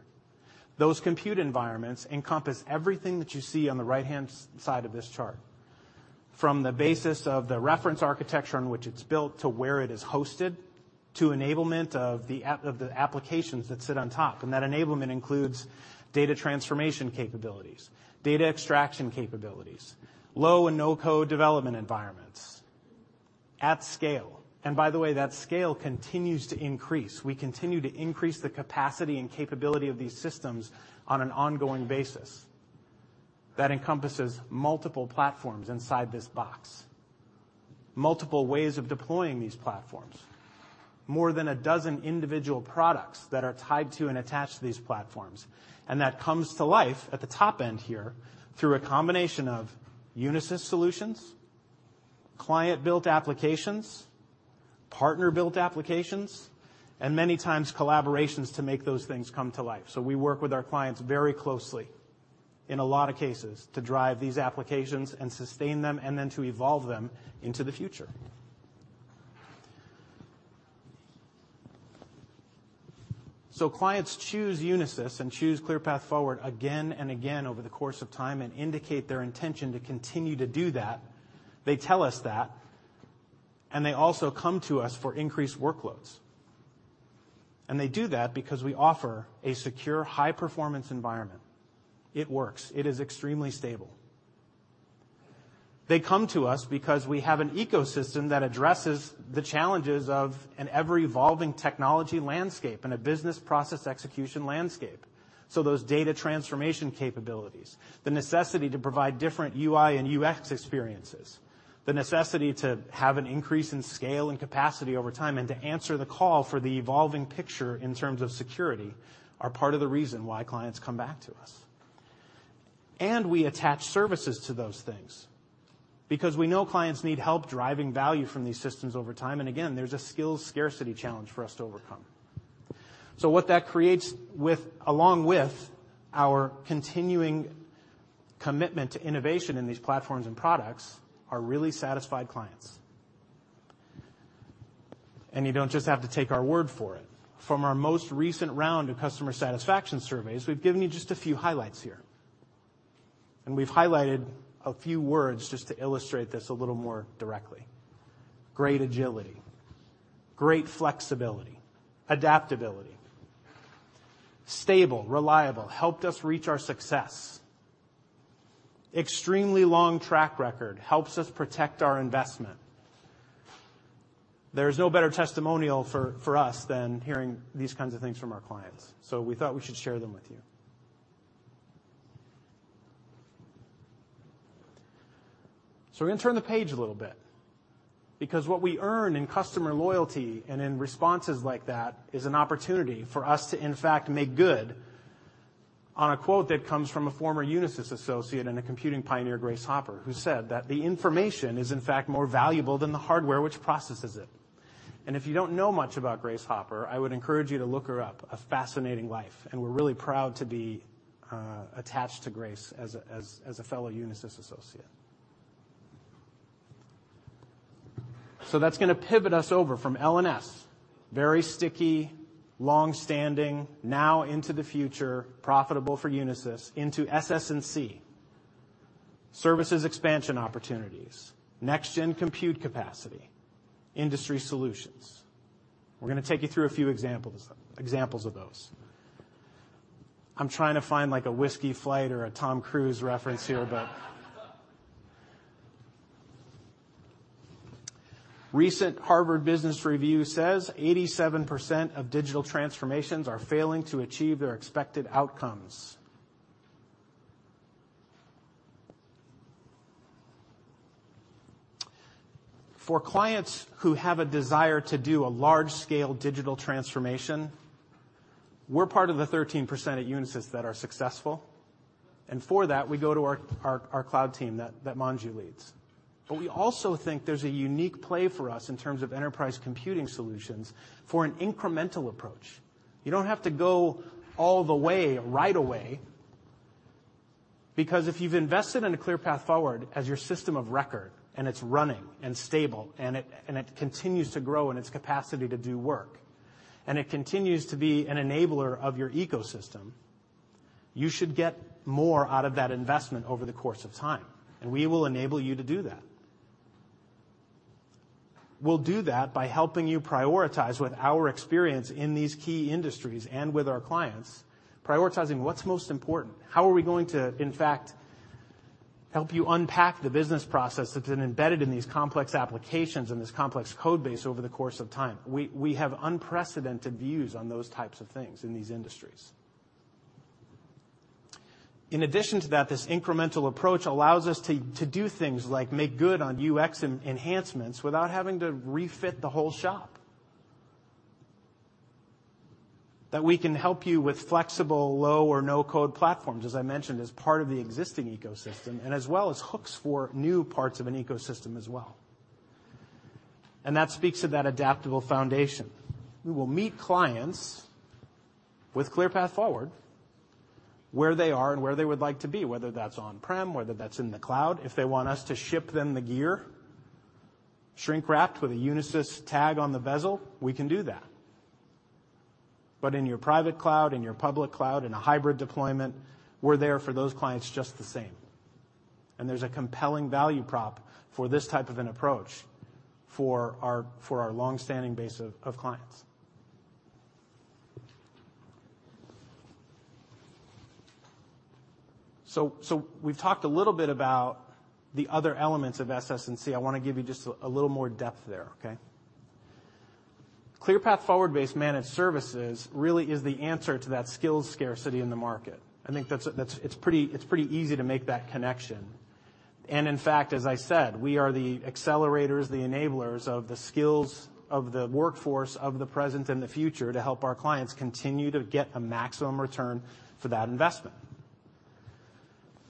Those compute environments encompass everything that you see on the right-hand side of this chart, from the basis of the reference architecture on which it's built, to where it is hosted, to enablement of the applications that sit on top. That enablement includes data transformation capabilities, data extraction capabilities, low and no-code development environments at scale. By the way, that scale continues to increase. We continue to increase the capacity and capability of these systems on an ongoing basis. That encompasses multiple platforms inside this box, multiple ways of deploying these platforms, more than a dozen individual products that are tied to and attached to these platforms. That comes to life at the top end here through a combination of Unisys solutions, client-built applications, partner-built applications, and many times, collaborations to make those things come to life. We work with our clients very closely in a lot of cases to drive these applications and sustain them, and then to evolve them into the future. Clients choose Unisys and choose ClearPath Forward again and again over the course of time and indicate their intention to continue to do that. They tell us that, they also come to us for increased workloads. They do that because we offer a secure, high-performance environment. It works. It is extremely stable. They come to us because we have an ecosystem that addresses the challenges of an ever-evolving technology landscape and a business process execution landscape. Those data transformation capabilities, the necessity to provide different UI and UX experiences, the necessity to have an increase in scale and capacity over time, and to answer the call for the evolving picture in terms of security, are part of the reason why clients come back to us. We attach services to those things because we know clients need help driving value from these systems over time, and again, there's a skills scarcity challenge for us to overcome. What that creates along with our continuing commitment to innovation in these platforms and products, are really satisfied clients. You don't just have to take our word for it. From our most recent round of customer satisfaction surveys, we've given you just a few highlights here, and we've highlighted a few words just to illustrate this a little more directly. Great agility, great flexibility, adaptability, stable, reliable, helped us reach our success. Extremely long track record, helps us protect our investment. There's no better testimonial for us than hearing these kinds of things from our clients, so we thought we should share them with you. We're going to turn the page a little bit because what we earn in customer loyalty and in responses like that, is an opportunity for us to, in fact, make good on a quote that comes from a former Unisys associate and a computing pioneer, Grace Hopper, who said that, "The information is, in fact, more valuable than the hardware which processes it." If you don't know much about Grace Hopper, I would encourage you to look her up. A fascinating life, and we're really proud to be attached to Grace as a fellow Unisys associate. That's going to pivot us over from LNS, very sticky, long-standing, now into the future, profitable for Unisys, into SS&C. Services expansion opportunities, next-gen compute capacity, industry solutions. We're going to take you through a few examples of those. I'm trying to find, like, a whiskey flight or a Tom Cruise reference here. Recent Harvard Business Review says 87% of digital transformations are failing to achieve their expected outcomes. For clients who have a desire to do a large-scale digital transformation, we're part of the 13% at Unisys that are successful, and for that, we go to our cloud team that Manju leads. We also think there's a unique play for us in terms of Enterprise Computing Solutions for an incremental approach. You don't have to go all the way right away, because if you've invested in a ClearPath Forward as your system of record, and it's running and stable, and it continues to grow in its capacity to do work, and it continues to be an enabler of your ecosystem, you should get more out of that investment over the course of time. We will enable you to do that. We'll do that by helping you prioritize with our experience in these key industries and with our clients, prioritizing what's most important. How are we going to, in fact, help you unpack the business process that's been embedded in these complex applications and this complex code base over the course of time? We have unprecedented views on those types of things in these industries. In addition to that, this incremental approach allows us to do things like make good on UX and enhancements without having to refit the whole shop. We can help you with flexible, low or no-code platforms, as I mentioned, as part of the existing ecosystem, and as well as hooks for new parts of an ecosystem as well, and that speaks to that adaptable foundation. We will meet clients with ClearPath Forward, where they are and where they would like to be, whether that's on-prem, whether that's in the cloud. If they want us to ship them the gear, shrink-wrapped with a Unisys tag on the bezel, we can do that. In your private cloud, in your public cloud, in a hybrid deployment, we're there for those clients just the same. There's a compelling value prop for this type of an approach for our long-standing base of clients. We've talked a little bit about the other elements of SSNC. I want to give you just a little more depth there, okay? ClearPath Forward-based managed services really is the answer to that skills scarcity in the market. I think that's. It's pretty easy to make that connection. In fact, as I said, we are the accelerators, the enablers of the skills of the workforce of the present and the future to help our clients continue to get a maximum return for that investment.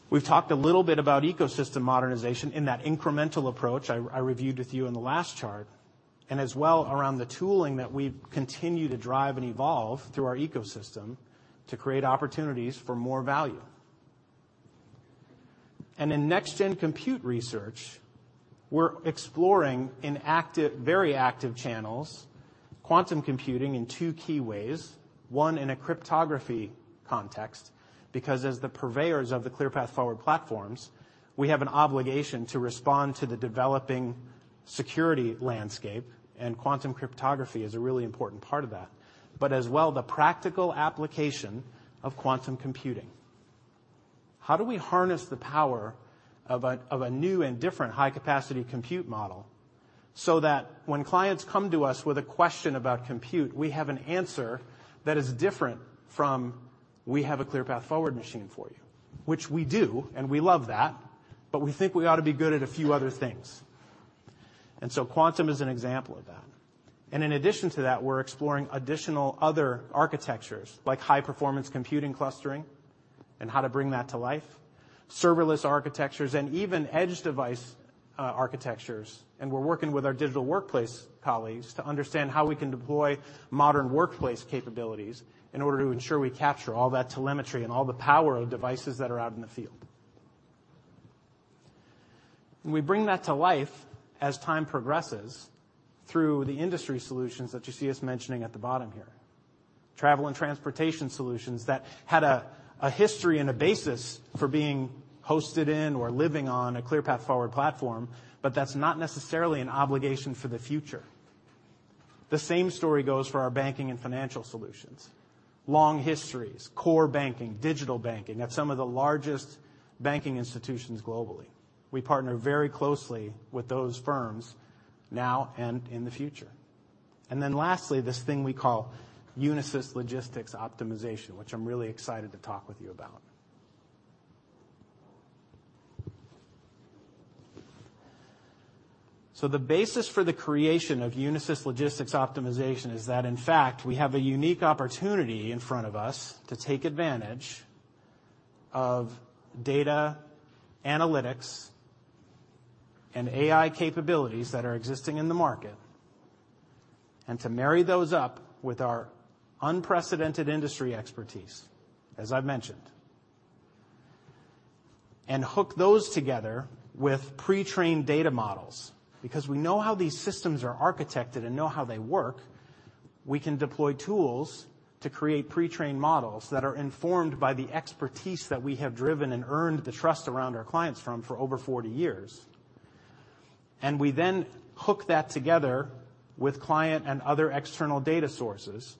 We've talked a little bit about ecosystem modernization in that incremental approach I reviewed with you in the last chart, as well around the tooling that we've continued to drive and evolve through our ecosystem to create opportunities for more value. In next-gen compute research, we're exploring in active, very active channels, quantum computing in two key ways. One, in a cryptography context, because as the purveyors of the ClearPath Forward platforms, we have an obligation to respond to the developing security landscape, quantum cryptography is a really important part of that, as well, the practical application of quantum computing. How do we harness the power of a new and different high-capacity compute model, so that when clients come to us with a question about compute, we have an answer that is different from, "We have a ClearPath Forward machine for you," which we do, and we love that, but we think we ought to be good at a few other things. Quantum is an example of that. In addition to that, we're exploring additional other architectures, like high-performance computing clustering and how to bring that to life, serverless architectures, and even edge device architectures. We're working with our Digital Workplace colleagues to understand how we can deploy modern workplace capabilities in order to ensure we capture all that telemetry and all the power of devices that are out in the field. We bring that to life as time progresses through the industry solutions that you see us mentioning at the bottom here. Travel and transportation solutions that had a history and a basis for being hosted in or living on a ClearPath Forward platform, but that's not necessarily an obligation for the future. The same story goes for our banking and financial solutions. Long histories, core banking, digital banking at some of the largest banking institutions globally. We partner very closely with those firms now and in the future. Lastly, this thing we call Unisys Logistics Optimization, which I'm really excited to talk with you about. The basis for the creation of Unisys Logistics Optimization is that, in fact, we have a unique opportunity in front of us to take advantage of data analytics and AI capabilities that are existing in the market, and to marry those up with our unprecedented industry expertise, as I've mentioned, and hook those together with pre-trained data models. Because we know how these systems are architected and know how they work, we can deploy tools to create pre-trained models that are informed by the expertise that we have driven and earned the trust around our clients from for over 40 years. We then hook that together with client and other external data sources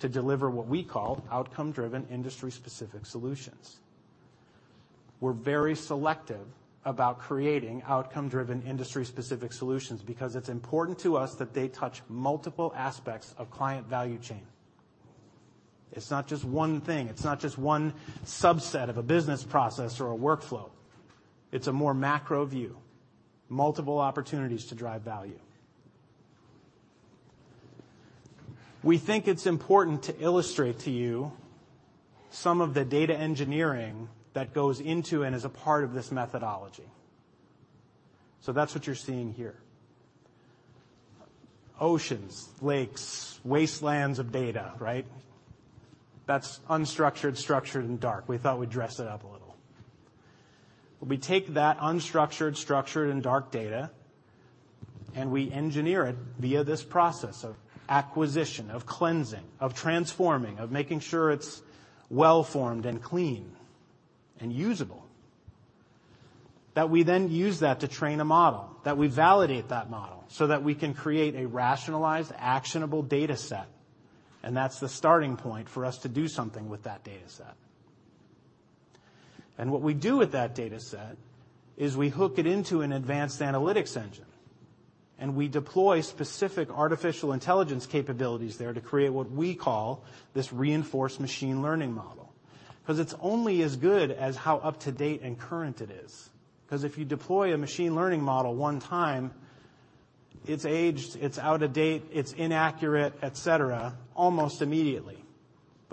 to deliver what we call outcome-driven, industry-specific solutions. We're very selective about creating outcome-driven, industry-specific solutions because it's important to us that they touch multiple aspects of client value chain. It's not just one thing. It's not just one subset of a business process or a workflow. It's a more macro view, multiple opportunities to drive value. We think it's important to illustrate to you some of the data engineering that goes into and is a part of this methodology. That's what you're seeing here. Oceans, lakes, wastelands of data, right? That's unstructured, structured, and dark. We thought we'd dress it up a little. We take that unstructured, structured, and dark data, we engineer it via this process of acquisition, of cleansing, of transforming, of making sure it's well-formed and clean and usable, that we then use that to train a model, that we validate that model so that we can create a rationalized, actionable data set. That's the starting point for us to do something with that data set. What we do with that data set is we hook it into an advanced analytics engine, and we deploy specific artificial intelligence capabilities there to create what we call this reinforced machine learning model, 'cause it's only as good as how up-to-date and current it is. 'Cause if you deploy a machine learning model one time, it's aged, it's out of date, it's inaccurate, et cetera, almost immediately.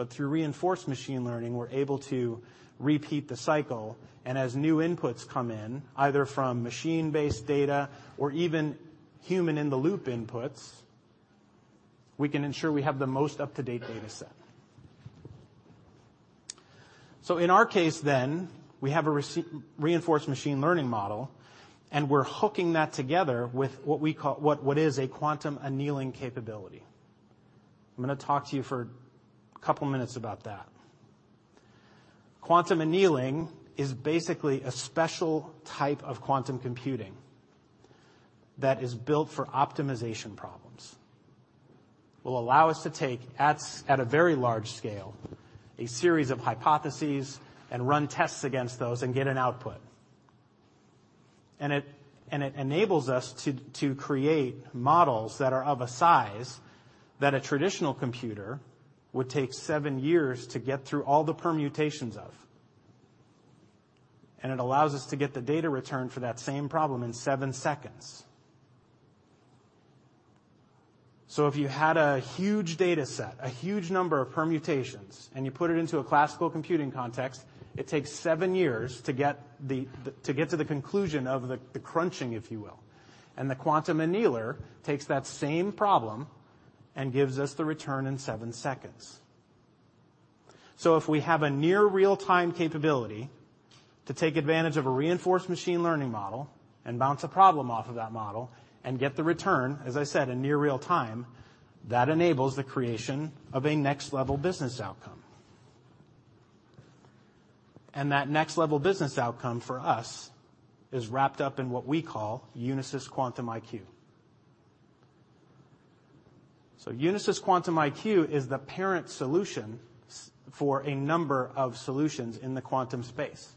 Through reinforced machine learning, we're able to repeat the cycle, and as new inputs come in, either from machine-based data or even human-in-the-loop inputs, we can ensure we have the most up-to-date data set. In our case then, we have a reinforced machine learning model, and we're hooking that together with what we call what is a quantum annealing capability. I'm gonna talk to you for a couple minutes about that. Quantum annealing is basically a special type of quantum computing that is built for optimization problems. Will allow us to take at a very large scale, a series of hypotheses and run tests against those and get an output. It enables us to create models that are of a size that a traditional computer would take seven years to get through all the permutations of, and it allows us to get the data return for that same problem in seven seconds. If you had a huge data set, a huge number of permutations, and you put it into a classical computing context, it takes seven years to get to the conclusion of the crunching, if you will, and the quantum annealer takes that same problem and gives us the return in seven seconds. If we have a near real-time capability to take advantage of a reinforced machine learning model and bounce a problem off of that model and get the return, as I said, in near real time, that enables the creation of a next-level business outcome. That next-level business outcome for us is wrapped up in what we call Unisys QuantumIQ. Unisys QuantumIQ is the parent solution for a number of solutions in the quantum space.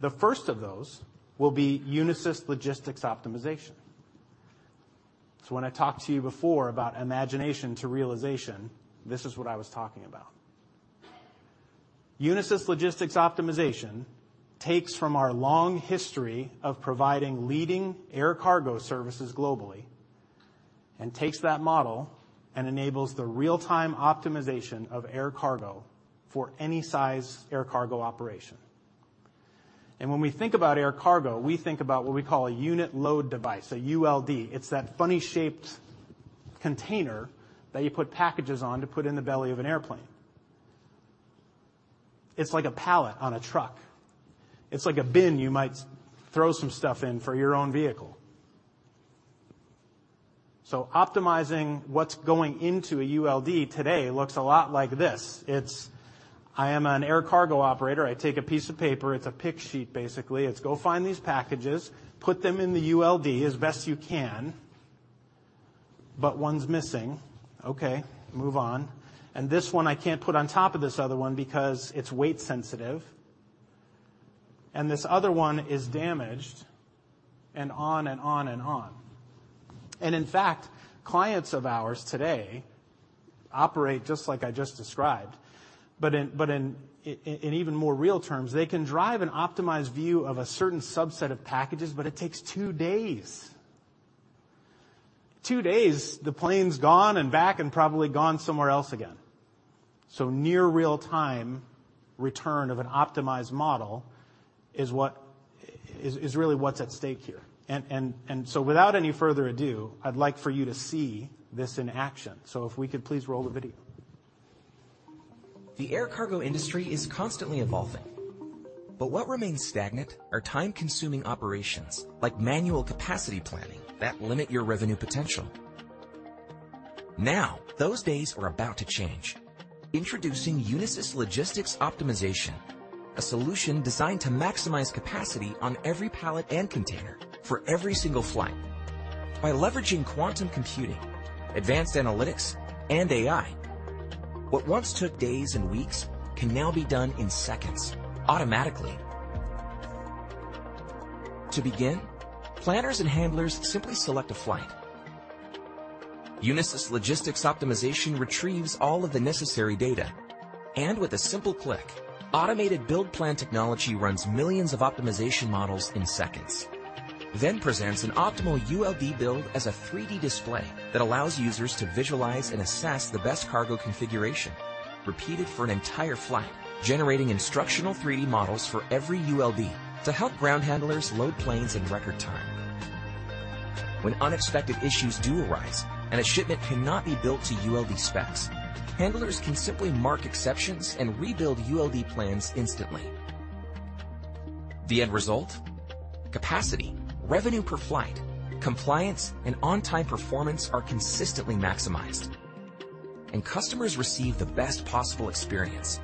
The first of those will be Unisys Logistics Optimization. When I talked to you before about imagination to realization, this is what I was talking about. Unisys Logistics Optimization takes from our long history of providing leading air cargo services globally and takes that model and enables the real-time optimization of air cargo for any size air cargo operation. When we think about air cargo, we think about what we call a unit load device, a ULD. It's that funny-shaped container that you put packages on to put in the belly of an airplane. It's like a pallet on a truck. It's like a bin you might throw some stuff in for your own vehicle. Optimizing what's going into a ULD today looks a lot like this. It's I am an air cargo operator. I take a piece of paper. It's a pick sheet, basically. It's go find these packages, put them in the ULD as best you can, but one's missing. Okay, move on. This one I can't put on top of this other one because it's weight sensitive, and this other one is damaged, and on and on and on. In fact, clients of ours today operate just like I just described, but in even more real terms, they can drive an optimized view of a certain subset of packages, but it takes two days. Two days, the plane's gone and back and probably gone somewhere else again. Near real time return of an optimized model is what is really what's at stake here. Without any further ado, I'd like for you to see this in action. If we could please roll the video. The air cargo industry is constantly evolving, but what remains stagnant are time-consuming operations, like manual capacity planning, that limit your revenue potential. Those days are about to change. Introducing Unisys Logistics Optimization, a solution designed to maximize capacity on every pallet and container for every single flight.... By leveraging quantum computing, advanced analytics, and AI, what once took days and weeks can now be done in seconds, automatically. To begin, planners and handlers simply select a flight. Unisys Logistics Optimization retrieves all of the necessary data, and with a simple click, automated build plan technology runs millions of optimization models in seconds, then presents an optimal ULD build as a 3-D display that allows users to visualize and assess the best cargo configuration, repeated for an entire flight, generating instructional 3-D models for every ULD to help ground handlers load planes in record time. When unexpected issues do arise, and a shipment cannot be built to ULD specs, handlers can simply mark exceptions and rebuild ULD plans instantly. The end result? Capacity, revenue per flight, compliance, and on-time performance are consistently maximized, and customers receive the best possible experience.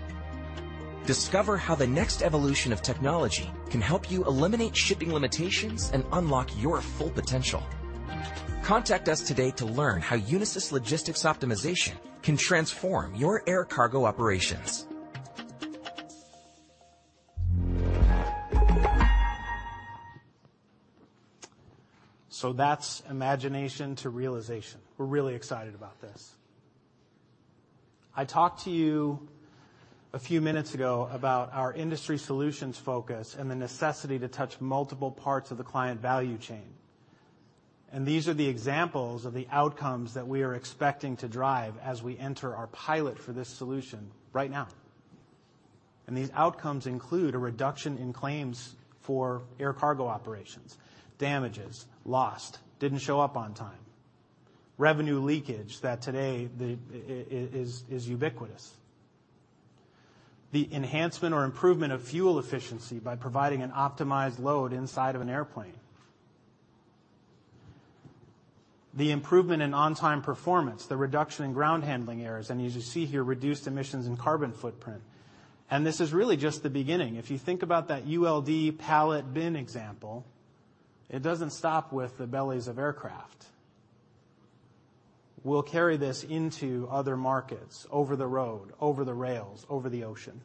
Discover how the next evolution of technology can help you eliminate shipping limitations and unlock your full potential. Contact us today to learn how Unisys Logistics Optimization can transform your air cargo operations. That's imagination to realization. We're really excited about this. I talked to you a few minutes ago about our industry solutions focus and the necessity to touch multiple parts of the client value chain. These are the examples of the outcomes that we are expecting to drive as we enter our pilot for this solution right now. These outcomes include a reduction in claims for air cargo operations, damages, lost, didn't show up on time, revenue leakage that today the is ubiquitous. The enhancement or improvement of fuel efficiency by providing an optimized load inside of an airplane. The improvement in on-time performance, the reduction in ground handling errors, and as you see here, reduced emissions and carbon footprint. This is really just the beginning. If you think about that ULD pallet bin example, it doesn't stop with the bellies of aircraft. We'll carry this into other markets, over the road, over the rails, over the ocean.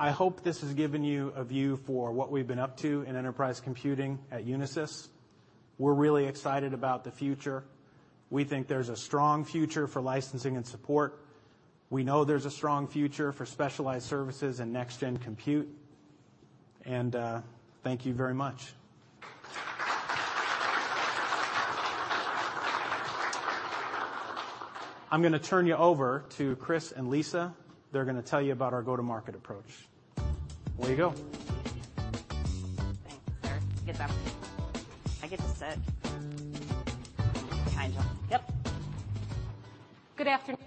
I hope this has given you a view for what we've been up to in Enterprise Computing at Unisys. We're really excited about the future. We think there's a strong future for licensing and support. We know there's a strong future for specialized services and next-gen compute, thank you very much. I'm gonna turn you over to Chris and Lisa. They're gonna tell you about our go-to-market approach. Away you go. Thanks, Chris. Get that. I get to sit. Kind of. Yep. Good afternoon.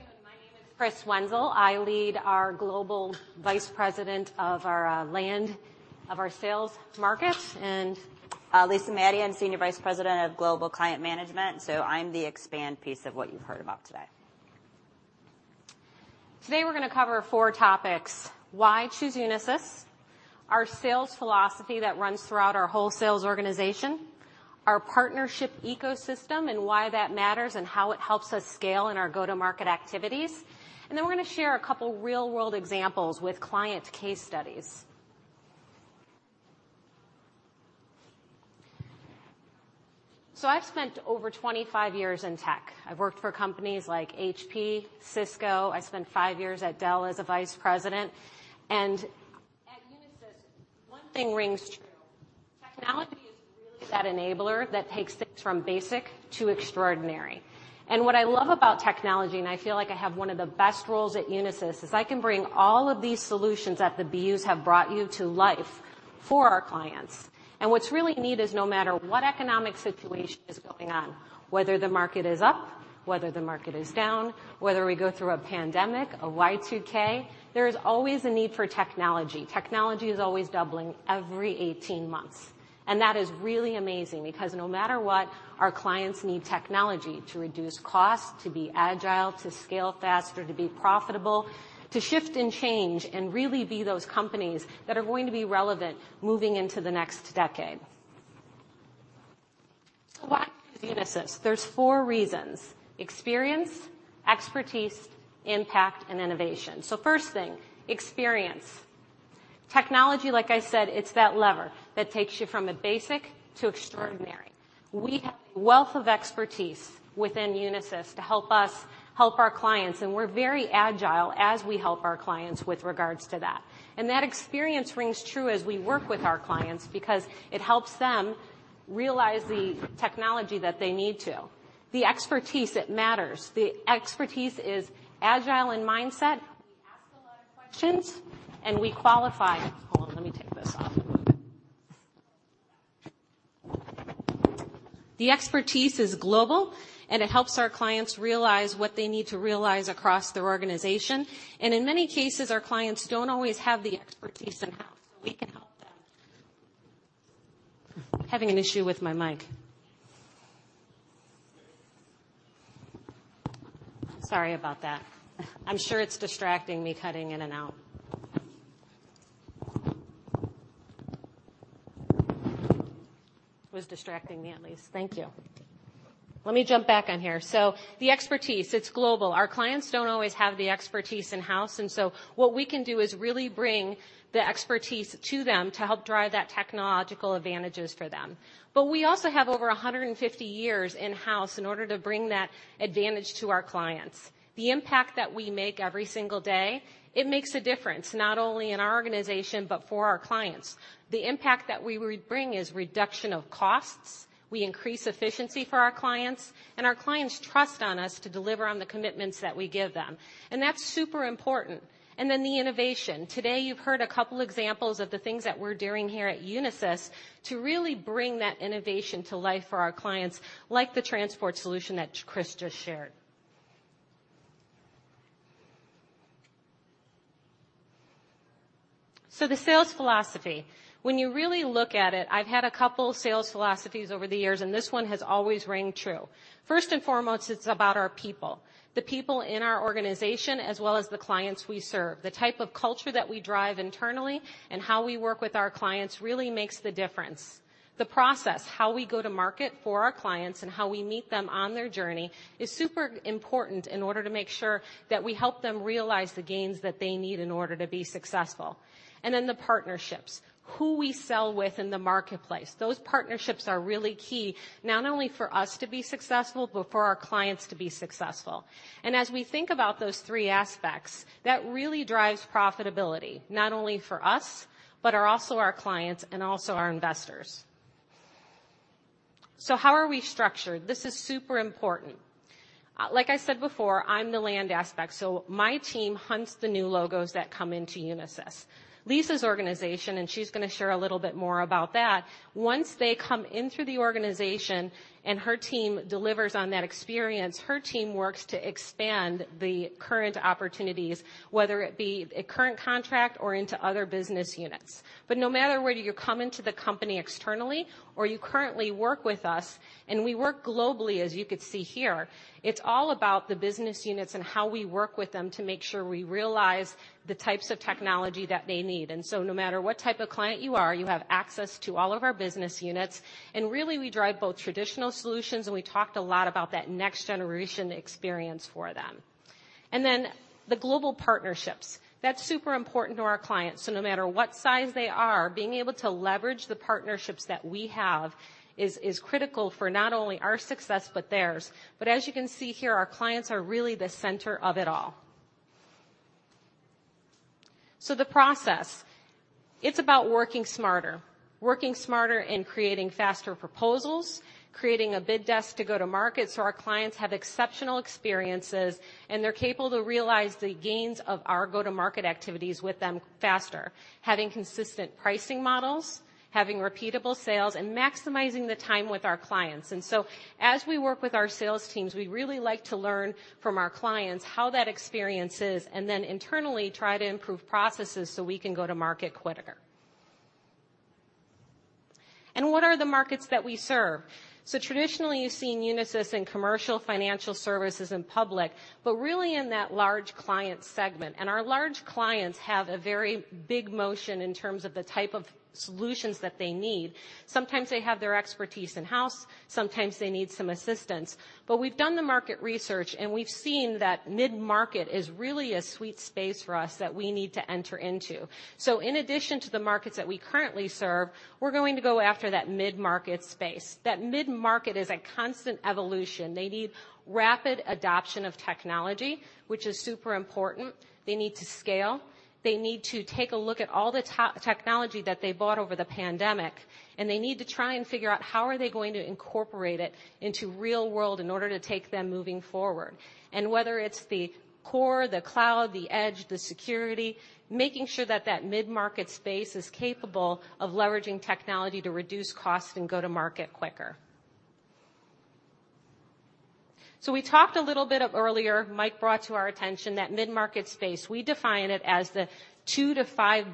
My name is Chris Wenzel. I lead our global Vice President of our Global Sales market. Lisa Madion, I'm Senior Vice President of Global Client Management, so I'm the expand piece of what you've heard about today. Today, we're gonna cover four topics: why choose Unisys, our sales philosophy that runs throughout our whole sales organization, our partnership ecosystem, and why that matters and how it helps us scale in our go-to-market activities. Then we're gonna share a couple real-world examples with client case studies. I've spent over 25 years in tech. I've worked for companies like HP, Cisco. I spent five years at Dell as a vice president, and at Unisys, one thing rings true: technology is really that enabler that takes things from basic to extraordinary. What I love about technology, and I feel like I have one of the best roles at Unisys, is I can bring all of these solutions that the BUs have brought you to life for our clients. What's really neat is no matter what economic situation is going on, whether the market is up, whether the market is down, whether we go through a pandemic, a Y2K, there is always a need for technology. Technology is always doubling every 18 months, and that is really amazing because no matter what, our clients need technology to reduce costs, to be agile, to scale faster, to be profitable, to shift and change and really be those companies that are going to be relevant moving into the next decade. Why Unisys? There's four reasons: experience, expertise, impact, and innovation. First thing, experience. Technology, like I said, it's that lever that takes you from a basic to extraordinary. We have a wealth of expertise within Unisys to help us help our clients, and we're very agile as we help our clients with regards to that. That experience rings true as we work with our clients because it helps them realize the technology that they need to. The expertise, it matters. The expertise is agile in mindset. We ask a lot of questions. Hold on, let me take this off. The expertise is global, and it helps our clients realize what they need to realize across their organization. In many cases, our clients don't always have the expertise in-house, so we can help them. Having an issue with my mic. Sorry about that. I'm sure it's distracting me, cutting in and out. It was distracting me, at least. Thank you. Let me jump back on here. The expertise, it's global. Our clients don't always have the expertise in-house. What we can do is really bring the expertise to them to help drive that technological advantages for them. We also have over 150 years in-house in order to bring that advantage to our clients. The impact that we make every single day, it makes a difference, not only in our organization, but for our clients. The impact that we bring is reduction of costs. We increase efficiency for our clients, and our clients trust on us to deliver on the commitments that we give them, and that's super important. The innovation. Today, you've heard a couple examples of the things that we're doing here at Unisys to really bring that innovation to life for our clients, like the transport solution that Chris just shared. The sales philosophy. When you really look at it, I've had a couple sales philosophies over the years, and this one has always rang true. First and foremost, it's about our people, the people in our organization, as well as the clients we serve. The type of culture that we drive internally and how we work with our clients really makes the difference. The process, how we go to market for our clients and how we meet them on their journey, is super important in order to make sure that we help them realize the gains that they need in order to be successful. The partnerships, who we sell with in the marketplace. Those partnerships are really key, not only for us to be successful, but for our clients to be successful. As we think about those three aspects, that really drives profitability, not only for us, but are also our clients and also our investors. How are we structured? This is super important. Like I said before, I'm the land aspect, so my team hunts the new logos that come into Unisys. Lisa's organization, she's gonna share a little bit more about that, once they come in through the organization and her team delivers on that experience, her team works to expand the current opportunities, whether it be a current contract or into other business units. No matter whether you come into the company externally or you currently work with us, and we work globally, as you could see here, it's all about the business units and how we work with them to make sure we realize the types of technology that they need. No matter what type of client you are, you have access to all of our business units, and really, we drive both traditional solutions, and we talked a lot about that next-generation experience for them. The global partnerships. That's super important to our clients, so no matter what size they are, being able to leverage the partnerships that we have is critical for not only our success but theirs. As you can see here, our clients are really the center of it all. The process, it's about working smarter. Working smarter and creating faster proposals, creating a bid desk to go-to-market so our clients have exceptional experiences, and they're capable to realize the gains of our go-to-market activities with them faster. Having consistent pricing models, having repeatable sales, and maximizing the time with our clients. As we work with our sales teams, we really like to learn from our clients how that experience is, and then internally try to improve processes so we can go to market quicker. What are the markets that we serve? Traditionally, you've seen Unisys in commercial, financial services, and public, but really in that large client segment. Our large clients have a very big motion in terms of the type of solutions that they need. Sometimes they have their expertise in-house, sometimes they need some assistance. We've done the market research, and we've seen that mid-market is really a sweet space for us that we need to enter into. In addition to the markets that we currently serve, we're going to go after that mid-market space. That mid-market is a constant evolution. They need rapid adoption of technology, which is super important. They need to scale. They need to take a look at all the tech, technology that they bought over the pandemic, and they need to try and figure out how are they going to incorporate it into real world in order to take them moving forward. Whether it's the core, the cloud, the edge, the security, making sure that that mid-market space is capable of leveraging technology to reduce costs and go to market quicker. We talked a little bit earlier. Mike brought to our attention that mid-market space. We define it as the $2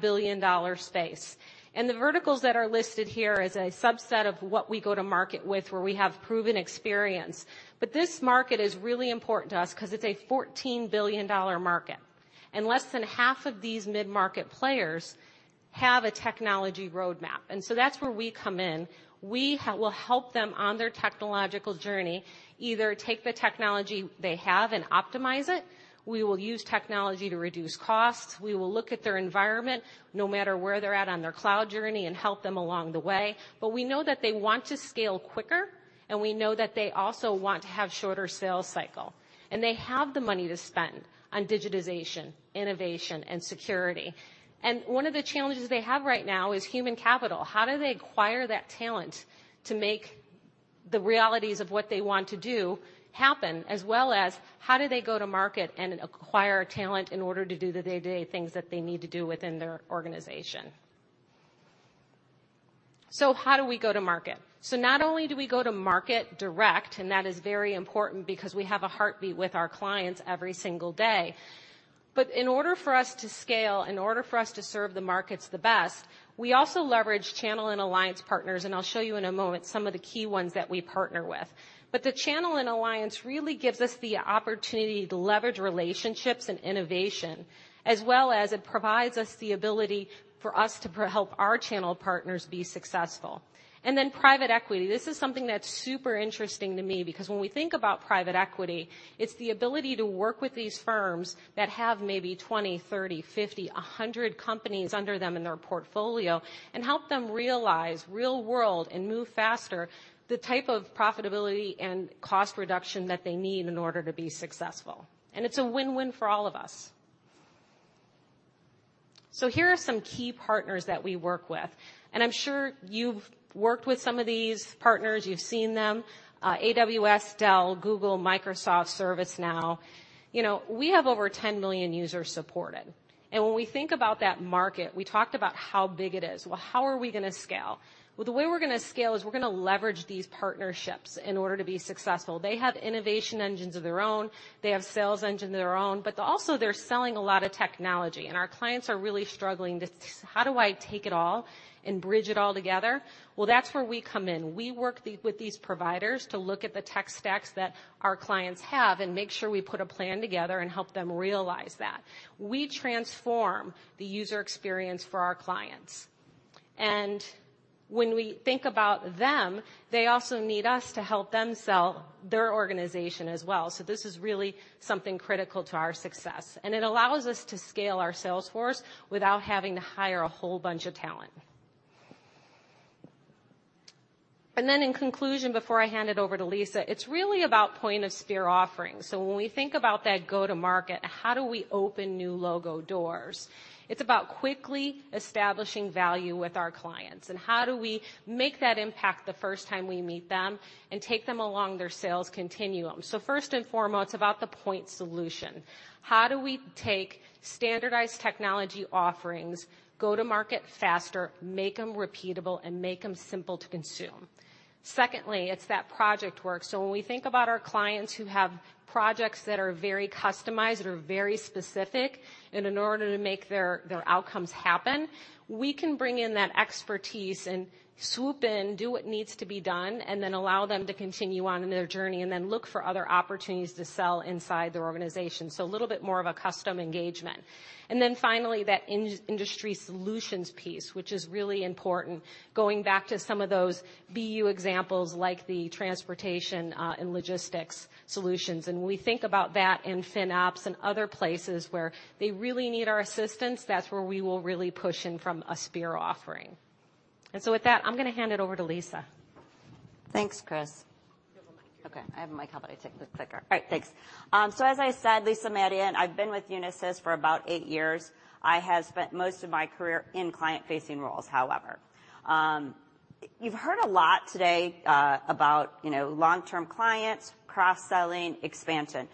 billion-$5 billion space. The verticals that are listed here is a subset of what we go to market with, where we have proven experience. This market is really important to us 'cause it's a $14 billion market, and less than half of these mid-market players have a technology roadmap. That's where we come in. We'll help them on their technological journey, either take the technology they have and optimize it. We will use technology to reduce costs. We will look at their environment, no matter where they're at on their cloud journey, and help them along the way. We know that they want to scale quicker, and we know that they also want to have shorter sales cycle, and they have the money to spend on digitization, innovation, and security. One of the challenges they have right now is human capital. How do they acquire that talent to make the realities of what they want to do happen, as well as how do they go to market and acquire talent in order to do the day-to-day things that they need to do within their organization? How do we go to market? Not only do we go to market direct, and that is very important because we have a heartbeat with our clients every single day. In order for us to scale, in order for us to serve the markets the best, we also leverage channel and alliance partners, and I'll show you in a moment some of the key ones that we partner with. The channel and alliance really gives us the opportunity to leverage relationships and innovation, as well as it provides us the ability for us to help our channel partners be successful. Then private equity. This is something that's super interesting to me because when we think about private equity, it's the ability to work with these firms that have maybe 20, 30, 50, 100 companies under them in their portfolio and help them realize real-world, and move faster, the type of profitability and cost reduction that they need in order to be successful. It's a win-win for all of us. Here are some key partners that we work with, and I'm sure you've worked with some of these partners. You've seen them, AWS, Dell, Google, Microsoft, ServiceNow. You know, we have over 10 million users supported, and when we think about that market, we talked about how big it is. Well, how are we gonna scale? Well, the way we're gonna scale is we're gonna leverage these partnerships in order to be successful. They have innovation engines of their own, they have sales engine of their own, but also they're selling a lot of technology, and our clients are really struggling to, "How do I take it all and bridge it all together?" Well, that's where we come in. We work with these providers to look at the tech stacks that our clients have and make sure we put a plan together and help them realize that. We transform the user experience for our clients. When we think about them, they also need us to help them sell their organization as well. This is really something critical to our success, and it allows us to scale our sales force without having to hire a whole bunch of talent. Then, in conclusion, before I hand it over to Lisa, it's really about point-of-sphere offerings. When we think about that go-to-market, how do we open new logo doors? It's about quickly establishing value with our clients, and how do we make that impact the first time we meet them and take them along their sales continuum? First and foremost, about the point solution. How do we take standardized technology offerings, go to market faster, make them repeatable, and make them simple to consume? Secondly, it's that project work. When we think about our clients who have projects that are very customized or very specific, and in order to make their outcomes happen, we can bring in that expertise and swoop in, do what needs to be done, and then allow them to continue on in their journey, and then look for other opportunities to sell inside their organization. A little bit more of a custom engagement. Finally, that industry solutions piece, which is really important, going back to some of those BU examples, like the transportation, and logistics solutions. When we think about that in FinOps and other places where they really need our assistance, that's where we will really push in from a sphere offering. With that, I'm gonna hand it over to Lisa. Thanks, Chris. You have a mic. Okay, I have a mic, how about I take the clicker? All right, thanks. As I said, Lisa Madion, I've been with Unisys for about eight years. I have spent most of my career in client-facing roles, however. You've heard a lot today, about, you know, long-term clients, cross-selling, expansion.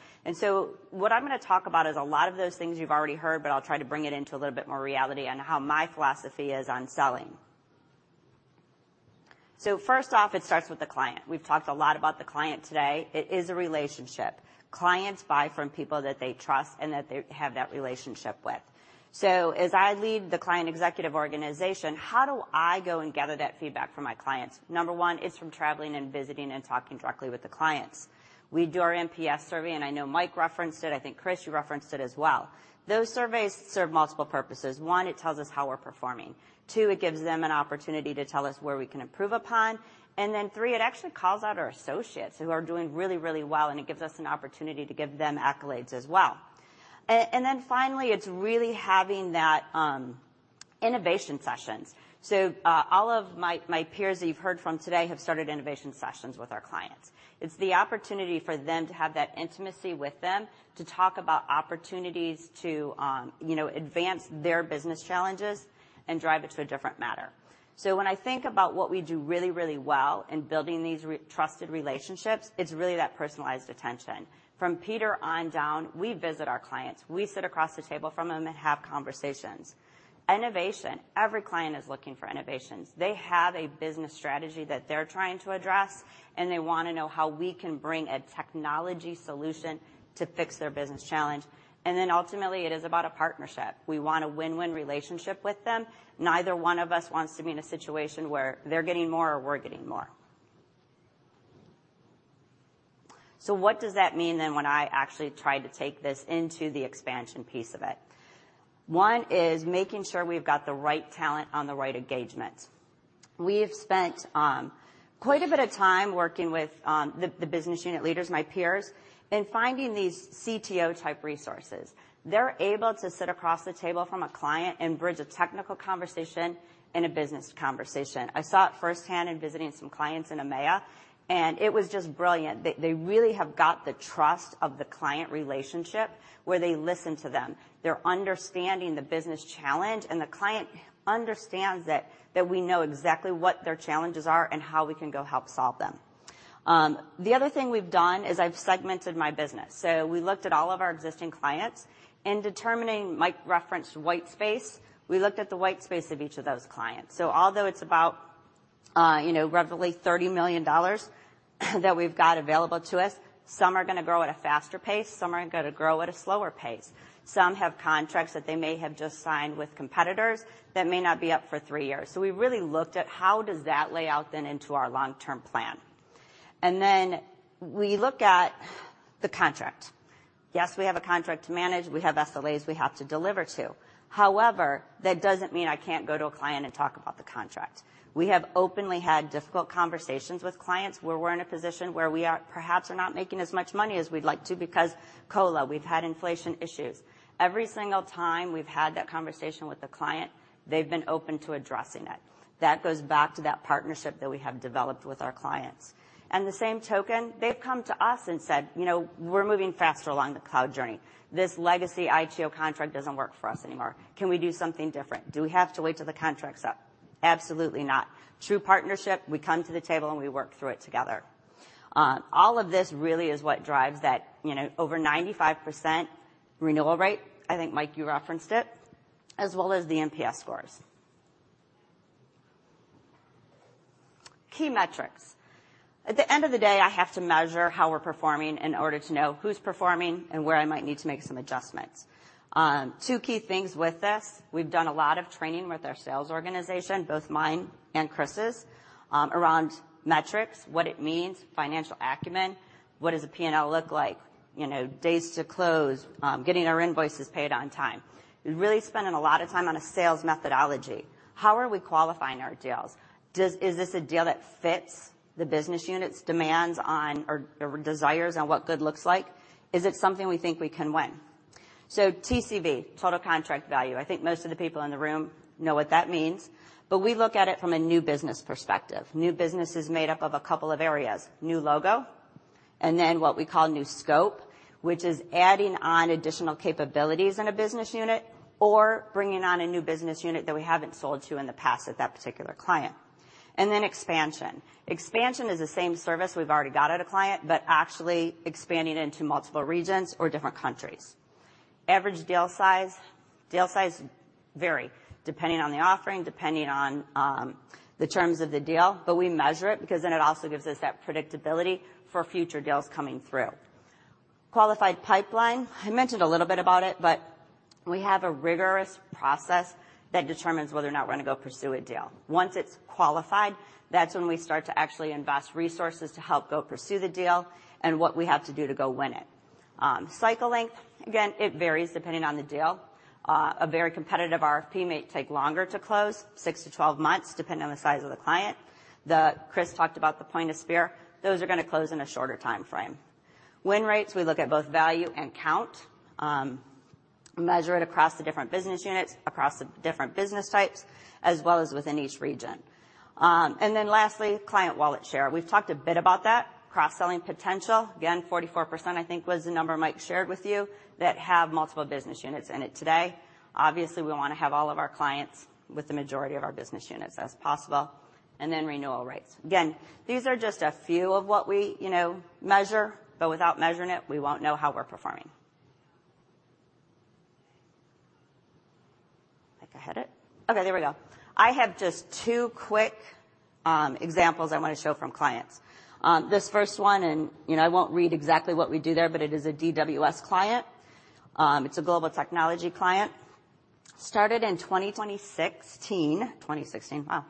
What I'm gonna talk about is a lot of those things you've already heard, but I'll try to bring it into a little bit more reality and how my philosophy is on selling. First off, it starts with the client. We've talked a lot about the client today. It is a relationship. Clients buy from people that they trust and that they have that relationship with. As I lead the client executive organization, how do I go and gather that feedback from my clients? Number one is from traveling and visiting and talking directly with the clients. We do our NPS survey. I know Mike referenced it. I think, Chris, you referenced it as well. Those surveys serve multiple purposes. One, it tells us how we're performing. Two, it gives them an opportunity to tell us where we can improve upon. Three, it actually calls out our associates who are doing really, really well, and it gives us an opportunity to give them accolades as well. Finally, it's really having that innovation sessions. All of my peers that you've heard from today have started innovation sessions with our clients. It's the opportunity for them to have that intimacy with them, to talk about opportunities to, you know, advance their business challenges and drive it to a different matter. When I think about what we do really, really well in building these trusted relationships, it's really that personalized attention. From Peter on down, we visit our clients. We sit across the table from them and have conversations. Innovation. Every client is looking for innovations. They have a business strategy that they're trying to address, and they wanna know how we can bring a technology solution to fix their business challenge. Ultimately, it is about a partnership. We want a win-win relationship with them. Neither one of us wants to be in a situation where they're getting more or we're getting more. What does that mean then, when I actually try to take this into the expansion piece of it? One is making sure we've got the right talent on the right engagement. We've spent quite a bit of time working with the business unit leaders, my peers, in finding these CTO-type resources. They're able to sit across the table from a client and bridge a technical conversation and a business conversation. I saw it firsthand in visiting some clients in EMEA, and it was just brilliant. They really have got the trust of the client relationship, where they listen to them. They're understanding the business challenge, and the client understands that we know exactly what their challenges are and how we can go help solve them. The other thing we've done is I've segmented my business. We looked at all of our existing clients, and determining, Mike referenced white space, we looked at the white space of each of those clients. Although it's... you know, roughly $30 million that we've got available to us. Some are gonna grow at a faster pace, some are gonna grow at a slower pace. Some have contracts that they may have just signed with competitors that may not be up for three years. We really looked at how does that lay out then into our long-term plan? Then we look at the contract. Yes, we have a contract to manage. We have SLAs we have to deliver to. However, that doesn't mean I can't go to a client and talk about the contract. We have openly had difficult conversations with clients, where we perhaps are not making as much money as we'd like to, because COLA, we've had inflation issues. Every single time we've had that conversation with the client, they've been open to addressing it. That goes back to that partnership that we have developed with our clients. The same token, they've come to us and said, "You know, we're moving faster along the cloud journey. This legacy ITO contract doesn't work for us anymore. Can we do something different? Do we have to wait till the contract's up?" Absolutely not. True partnership, we come to the table, and we work through it together. All of this really is what drives that, you know, over 95% renewal rate, I think, Mike, you referenced it, as well as the NPS scores. Key metrics. At the end of the day, I have to measure how we're performing in order to know who's performing and where I might need to make some adjustments. Two key things with this: We've done a lot of training with our sales organization, both mine and Chris's, around metrics, what it means, financial acumen, what does a P&L look like? You know, days to close, getting our invoices paid on time. We're really spending a lot of time on a sales methodology. How are we qualifying our deals? Is this a deal that fits the business unit's demands on or desires on what good looks like? Is it something we think we can win? TCV, Total Contract Value. I think most of the people in the room know what that means, but we look at it from a new business perspective. New business is made up of a couple of areas: new logo, and then what we call new scope, which is adding on additional capabilities in a business unit or bringing on a new business unit that we haven't sold to in the past at that particular client. Then expansion. Expansion is the same service we've already got at a client, but actually expanding into multiple regions or different countries. Average deal size. Deal size vary depending on the offering, depending on the terms of the deal, but we measure it because then it also gives us that predictability for future deals coming through. Qualified pipeline, I mentioned a little bit about it, but we have a rigorous process that determines whether or not we're going to go pursue a deal. Once it's qualified, that's when we start to actually invest resources to help go pursue the deal and what we have to do to go win it. Cycle length, again, it varies depending on the deal. A very competitive RFP may take longer to close, six to 12 months, depending on the size of the client. Chris talked about the point of spear. Those are gonna close in a shorter timeframe. Win rates, we look at both value and count, measure it across the different business units, across the different business types, as well as within each region. Lastly, client wallet share. We've talked a bit about that. Cross-selling potential, again, 44%, I think, was the number Mike shared with you, that have multiple business units in it today. Obviously, we wanna have all of our clients with the majority of our business units as possible. Then renewal rates. Again, these are just a few of what we, you know, measure, but without measuring it, we won't know how we're performing. Think I had it? Okay, there we go. I have just two quick examples I want to show from clients. This first one, and, you know, I won't read exactly what we do there, but it is a DWS client. It's a global technology client. Started in 2016. Wow!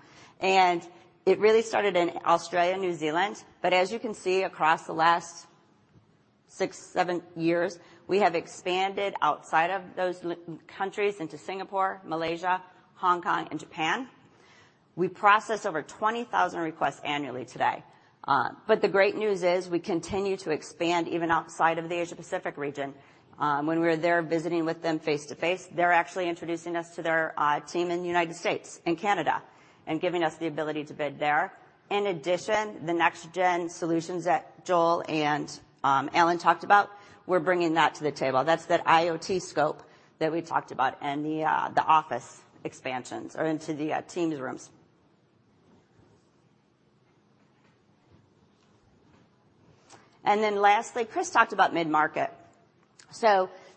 It really started in Australia and New Zealand, but as you can see, across the last six, seven years, we have expanded outside of those countries into Singapore, Malaysia, Hong Kong, and Japan. We process over 20,000 requests annually today. The great news is we continue to expand even outside of the Asia Pacific region. When we were there visiting with them face-to-face, they're actually introducing us to their team in the United States and Canada and giving us the ability to bid there. In addition, the next gen solutions that Joel and Alan talked about, we're bringing that to the table. That's that IoT scope that we talked about and the office expansions or into the Teams rooms. Lastly, Chris talked about mid-market.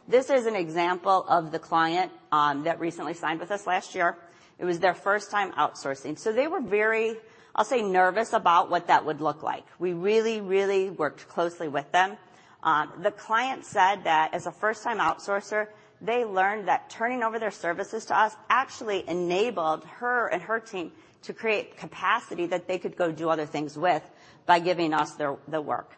This is an example of the client that recently signed with us last year. It was their first time outsourcing, so they were very, I'll say, nervous about what that would look like. We really, really worked closely with them. The client said that as a first-time outsourcer, they learned that turning over their services to us actually enabled her and her team to create capacity that they could go do other things with by giving us their, the work.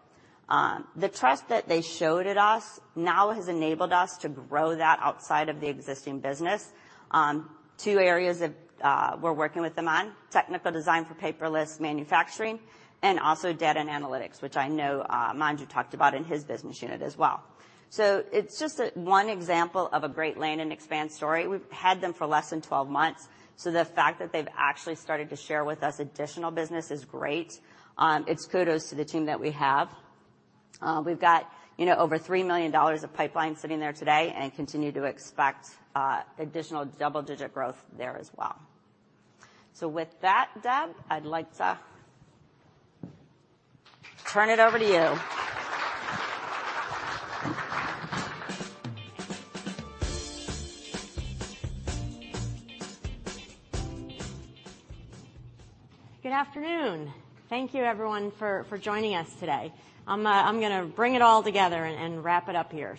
The trust that they showed at us now has enabled us to grow that outside of the existing business. Two areas that we're working with them on: technical design for paperless manufacturing and also data and analytics, which I know Manju talked about in his business unit as well. It's just one example of a great land and expand story. We've had them for less than 12 months, so the fact that they've actually started to share with us additional business is great. It's kudos to the team that we have. We've got, you know, over $3 million of pipeline sitting there today and continue to expect additional double-digit growth there as well. With that, Deb, I'd like to turn it over to you. Good afternoon! Thank you everyone for joining us today. I'm gonna bring it all together and wrap it up here.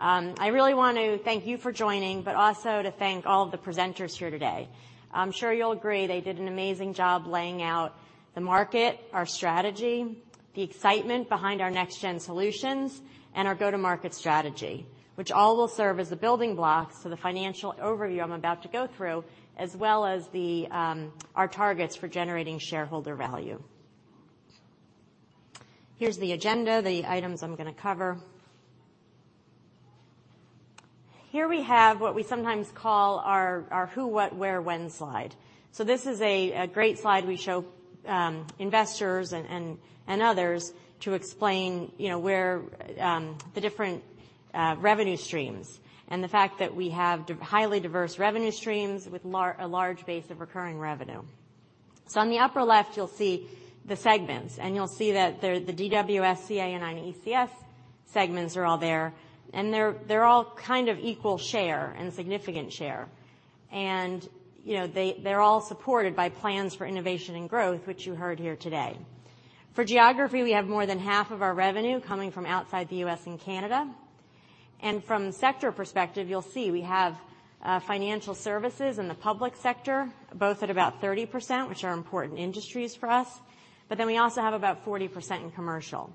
I really want to thank you for joining, but also to thank all of the presenters here today. I'm sure you'll agree, they did an amazing job laying out the market, our strategy, the excitement behind our next-gen solutions, and our go-to-market strategy, which all will serve as the building blocks to the financial overview I'm about to go through, as well as our targets for generating shareholder value. Here's the agenda, the items I'm gonna cover. Here we have what we sometimes call our who, what, where, when slide. This is a great slide we show investors and others to explain, you know, where the different revenue streams, and the fact that we have highly diverse revenue streams with a large base of recurring revenue. On the upper left, you'll see the segments, and you'll see that the DWS, CA, and ECS segments are all there, and they're all kind of equal share and significant share. You know, they're all supported by plans for innovation and growth, which you heard here today. For geography, we have more than half of our revenue coming from outside the U.S. and Canada. From the sector perspective, you'll see we have financial services in the public sector, both at about 30%, which are important industries for us, we also have about 40% in commercial.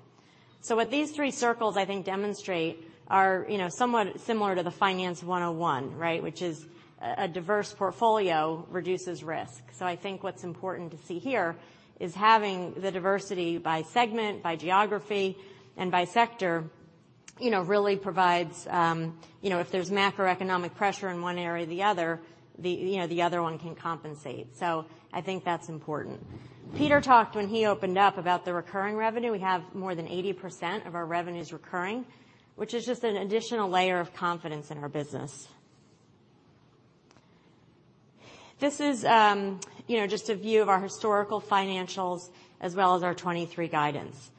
What these three circles, I think, demonstrate are, you know, somewhat similar to the Finance 101, right? A diverse portfolio reduces risk. I think what's important to see here is having the diversity by segment, by geography, and by sector, you know, really provides, if there's macroeconomic pressure in one area or the other, the, you know, the other one can compensate. I think that's important. Peter talked when he opened up about the recurring revenue. We have more than 80% of our revenues recurring, which is just an additional layer of confidence in our business. This is, you know, just a view of our historical financials as well as our 2023 guidance.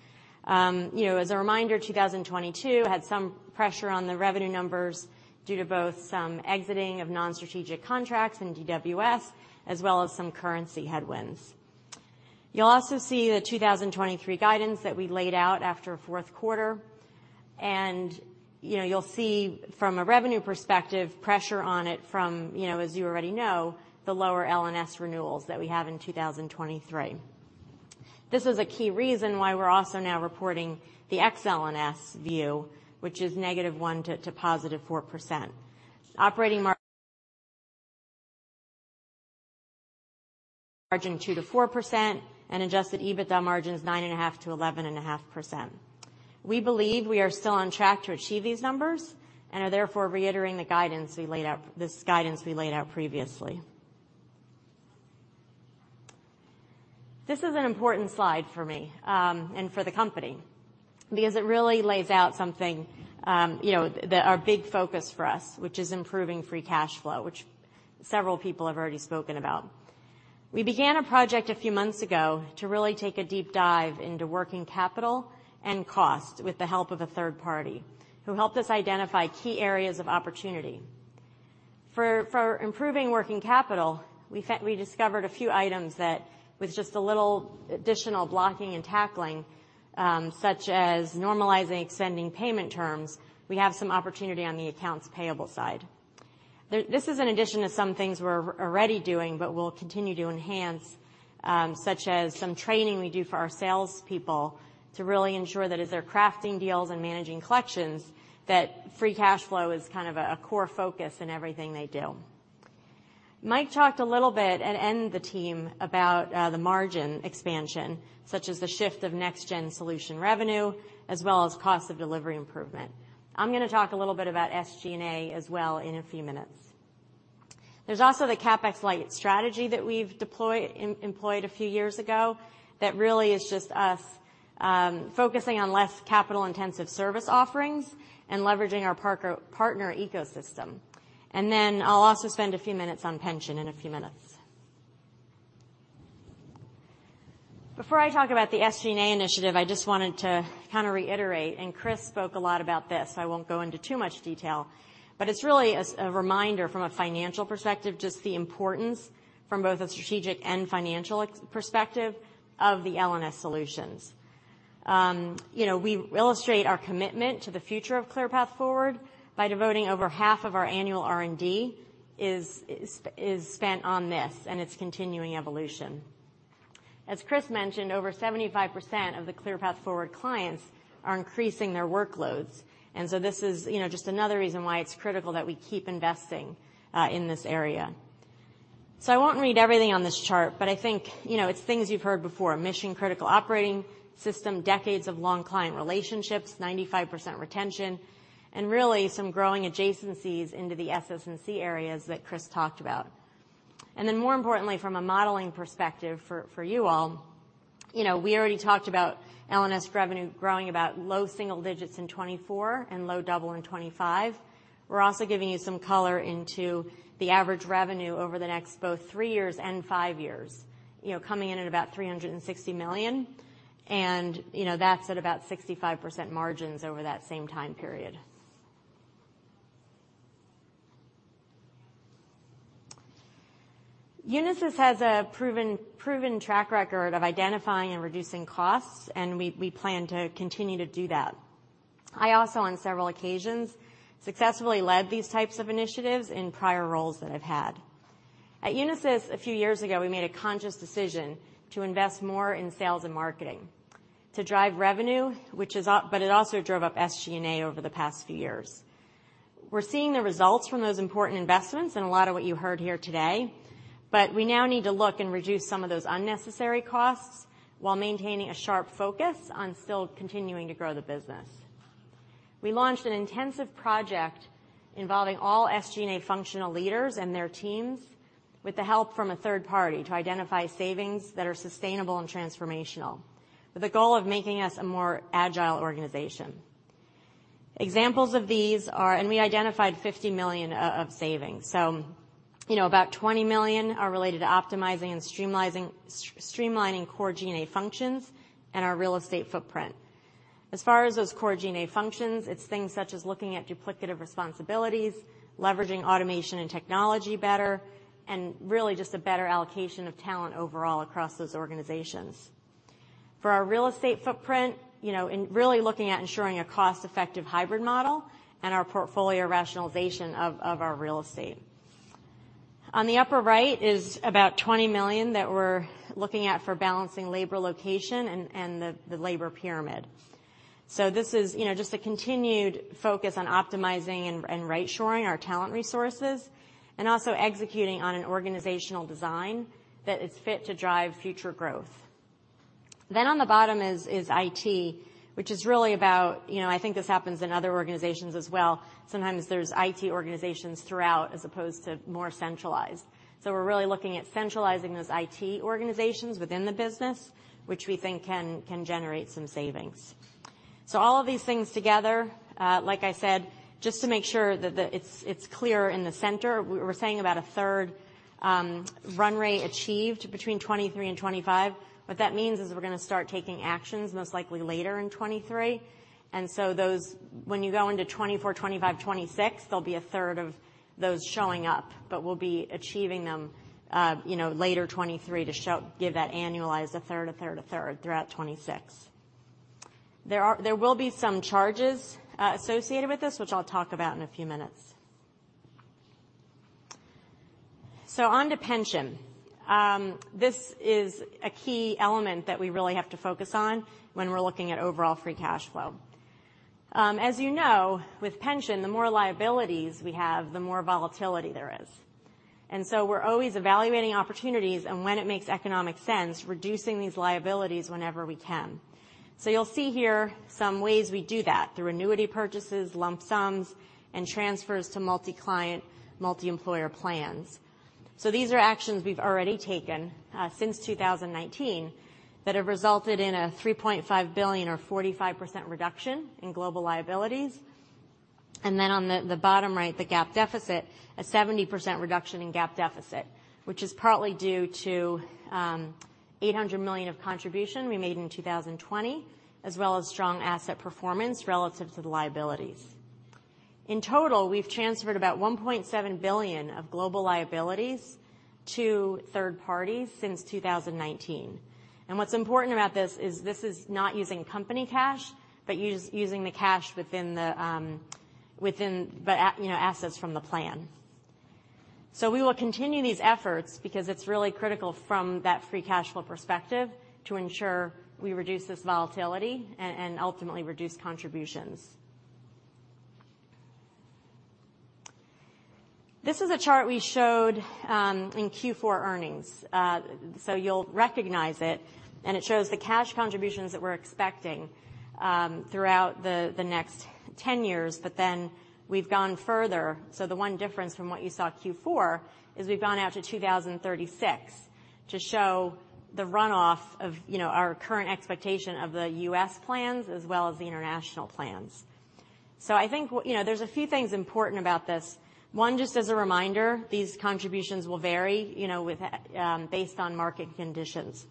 As a reminder, 2022 had some pressure on the revenue numbers due to both some exiting of non-strategic contracts in DWS, as well as some currency headwinds. You'll also see the 2023 guidance that we laid out after fourth quarter. You know, you'll see from a revenue perspective, pressure on it from, you know, as you already know, the lower LNS renewals that we have in 2023. This is a key reason why we're also now reporting the ex LNS view, which is -1% to +4%. Operating margin 2%-4% and adjusted EBITDA margins 9.5%-11.5%. We believe we are still on track to achieve these numbers and are therefore reiterating this guidance we laid out previously. This is an important slide for me and for the company, because it really lays out something, you know, that are a big focus for us, which is improving free cash flow, which several people have already spoken about. We began a project a few months ago to really take a deep dive into working capital and cost, with the help of a third party, who helped us identify key areas of opportunity. For improving working capital, we discovered a few items that, with just a little additional blocking and tackling, such as normalizing extending payment terms, we have some opportunity on the accounts payable side. This is in addition to some things we're already doing but will continue to enhance, such as some training we do for our salespeople to really ensure that as they're crafting deals and managing collections, that free cash flow is kind of a core focus in everything they do. Mike talked a little bit, and the team, about the margin expansion, such as the shift of next gen solution revenue, as well as cost of delivery improvement. I'm gonna talk a little bit about SG&A as well in a few minutes. There's also the CapEx light strategy that we've employed a few years ago, that really is just us, focusing on less capital-intensive service offerings and leveraging our partner ecosystem. Then I'll also spend a few minutes on pension in a few minutes. Before I talk about the SG&A initiative, I just wanted to kind of reiterate. Chris spoke a lot about this, so I won't go into too much detail. It's really as a reminder from a financial perspective, just the importance from both a strategic and financial perspective of the LNS solutions. You know, we illustrate our commitment to the future of ClearPath Forward by devoting over half of our annual R&D is spent on this and its continuing evolution. As Chris mentioned, over 75% of the ClearPath Forward clients are increasing their workloads. This is, you know, just another reason why it's critical that we keep investing in this area. I won't read everything on this chart, but I think, you know, it's things you've heard before, mission-critical operating system, decades of long client relationships, 95% retention, and really some growing adjacencies into the SS&C areas that Chris talked about. More importantly, from a modeling perspective, for you all, you know, we already talked about LNS revenue growing about low single digits in 2024 and low double in 2025. We're also giving you some color into the average revenue over the next both three years and five years, you know, coming in at about $360 million. You know, that's at about 65% margins over that same time period. Unisys has a proven track record of identifying and reducing costs, and we plan to continue to do that. I also, on several occasions, successfully led these types of initiatives in prior roles that I've had. At Unisys, a few years ago, we made a conscious decision to invest more in sales and marketing to drive revenue, but it also drove up SG&A over the past few years. We're seeing the results from those important investments in a lot of what you heard here today. We now need to look and reduce some of those unnecessary costs while maintaining a sharp focus on still continuing to grow the business. We launched an intensive project involving all SG&A functional leaders and their teams, with the help from a third party, to identify savings that are sustainable and transformational, with the goal of making us a more agile organization. Examples of these. We identified $50 million of savings. you know, about $20 million are related to optimizing and streamlining core G&A functions and our real estate footprint. As far as those core G&A functions, it's things such as looking at duplicative responsibilities, leveraging automation and technology better, and really just a better allocation of talent overall across those organizations. For our real estate footprint, you know, and really looking at ensuring a cost-effective hybrid model and our portfolio rationalization of our real estate. On the upper right is about $20 million that we're looking at for balancing labor location and the labor pyramid. This is, you know, just a continued focus on optimizing and right shoring our talent resources, and also executing on an organizational design that is fit to drive future growth. On the bottom is IT, which is really about, you know, I think this happens in other organizations as well. Sometimes there's IT organizations throughout as opposed to more centralized. We're really looking at centralizing those IT organizations within the business, which we think can generate some savings. All of these things together, like I said, just to make sure that it's clear in the center, we're saying about a third run rate achieved between 2023 and 2025. What that means is we're gonna start taking actions most likely later in 2023. When you go into 2024, 20205, 226, there'll be a third of those showing up, but we'll be achieving them, you know, later 2023 to give that annualized, a third, a third, a third throughout 2026. There will be some charges associated with this, which I'll talk about in a few minutes. On to pension. This is a key element that we really have to focus on when we're looking at overall free cash flow. As you know, with pension, the more liabilities we have, the more volatility there is. We're always evaluating opportunities and when it makes economic sense, reducing these liabilities whenever we can. You'll see here some ways we do that, through annuity purchases, lump sums, and transfers to multi-client, multi-employer plans. These are actions we've already taken since 2019 that have resulted in a $3.5 billion or 45% reduction in global liabilities. On the bottom right, the GAAP deficit, a 70% reduction in GAAP deficit, which is partly due to $800 million of contribution we made in 2020, as well as strong asset performance relative to the liabilities. In total, we've transferred about $1.7 billion of global liabilities to third parties since 2019. What's important about this is this is not using company cash, but using the cash within the, you know, assets from the plan. We will continue these efforts because it's really critical from that free cash flow perspective to ensure we reduce this volatility and ultimately reduce contributions. This is a chart we showed in Q4 earnings, so you'll recognize it, and it shows the cash contributions that we're expecting throughout the next 10 years. We've gone further. The one difference from what you saw Q4 is we've gone out to 2036 to show the runoff of, you know, our current expectation of the U.S. plans as well as the international plans. I think, you know, there's a few things important about this. One, just as a reminder, these contributions will vary, you know, with based on market conditions.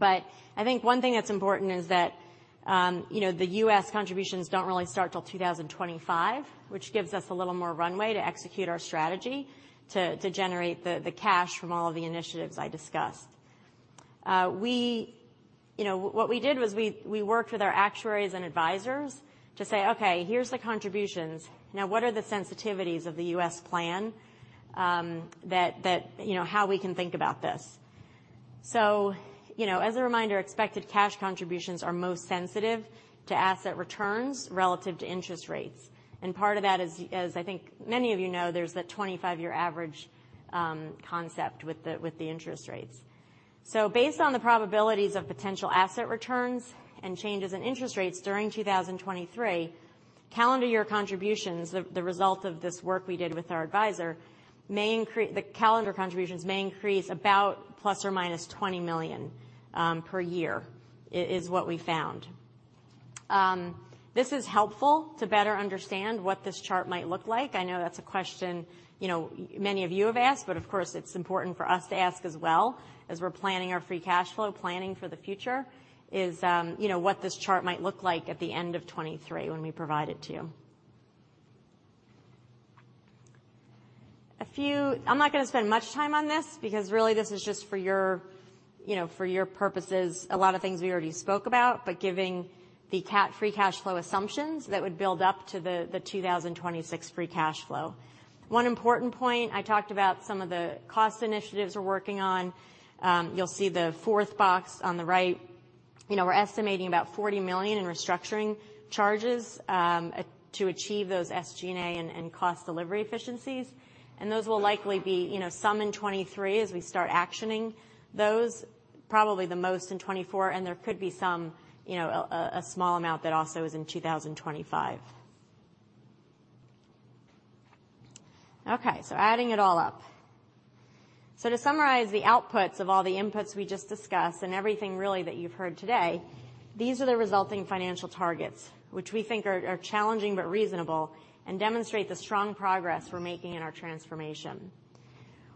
I think one thing that's important is that, you know, the U.S. contributions don't really start till 2025, which gives us a little more runway to execute our strategy to generate the cash from all of the initiatives I discussed. We, you know, what we did was we worked with our actuaries and advisors to say, "Okay, here's the contributions. What are the sensitivities of the U.S. plan, you know, how we can think about this?" You know, as a reminder, expected cash contributions are most sensitive to asset returns relative to interest rates. Part of that is, as I think many of you know, there's that 25-year average concept with the interest rates. Based on the probabilities of potential asset returns and changes in interest rates during 2023, calendar year contributions, the result of this work we did with our advisor, may increase about ±$20 million per year is what we found. This is helpful to better understand what this chart might look like. I know that's a question, you know, many of you have asked, but of course, it's important for us to ask as well, as we're planning our free cash flow. Planning for the future is, you know, what this chart might look like at the end of 2023 when we provide it to you. I'm not gonna spend much time on this, because really, this is just for your, you know, for your purposes. A lot of things we already spoke about, but giving the free cash flow assumptions that would build up to the 2026 free cash flow. One important point, I talked about some of the cost initiatives we're working on. You'll see the fourth box on the right. You know, we're estimating about $40 million in restructuring charges to achieve those SG&A and cost delivery efficiencies. Those will likely be, you know, some in 2023 as we start actioning those, probably the most in 2024, and there could be some, you know, a small amount that also is in 2025. Adding it all up. To summarize the outputs of all the inputs we just discussed and everything really that you've heard today, these are the resulting financial targets, which we think are challenging but reasonable, and demonstrate the strong progress we're making in our transformation.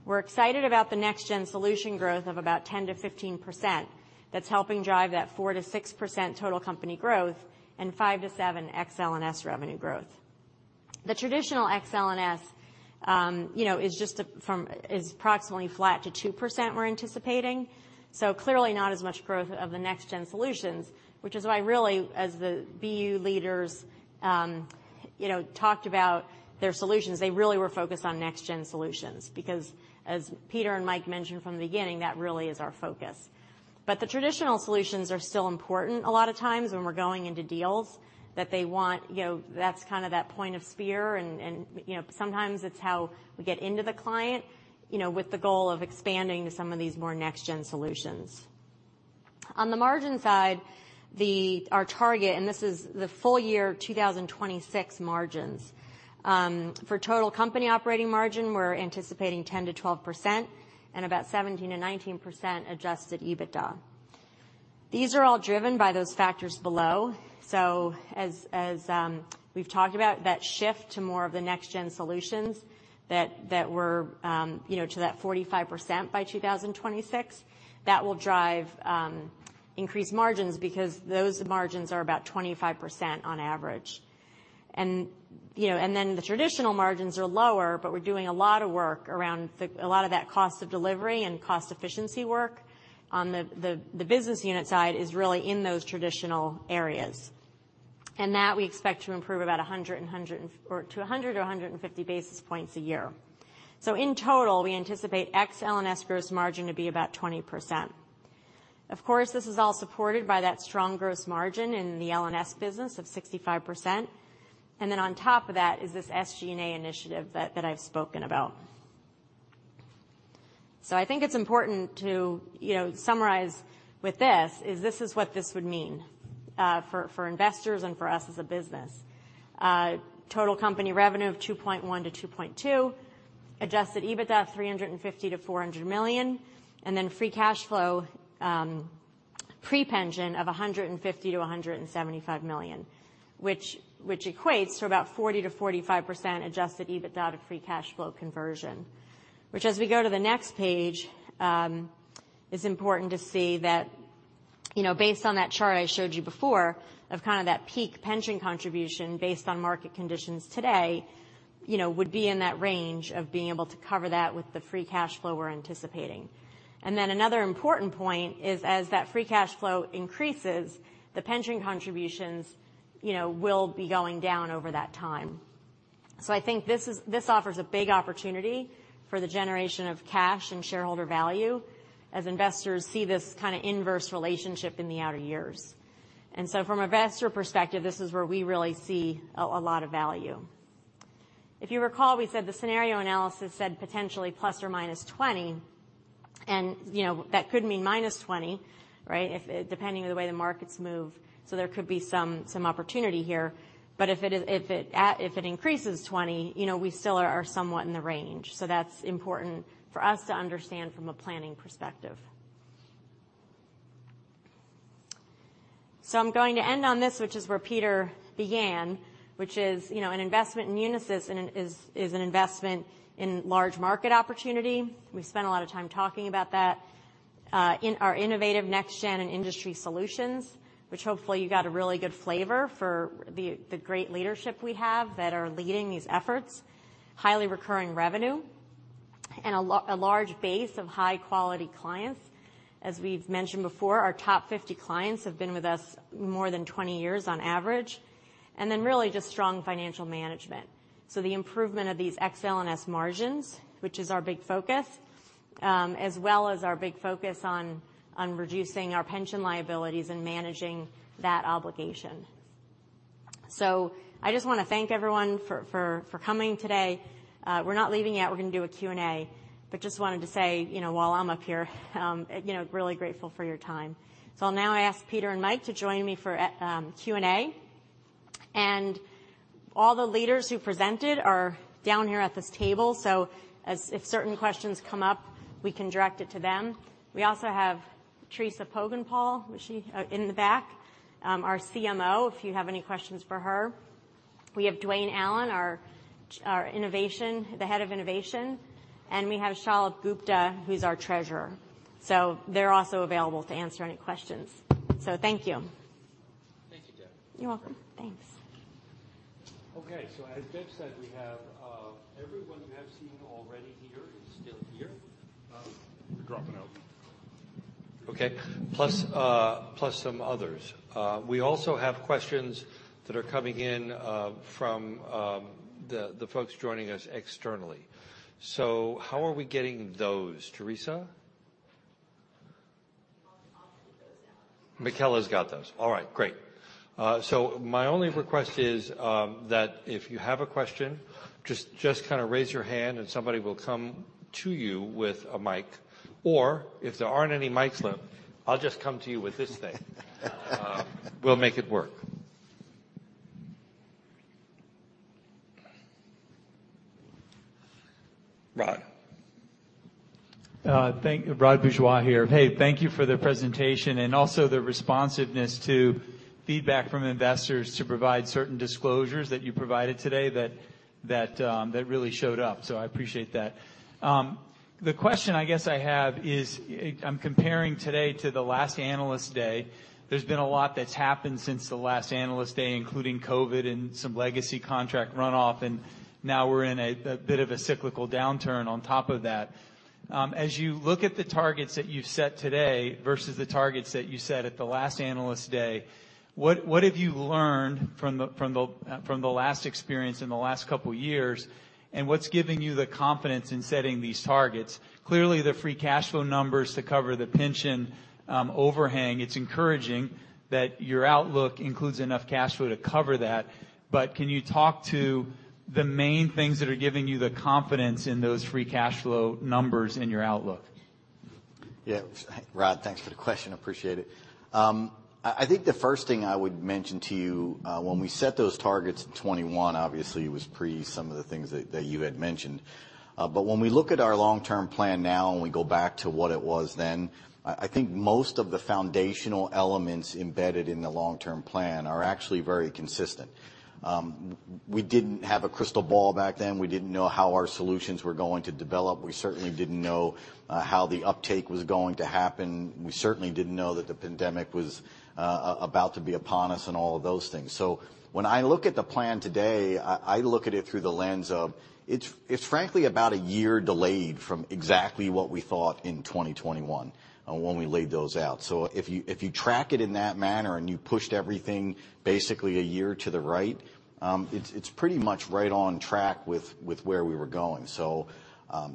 We're excited about the next gen solution growth of about 10%-15%. That's helping drive that 4%-6% total company growth and 5%-7% XLNS revenue growth. The traditional ex L&S, you know, is just approximately flat to 2%, we're anticipating. Clearly not as much growth of the next-gen solutions, which is why really, as the BU leaders, you know, talked about their solutions, they really were focused on next-gen solutions. As Peter and Mike mentioned from the beginning, that really is our focus. The traditional solutions are still important a lot of times when we're going into deals that they want, you know, that's kind of that point of spear, and, you know, sometimes it's how we get into the client, you know, with the goal of expanding to some of these more next-gen solutions. On the margin side, our target, and this is the full year, 2026 margins. For total company operating margin, we're anticipating 10%-12%, and about 17%-19% adjusted EBITDA. These are all driven by those factors below. As we've talked about, that shift to more of the next gen solutions that we're, you know, to that 45% by 2026, that will drive increased margins because those margins are about 25% on average. You know, the traditional margins are lower, but we're doing a lot of work around a lot of that cost of delivery and cost efficiency work on the business unit side is really in those traditional areas. That we expect to improve about 100, or to 100 or 150 basis points a year. In total, we anticipate ex L&S gross margin to be about 20%. Of course, this is all supported by that strong gross margin in the L&S business of 65%. On top of that is this SG&A initiative that I've spoken about. I think it's important to, you know, summarize with this, is this is what this would mean for investors and for us as a business. Total company revenue of $2.1-$2.2, adjusted EBITDA, $350 million-$400 million, and then free cash flow pre-pension of $150 million-$175 million, which equates to about 40%-45% adjusted EBITDA to free cash flow conversion. As we go to the next page, it's important to see that, you know, based on that chart I showed you before, of kind of that peak pension contribution based on market conditions today, you know, would be in that range of being able to cover that with the free cash flow we're anticipating. Another important point is as that free cash flow increases, the pension contributions, you know, will be going down over that time. I think this offers a big opportunity for the generation of cash and shareholder value as investors see this kind of inverse relationship in the outer years. From an investor perspective, this is where we really see a lot of value. If you recall, we said the scenario analysis said potentially ±20, and, you know, that could mean -20, right? If, depending on the way the markets move, there could be some opportunity here. If it is, if it increases 20, you know, we still are somewhat in the range. That's important for us to understand from a planning perspective. I'm going to end on this, which is where Peter began, which is, you know, an investment in Unisys and is an investment in large market opportunity. We've spent a lot of time talking about that. In our innovative next gen and industry solutions, which hopefully you got a really good flavor for the great leadership we have that are leading these efforts, highly recurring revenue, and a large base of high-quality clients. As we've mentioned before, our top 50 clients have been with us more than 20 years on average, and then really just strong financial management. The improvement of these ex LNS margins, which is our big focus, as well as our big focus on reducing our pension liabilities and managing that obligation. I just want to thank everyone for coming today. We're not leaving yet. We're going to do a Q&A, but just wanted to say, you know, while I'm up here, you know, really grateful for your time. Now I ask Peter and Mike to join me for Q&A. All the leaders who presented are down here at this table, so if certain questions come up, we can direct it to them. We also have Teresa Pogenpahl, was she in the back, our CMO, if you have any questions for her. We have Dwayne Allen, the head of innovation, and we have Shalabh Gupta, who's our treasurer. They're also available to answer any questions. Thank you. Thank you, Deb. You're welcome. Thanks. Okay, as Deb said, we have, everyone you have seen already here is still here. You're dropping out. Okay, plus some others. We also have questions that are coming in from the folks joining us externally. How are we getting those, Teresa? I'll read those out. Michaela's got those. All right, great. My only request is that if you have a question, just kind of raise your hand, somebody will come to you with a mic, or if there aren't any mics left, I'll just come to you with this thing. We'll make it work. Rod? Rod Bourgeois here. Hey, thank you for the presentation and also the responsiveness to feedback from investors to provide certain disclosures that you provided today that really showed up, so I appreciate that. The question I guess I have is, I'm comparing today to the last Analyst Day. There's been a lot that's happened since the last Analyst Day, including COVID and some legacy contract runoff, and now we're in a bit of a cyclical downturn on top of that. As you look at the targets that you've set today versus the targets that you set at the last Analyst Day, what have you learned from the last experience in the last couple of years, and what's giving you the confidence in setting these targets? Clearly, the free cash flow numbers to cover the pension, overhang, it's encouraging that your outlook includes enough cash flow to cover that. Can you talk to the main things that are giving you the confidence in those free cash flow numbers in your outlook? Yeah. Rod, thanks for the question. Appreciate it. I think the first thing I would mention to you, when we set those targets in 2021, obviously, it was pre some of the things that you had mentioned. When we look at our long-term plan now and we go back to what it was then, I think most of the foundational elements embedded in the long-term plan are actually very consistent. We didn't have a crystal ball back then. We didn't know how our solutions were going to develop. We certainly didn't know how the uptake was going to happen. We certainly didn't know that the pandemic was about to be upon us and all of those things. When I look at the plan today, I look at it through the lens of it's frankly, about a year delayed from exactly what we thought in 2021 when we laid those out. If you, if you track it in that manner and you pushed everything basically a year to the right, it's pretty much right on track with where we were going.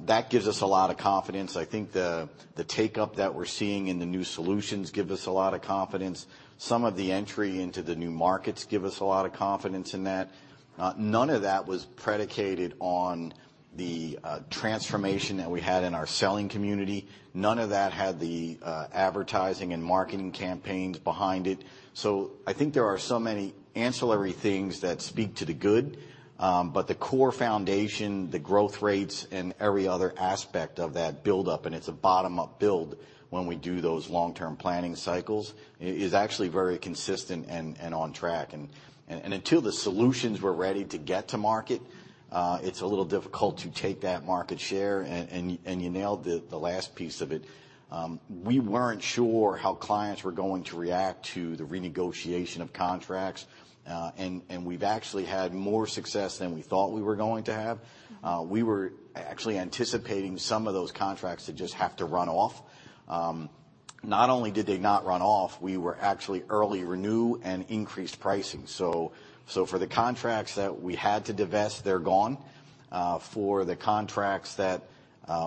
That gives us a lot of confidence. I think the takeup that we're seeing in the new solutions give us a lot of confidence. Some of the entry into the new markets give us a lot of confidence in that. None of that was predicated on the transformation that we had in our selling community. None of that had the advertising and marketing campaigns behind it. I think there are so many ancillary things that speak to the good, but the core foundation, the growth rates, and every other aspect of that build-up, and it's a bottom-up build when we do those long-term planning cycles, is actually very consistent and on track. Until the solutions were ready to get to market, it's a little difficult to take that market share, and you nailed the last piece of it. We weren't sure how clients were going to react to the renegotiation of contracts, and we've actually had more success than we thought we were going to have. We were actually anticipating some of those contracts to just have to run off. Not only did they not run off, we were actually early renew and increased pricing. For the contracts that we had to divest, they're gone. For the contracts that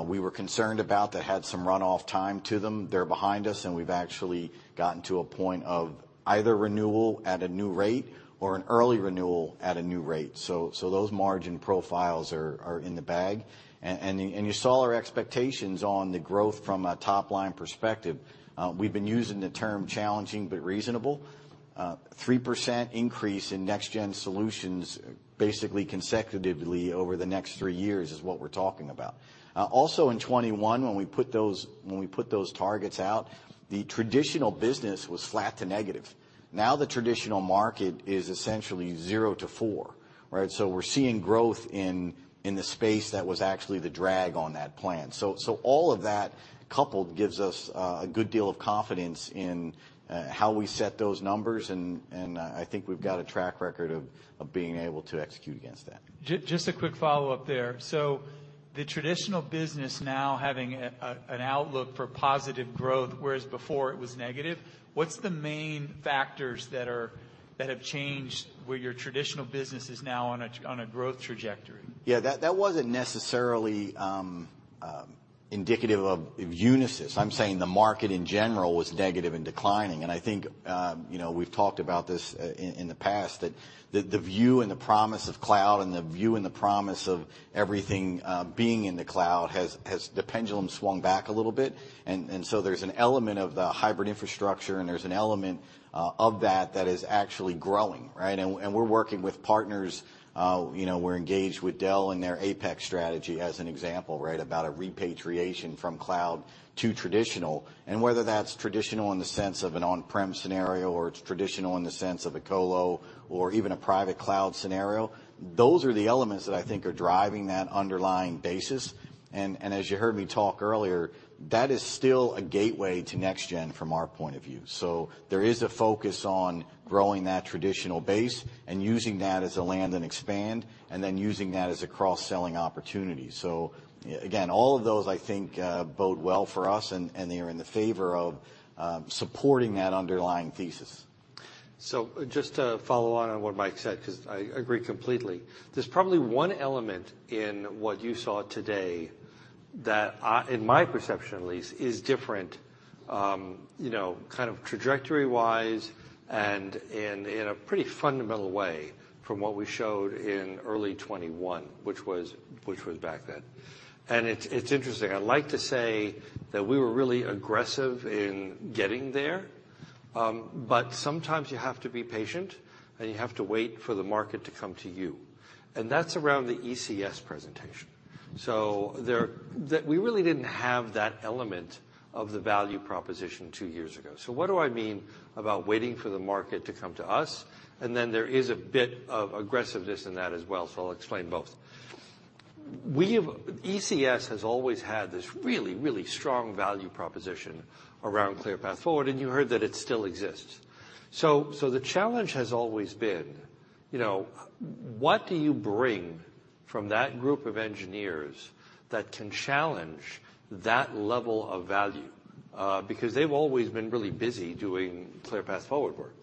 we were concerned about that had some run-off time to them, they're behind us, and we've actually gotten to a point of either renewal at a new rate or an early renewal at a new rate. Those margin profiles are in the bag. You saw our expectations on the growth from a top-line perspective. We've been using the term challenging but reasonable. 3% increase in next-gen solutions, basically consecutively over the next three years is what we're talking about. Also in 2021, when we put those targets out, the traditional business was flat to negative. The traditional market is essentially zero to four, right? We're seeing growth in the space that was actually the drag on that plan. All of that coupled, gives us a good deal of confidence in how we set those numbers, and I think we've got a track record of being able to execute against that. Just a quick follow-up there. The traditional business now having an outlook for positive growth, whereas before it was negative, what's the main factors that have changed, where your traditional business is now on a growth trajectory? Yeah, that wasn't necessarily indicative of Unisys. I'm saying the market, in general, was negative and declining, and I think, you know, we've talked about this, in the past, that the view and the promise of cloud and the view and the promise of everything, being in the cloud has the pendulum swung back a little bit. There's an element of the hybrid infrastructure, and there's an element of that that is actually growing, right? We're working with partners. You know, we're engaged with Dell and their APEX strategy as an example, right? About a repatriation from cloud to traditional. Whether that's traditional in the sense of an on-prem scenario or it's traditional in the sense of a colo or even a private cloud scenario, those are the elements that I think are driving that underlying basis. As you heard me talk earlier, that is still a gateway to next gen from our point of view. There is a focus on growing that traditional base and using that as a land and expand, and then using that as a cross-selling opportunity. Again, all of those, I think, bode well for us, and they are in the favor of supporting that underlying thesis. Just to follow on what Mike said, because I agree completely. There's probably one element in what you saw today that I in my perception at least, is different, you know, kind of trajectory-wise and in a pretty fundamental way from what we showed in early 2021, which was back then. It's interesting. I'd like to say that we were really aggressive in getting there, but sometimes you have to be patient, and you have to wait for the market to come to you, and that's around the ECS presentation. That we really didn't have that element of the value proposition two years ago. What do I mean about waiting for the market to come to us? There is a bit of aggressiveness in that as well. I'll explain both. ECS has always had this really, really strong value proposition around ClearPath Forward, and you heard that it still exists. The challenge has always been, you know, what do you bring from that group of engineers that can challenge that level of value? Because they've always been really busy doing ClearPath Forward work.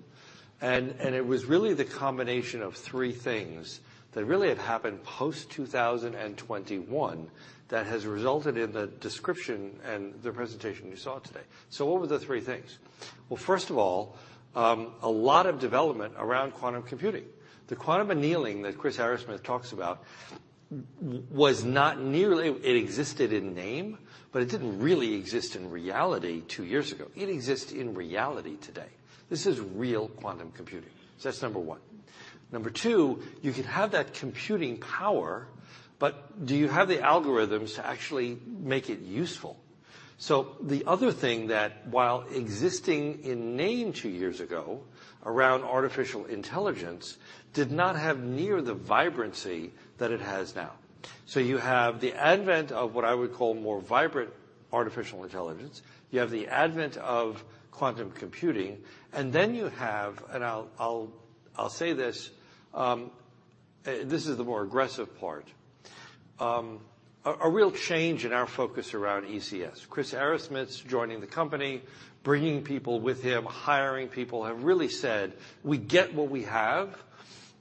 It was really the combination of three things that really had happened post 2021, that has resulted in the description and the presentation you saw today. What were the three things? Well, first of all, a lot of development around quantum computing. The quantum annealing that Chris Arrasmith talks about was not nearly. It existed in name, but it didn't really exist in reality two years ago. It exists in reality today. This is real quantum computing. That's number one. Number two, you could have that computing power, but do you have the algorithms to actually make it useful? The other thing that, while existing in name two years ago, around artificial intelligence, did not have near the vibrancy that it has now. You have the advent of what I would call more vibrant artificial intelligence. You have the advent of quantum computing, and then you have, and I'll say this is the more aggressive part. A real change in our focus around ECS. Chris Arrasmith's joining the company, bringing people with him, hiring people, and really said, "We get what we have,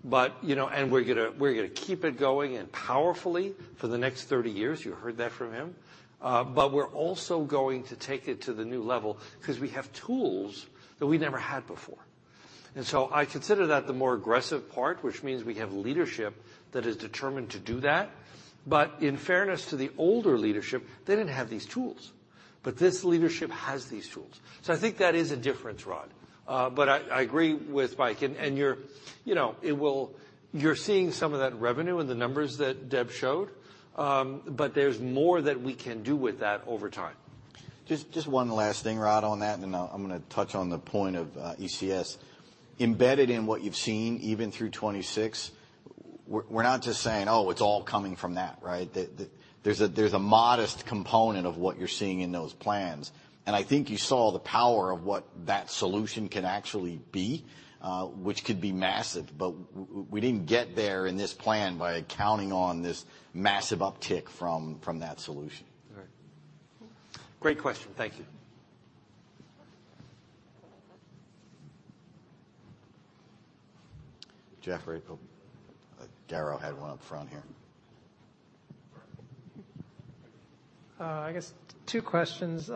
but, you know, and we're gonna keep it going and powerfully for the next 30 years." You heard that from him. We're also going to take it to the new level ’cause we have tools that we never had before. I consider that the more aggressive part, which means we have leadership that is determined to do that. In fairness to the older leadership, they didn't have these tools. This leadership has these tools. I think that is a difference, Rod. I agree with Mike, and You know, you're seeing some of that revenue in the numbers that Deb showed, there's more that we can do with that over time. Just one last thing, Rod, on that, and then I'm gonna touch on the point of ECS. Embedded in what you've seen, even through 2026, we're not just saying, "Oh, it's all coming from that," right? The there's a, there's a modest component of what you're seeing in those plans, and I think you saw the power of what that solution can actually be, which could be massive, but we didn't get there in this plan by counting on this massive uptick from that solution. All right. Great question. Thank you. Jeffrey Kvaal had one up front here. I guess two questions.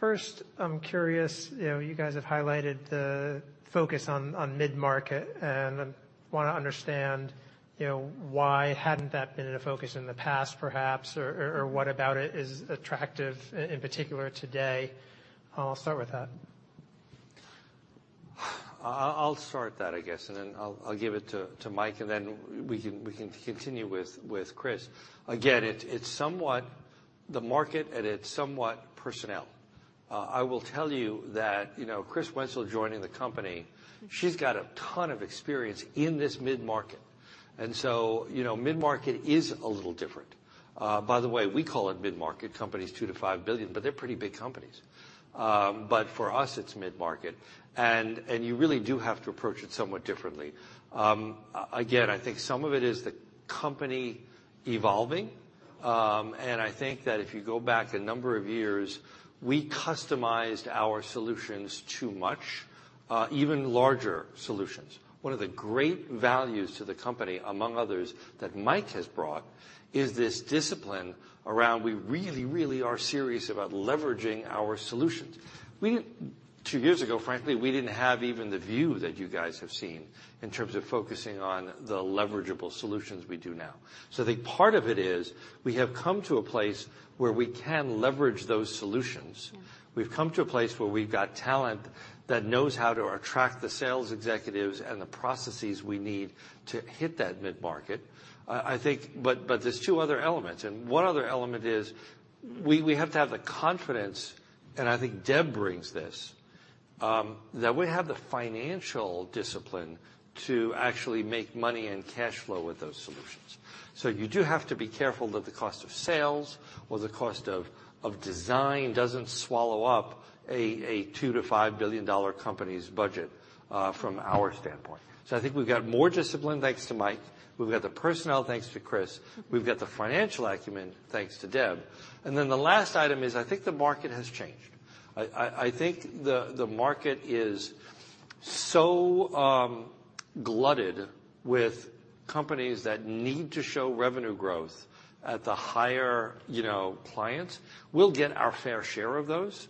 First, I'm curious, you know, you guys have highlighted the focus on mid-market, and I wanna understand, you know, why hadn't that been in a focus in the past, perhaps, or what about it is attractive in particular today? I'll start with that. I'll start that, I guess, and then I'll give it to Mike, and then we can continue with Chris. Again, it's somewhat the market, and it's somewhat personnel. I will tell you that, you know, Christine Wenzel joining the company, she's got a ton of experience in this mid-market. You know, mid-market is a little different. By the way, we call it mid-market, companies $2 billion-$5 billion, but they're pretty big companies. But for us, it's mid-market. You really do have to approach it somewhat differently. Again, I think some of it is the company evolving, and I think that if you go back a number of years, we customized our solutions too much, even larger solutions. One of the great values to the company, among others, that Mike has brought, is this discipline around we really, really are serious about leveraging our solutions. Two years ago, frankly, we didn't have even the view that you guys have seen in terms of focusing on the leverageable solutions we do now. I think part of it is we have come to a place where we can leverage those solutions. We've come to a place where we've got talent that knows how to attract the sales executives and the processes we need to hit that mid-market. I think there's two other elements, and one other element is we have to have the confidence, and I think Deb brings this, that we have the financial discipline to actually make money and cash flow with those solutions. You do have to be careful that the cost of sales or the cost of design doesn't swallow up a $2 billion-$5 billion company's budget from our standpoint. I think we've got more discipline, thanks to Mike. We've got the personnel, thanks to Chris. We've got the financial acumen, thanks to Deb. The last item is, I think the market has changed. I think the market is so glutted with companies that need to show revenue growth at the higher, you know, clients. We'll get our fair share of those,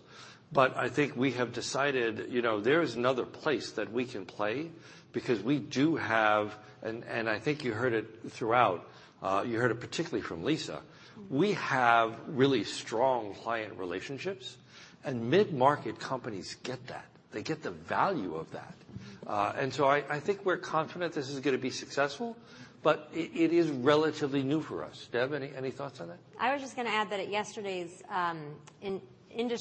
but I think we have decided, you know, there is another place that we can play because we do have, and I think you heard it throughout, you heard it particularly from Lisa, we have really strong client relationships, and mid-market companies get that. They get the value of that. I think we're confident this is gonna be successful, but it is relatively new for us. Deb, any thoughts on that? I was just gonna add that at yesterday's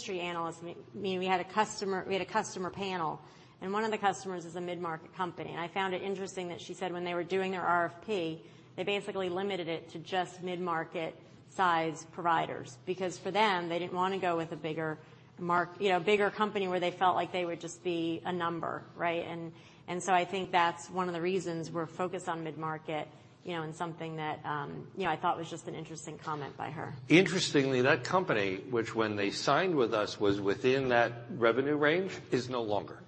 we had a customer panel, and one of the customers is a mid-market company. I found it interesting that she said when they were doing their RFP, they basically limited it to just mid-market size providers, because for them, they didn't want to go with a bigger you know, bigger company, where they felt like they would just be a number, right? So I think that's one of the reasons we're focused on mid-market, you know, and something that, you know, I thought was just an interesting comment by her. Interestingly, that company, which when they signed with us, was within that revenue range, is no longer.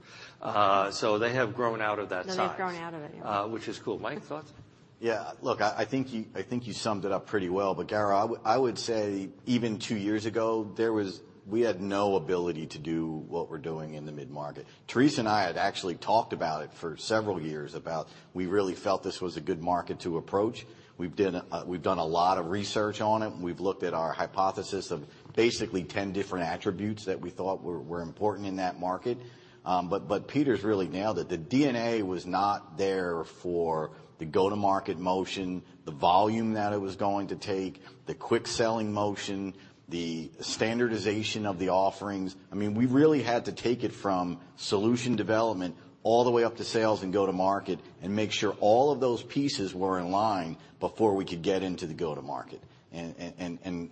They have grown out of that size. They've grown out of it, yeah. which is cool. Mike, thoughts? Yeah, look, I think you, I think you summed it up pretty well. Gara, I would say even two years ago, we had no ability to do what we're doing in the mid-market. Teresa and I had actually talked about it for several years, about we really felt this was a good market to approach. We've did, we've done a lot of research on it. We've looked at our hypothesis of basically 10 different attributes that we thought were important in that market. Peter's really nailed it. The DNA was not there for the go-to-market motion, the volume that it was going to take, the quick selling motion, the standardization of the offerings. I mean, we really had to take it from solution development all the way up to sales and go to market and make sure all of those pieces were in line before we could get into the go to market.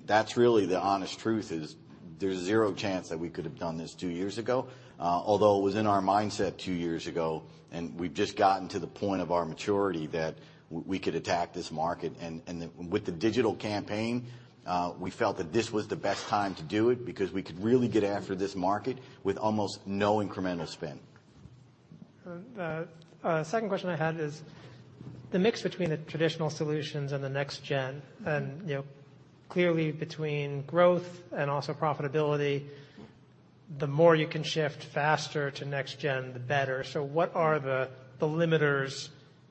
That's really the honest truth, is there's zero chance that we could have done this two years ago, although it was in our mindset two years ago, and we've just gotten to the point of our maturity that we could attack this market. Then with the digital campaign, we felt that this was the best time to do it because we could really get after this market with almost no incremental spend. Second question I had is the mix between the traditional solutions and the next gen, and, you know, clearly between growth and also profitability, the more you can shift faster to next gen, the better. What are the limiters,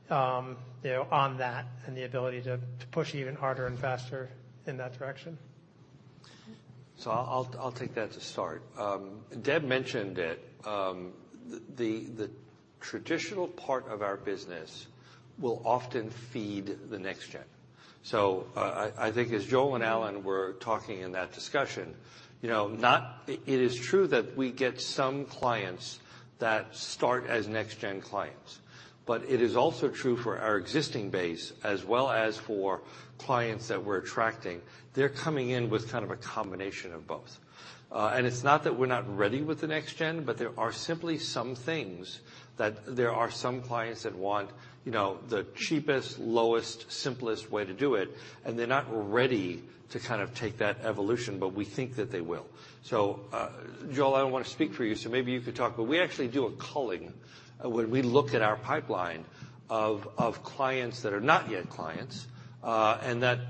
you know, on that and the ability to push even harder and faster in that direction? I'll take that to start. Deb mentioned it, the traditional part of our business will often feed the next gen. I think as Joel and Alan were talking in that discussion, you know, it is true that we get some clients that start as next gen clients, but it is also true for our existing base, as well as for clients that we're attracting. They're coming in with kind of a combination of both. It's not that we're not ready with the next gen, but there are simply some things that there are some clients that want, you know, the cheapest, lowest, simplest way to do it, and they're not ready to kind of take that evolution, but we think that they will. Joel, I don't want to speak for you, so maybe you could talk, but we actually do a culling when we look at our pipeline of clients that are not yet clients, and that,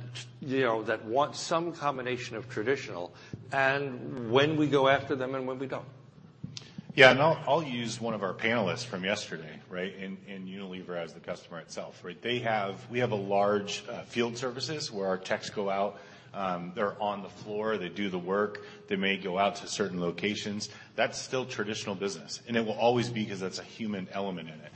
you know, that want some combination of traditional and when we go after them and when we don't. Yeah, I'll use one of our panelists from yesterday, right? Unilever as the customer itself, right? We have a large field services where our techs go out, they're on the floor, they do the work. They may go out to certain locations. That's still traditional business, and it will always be, because that's a human element in it.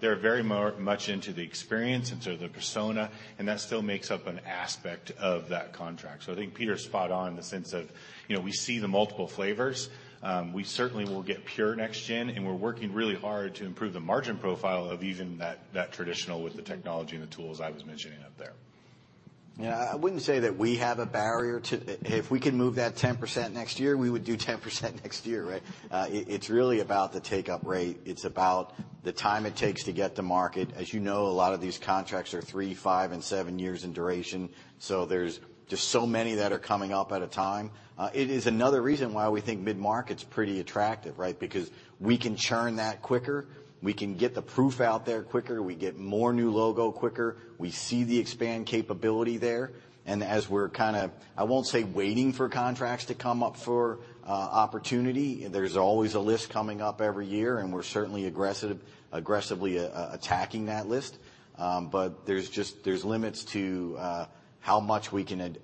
They're very much into the experience, into the persona, and that still makes up an aspect of that contract. I think Peter's spot on in the sense of, you know, we see the multiple flavors. We certainly will get pure next gen, and we're working really hard to improve the margin profile of even that traditional with the technology and the tools I was mentioning up there. Yeah, I wouldn't say that we have a barrier to. If we can move that 10% next year, we would do 10% next year, right? It's really about the take-up rate. It's about the time it takes to get to market. As you know, a lot of these contracts are three, five, and seven years in duration, so there's just so many that are coming up at a time. It is another reason why we think mid-market's pretty attractive, right? Because we can churn that quicker, we can get the proof out there quicker, we get more new logo quicker, we see the expand capability there. As we're kind of, I won't say waiting for contracts to come up for opportunity, there's always a list coming up every year, and we're certainly aggressively attacking that list. There's limits to how much we can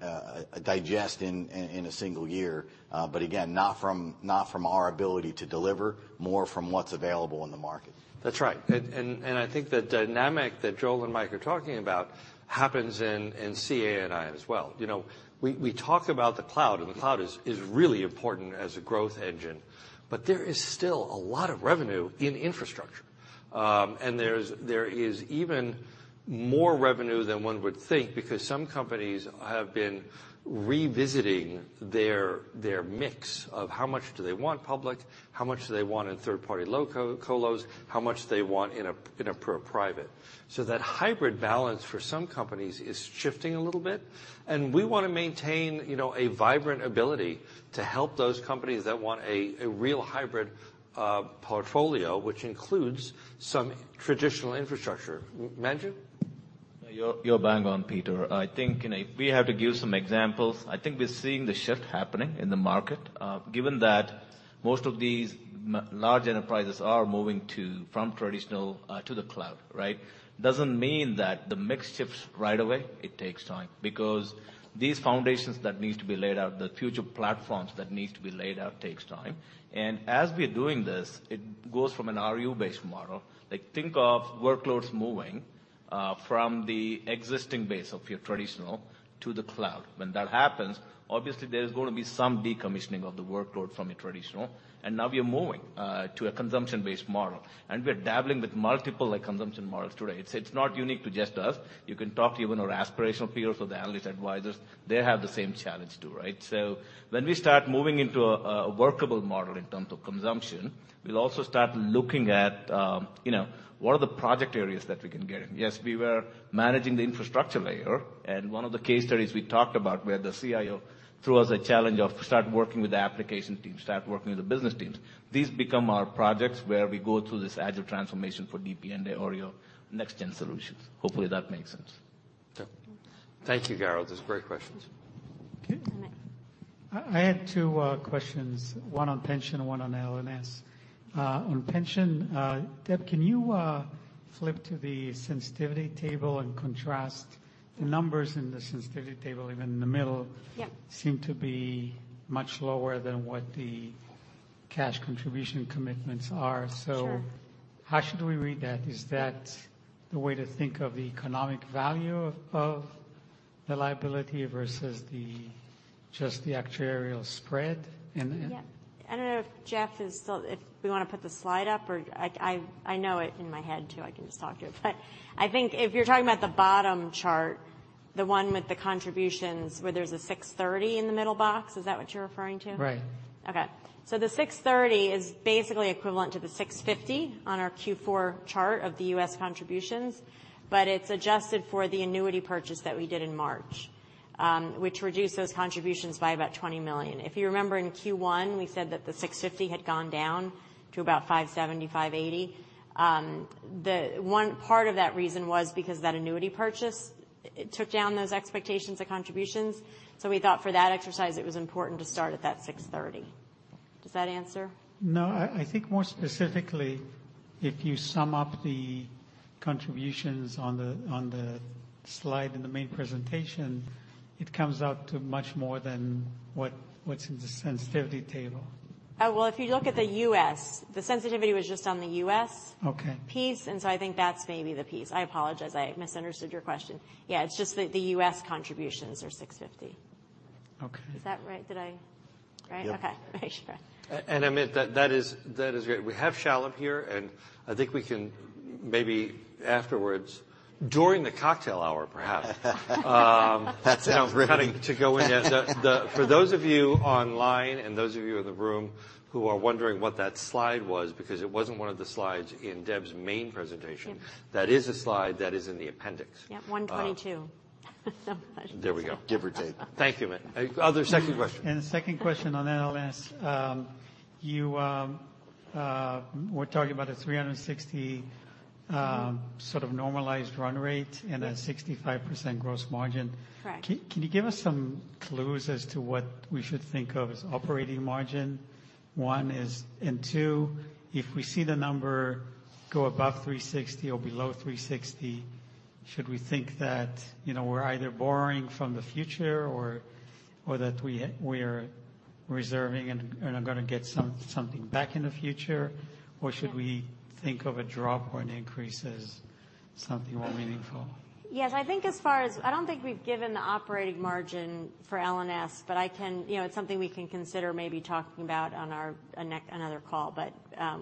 digest in a single year. Again, not from, not from our ability to deliver, more from what's available in the market. That's right. I think the dynamic that Joel and Mike are talking about happens in CA&I as well. You know, we talk about the cloud, and the cloud is really important as a growth engine, but there is still a lot of revenue in infrastructure. There's even more revenue than one would think because some companies have been revisiting their mix of how much do they want public, how much do they want in third-party colos, how much they want in a private. That hybrid balance for some companies is shifting a little bit, and we want to maintain, you know, a vibrant ability to help those companies that want a real hybrid portfolio, which includes some traditional infrastructure. Manju? You're bang on, Peter. I think, you know, we have to give some examples. I think we're seeing the shift happening in the market. Given that most of these large enterprises are moving to, from traditional, to the cloud, right? Doesn't mean that the mix shifts right away. It takes time, because these foundations that needs to be laid out, the future platforms that needs to be laid out, takes time. As we're doing this, it goes from an RU-based model. Like, think of workloads moving from the existing base of your traditional to the cloud. When that happens, obviously, there's going to be some decommissioning of the workload from your traditional, and now we are moving to a consumption-based model, and we're dabbling with multiple consumption models today. It's not unique to just us. You can talk to even our aspirational peers or the analyst advisors, they have the same challenge, too, right? When we start moving into a workable model in terms of consumption, we'll also start looking at, you know, what are the project areas that we can get in? Yes, we were managing the infrastructure layer. One of the case studies we talked about, where the CIO threw us a challenge of start working with the application team, start working with the business teams. These become our projects, where we go through this agile transformation for DP and the Orio next gen solutions. Hopefully, that makes sense. Okay. Thank you, Garold. Those are great questions. Okay. And I- I had two questions, one on pension and one on LNS. On pension, Deb, can you flip to the sensitivity table and contrast the numbers in the sensitivity table, even in the middle? Yeah. Seem to be much lower than what the cash contribution commitments are. Sure. how should we read that? Is that the way to think of the economic value of the liability versus just the actuarial spread? Yeah. I don't know if Jeff is still... If we want to put the slide up or I know it in my head, too, I can just talk to it. I think if you're talking about the bottom chart, the one with the contributions, where there's a $630 in the middle box, is that what you're referring to? Right. The $630 is basically equivalent to the $650 on our Q4 chart of the U.S. contributions. It's adjusted for the annuity purchase that we did in March, which reduced those contributions by about $20 million. If you remember, in Q1, we said that the $650 had gone down to about $570, $580. The one part of that reason was because that annuity purchase, it took down those expectations of contributions. We thought for that exercise, it was important to start at that $630. Does that answer? No, I think more specifically, if you sum up the contributions on the, on the slide in the main presentation, it comes out to much more than what's in the sensitivity table. Oh, well, if you look at the U.S., the sensitivity was just on the U.S. Okay. piece. I think that's maybe the piece. I apologize. I misunderstood your question. Yeah, it's just the U.S. contributions are $650. Okay. Is that right? Did I... Right? Yep. Okay. Sure. I mean, that is great. We have Shalabh here, and I think we can maybe afterwards, during the cocktail hour, perhaps. That sounds brilliant. - to go in. Yeah, the... For those of you online and those of you in the room who are wondering what that slide was, because it wasn't one of the slides in Deb's main presentation- Yeah. that is a slide that is in the appendix. Yep, 122. There we go. Give or take. Thank you, Matt. Other second question. The second question on LNS. You, we're talking about a $360, sort of normalized run rate... Yeah A 65% gross margin. Correct. Can you give us some clues as to what we should think of as operating margin, one, and two, if we see the number go above $360 or below $360, should we think that, you know, we're either borrowing from the future or that we are reserving and are gonna get something back in the future? Sure. Should we think of a drop or an increase as something more meaningful? I don't think we've given the operating margin for LNS. You know, it's something we can consider maybe talking about on our next, another call, but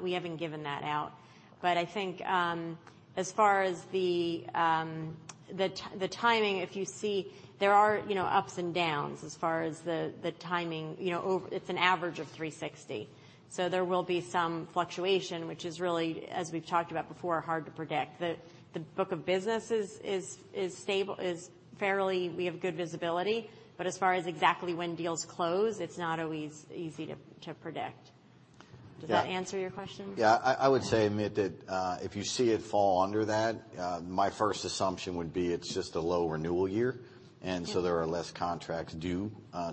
we haven't given that out. I think. As far as the timing, if you see, there are, you know, ups and downs as far as the timing. You know, it's an average of $360, so there will be some fluctuation, which is really, as we've talked about before, hard to predict. The book of business is stable. We have good visibility, but as far as exactly when deals close, it's not always easy to predict. Yeah. Does that answer your question? I would say, Amit, that, if you see it fall under that, my first assumption would be it's just a low renewal year. Yeah. There are less contracts due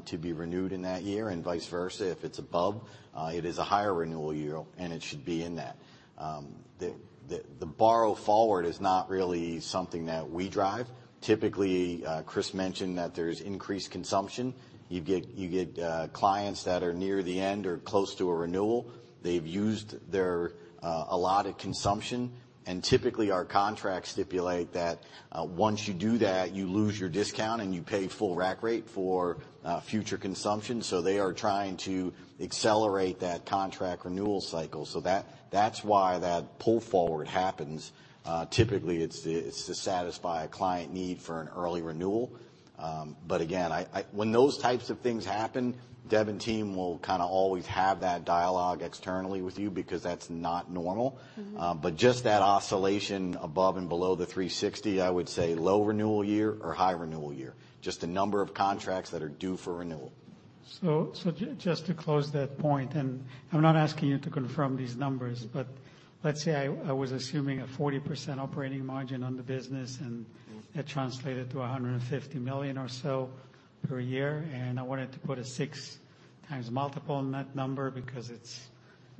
to be renewed in that year, and vice versa. If it's above, it is a higher renewal year, and it should be in that. The borrow forward is not really something that we drive. Typically, Chris mentioned that there's increased consumption. You get clients that are near the end or close to a renewal. They've used their allotted consumption, and typically, our contracts stipulate that once you do that, you lose your discount, and you pay full rack rate for future consumption. They are trying to accelerate that contract renewal cycle. That's why that pull forward happens. Typically, it's to satisfy a client need for an early renewal. But again, I. When those types of things happen, Dev and team will kinda always have that dialogue externally with you because that's not normal. Mm-hmm. Just that oscillation above and below the 360, I would say, low renewal year or high renewal year, just the number of contracts that are due for renewal. Just to close that point, and I'm not asking you to confirm these numbers, but let's say I was assuming a 40% operating margin on the business. Mm-hmm it translated to $150 million or so per year, I wanted to put a 6x multiple on that number because it's-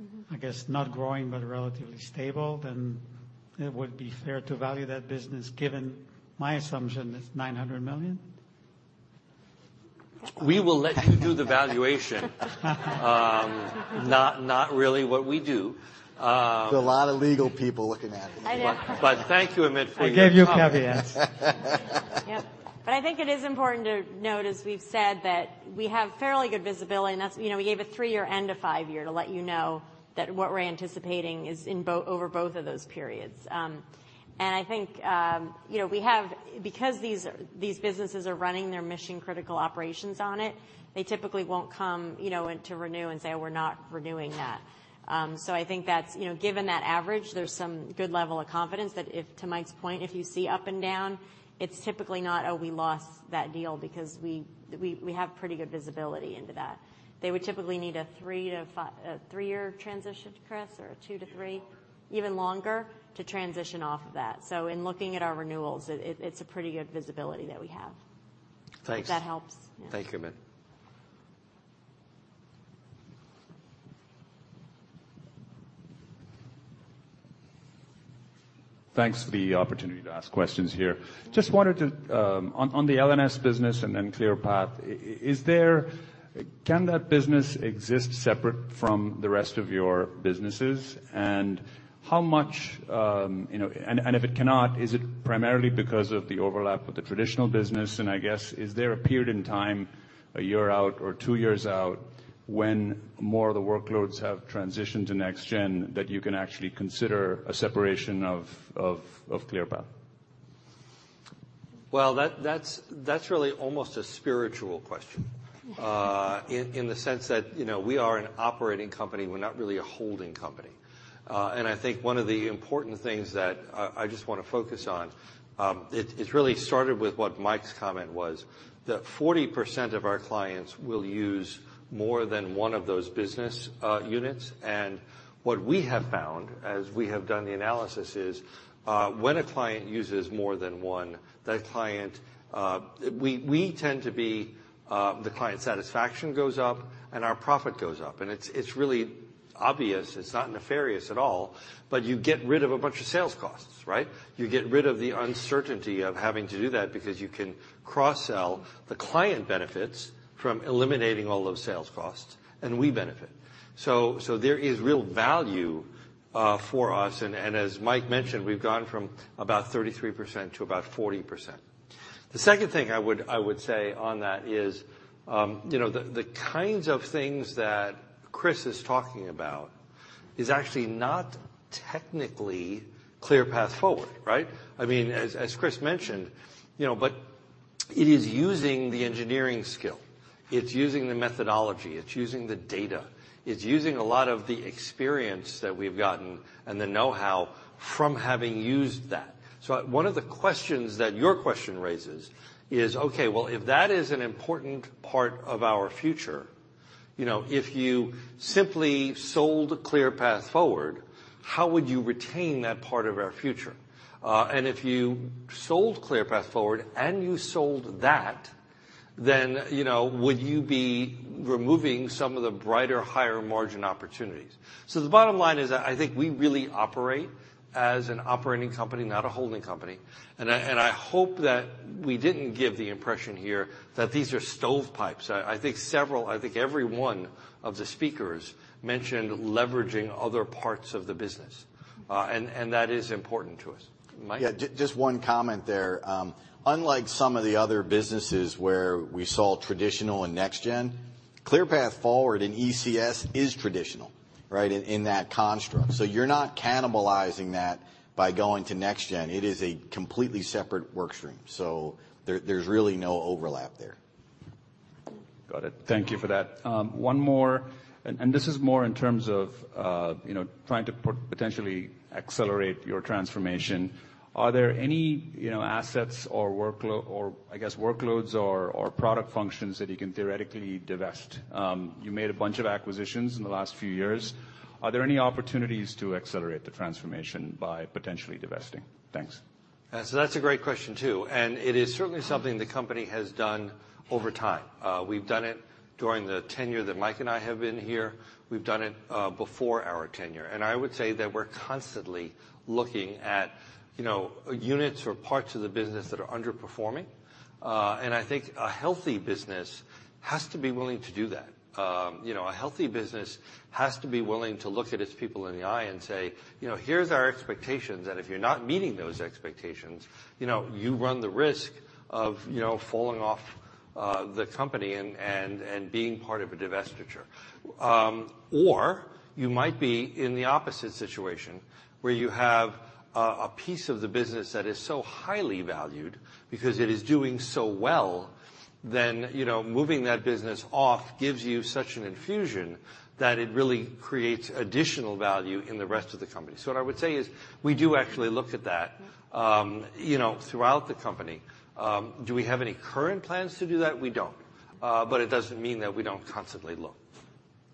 Mm-hmm I guess, not growing, but relatively stable. It would be fair to value that business, given my assumption, is $900 million? We will let you do the valuation. Not really what we do. There's a lot of legal people looking at you. I know. Thank you, Amit, for your comment. I gave you a caveat. Yep, I think it is important to note, as we've said, that we have fairly good visibility, and that's, you know, we gave a three-year and a five-year to let you know that what we're anticipating is over both of those periods. I think, you know, because these businesses are running their mission-critical operations on it, they typically won't come, you know, in to renew and say, "We're not renewing that." I think that's, you know, given that average, there's some good level of confidence that if, to Mike's point, if you see up and down, it's typically not, oh, we lost that deal, because we have pretty good visibility into that. They would typically need a three-year transition, Chris, or a two to three? Even longer. Even longer, to transition off of that. In looking at our renewals, it's a pretty good visibility that we have. Thanks. If that helps. Thank you, Amit. Thanks for the opportunity to ask questions here. Just wanted to on the LNS business and then ClearPath. Can that business exist separate from the rest of your businesses? If it cannot, is it primarily because of the overlap with the traditional business? I guess, is there a period in time, one year out or two years out, when more of the workloads have transitioned to next gen, that you can actually consider a separation of ClearPath? Well, that's really almost a spiritual question in the sense that, you know, we are an operating company. We're not really a holding company. I think one of the important things that I just wanna focus on, it really started with what Mike's comment was, that 40% of our clients will use more than one of those business units. What we have found, as we have done the analysis, is when a client uses more than one, that client we tend to be the client satisfaction goes up, and our profit goes up, and it's really obvious. It's not nefarious at all, but you get rid of a bunch of sales costs, right? You get rid of the uncertainty of having to do that because you can cross-sell. The client benefits from eliminating all those sales costs, and we benefit. There is real value for us, and as Mike mentioned, we've gone from about 33% to about 40%. The second thing I would say on that is, you know, the kinds of things that Chris is talking about is actually not technically ClearPath Forward, right? I mean, as Chris mentioned, you know, but it is using the engineering skill. It's using the methodology. It's using the data. It's using a lot of the experience that we've gotten and the know-how from having used that. One of the questions that your question raises is, okay, well, if that is an important part of our future, you know, if you simply sold ClearPath Forward, how would you retain that part of our future? If you sold ClearPath Forward, and you sold that, then, you know, would you be removing some of the brighter, higher-margin opportunities? The bottom line is that I think we really operate as an operating company, not a holding company, and I hope that we didn't give the impression here that these are stovepipes. I think several, I think every one of the speakers mentioned leveraging other parts of the business, and that is important to us. Mike? Yeah, just one comment there. Unlike some of the other businesses where we saw traditional and ClearPath Forward in ECS is traditional, right? In that construct. You're not cannibalizing that by going to next gen. It is a completely separate work stream, so there's really no overlap there. Got it. Thank you for that. One more. This is more in terms of, you know, trying to put potentially accelerate your transformation. Are there any, you know, assets or workloads or product functions that you can theoretically divest? You made a bunch of acquisitions in the last few years. Are there any opportunities to accelerate the transformation by potentially divesting? Thanks. That's a great question, too, and it is certainly something the company has done over time. We've done it during the tenure that Mike and I have been here. We've done it, before our tenure. I would say that we're constantly looking at, you know, units or parts of the business that are underperforming. I think a healthy business has to be willing to do that. You know, a healthy business has to be willing to look at its people in the eye and say, "You know, here's our expectations, and if you're not meeting those expectations, you know, you run the risk of, you know, falling off the company and being part of a divestiture." You might be in the opposite situation, where you have a piece of the business that is so highly valued because it is doing so well, then, you know, moving that business off gives you such an infusion that it really creates additional value in the rest of the company. What I would say is, we do actually look at that, you know, throughout the company. Do we have any current plans to do that? We don't. It doesn't mean that we don't constantly look.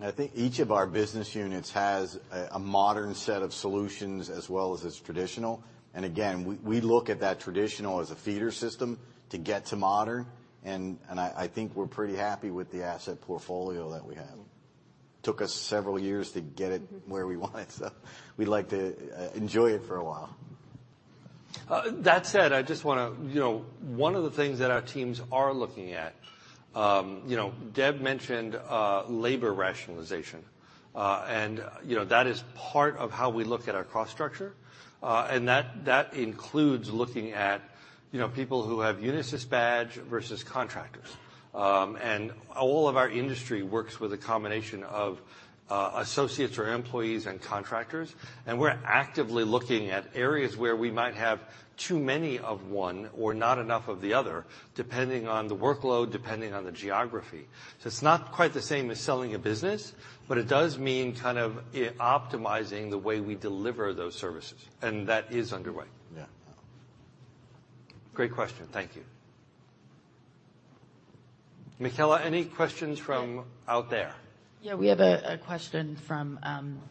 I think each of our business units has a modern set of solutions as well as its traditional. Again, we look at that traditional as a feeder system to get to modern, and I think we're pretty happy with the asset portfolio that we have. Took us several years to get it where we want it, so we'd like to enjoy it for a while. That said, I just wanna, you know, one of the things that our teams are looking at, you know, Deb mentioned labor rationalization. You know, that is part of how we look at our cost structure, and that includes looking at, you know, people who have Unisys badge versus contractors. All of our industry works with a combination of associates or employees and contractors, and we're actively looking at areas where we might have too many of one or not enough of the other, depending on the workload, depending on the geography. It's not quite the same as selling a business, but it does mean kind of optimizing the way we deliver those services, and that is underway. Yeah. Great question. Thank you. Michaela, any questions from out there? Yeah, we have a question from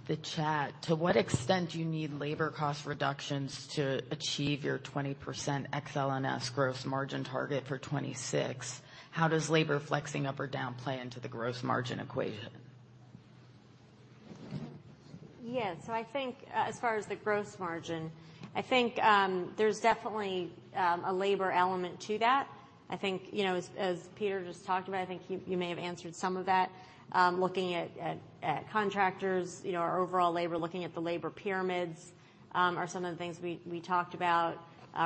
the chat. To what extent do you need labor cost reductions to achieve your 20% XLNS gross margin target for 2026? How does labor flexing up or down play into the gross margin equation? I think, as far as the gross margin, I think, there's definitely a labor element to that. I think, as Peter just talked about, I think you may have answered some of that. Looking at contractors, our overall labor, looking at the labor pyramids, are some of the things we talked about,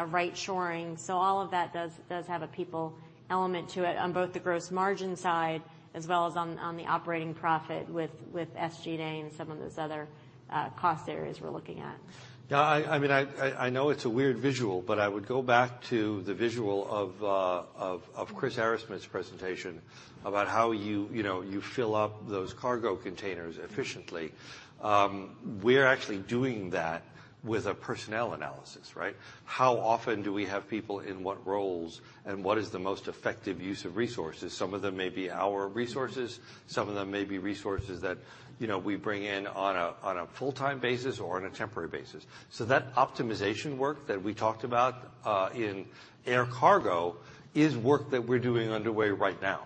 right shoring. All of that does have a people element to it on both the gross margin side as well as on the operating profit with SG&A and some of those other cost areas we're looking at. Yeah, I mean, I know it's a weird visual, but I would go back to the visual of Chris Arrasmith's presentation about how you know, you fill up those cargo containers efficiently. We're actually doing that with a personnel analysis, right? How often do we have people in what roles, and what is the most effective use of resources? Some of them may be our resources, some of them may be resources that, you know, we bring in on a full-time basis or on a temporary basis. That optimization work that we talked about in air cargo is work that we're doing underway right now.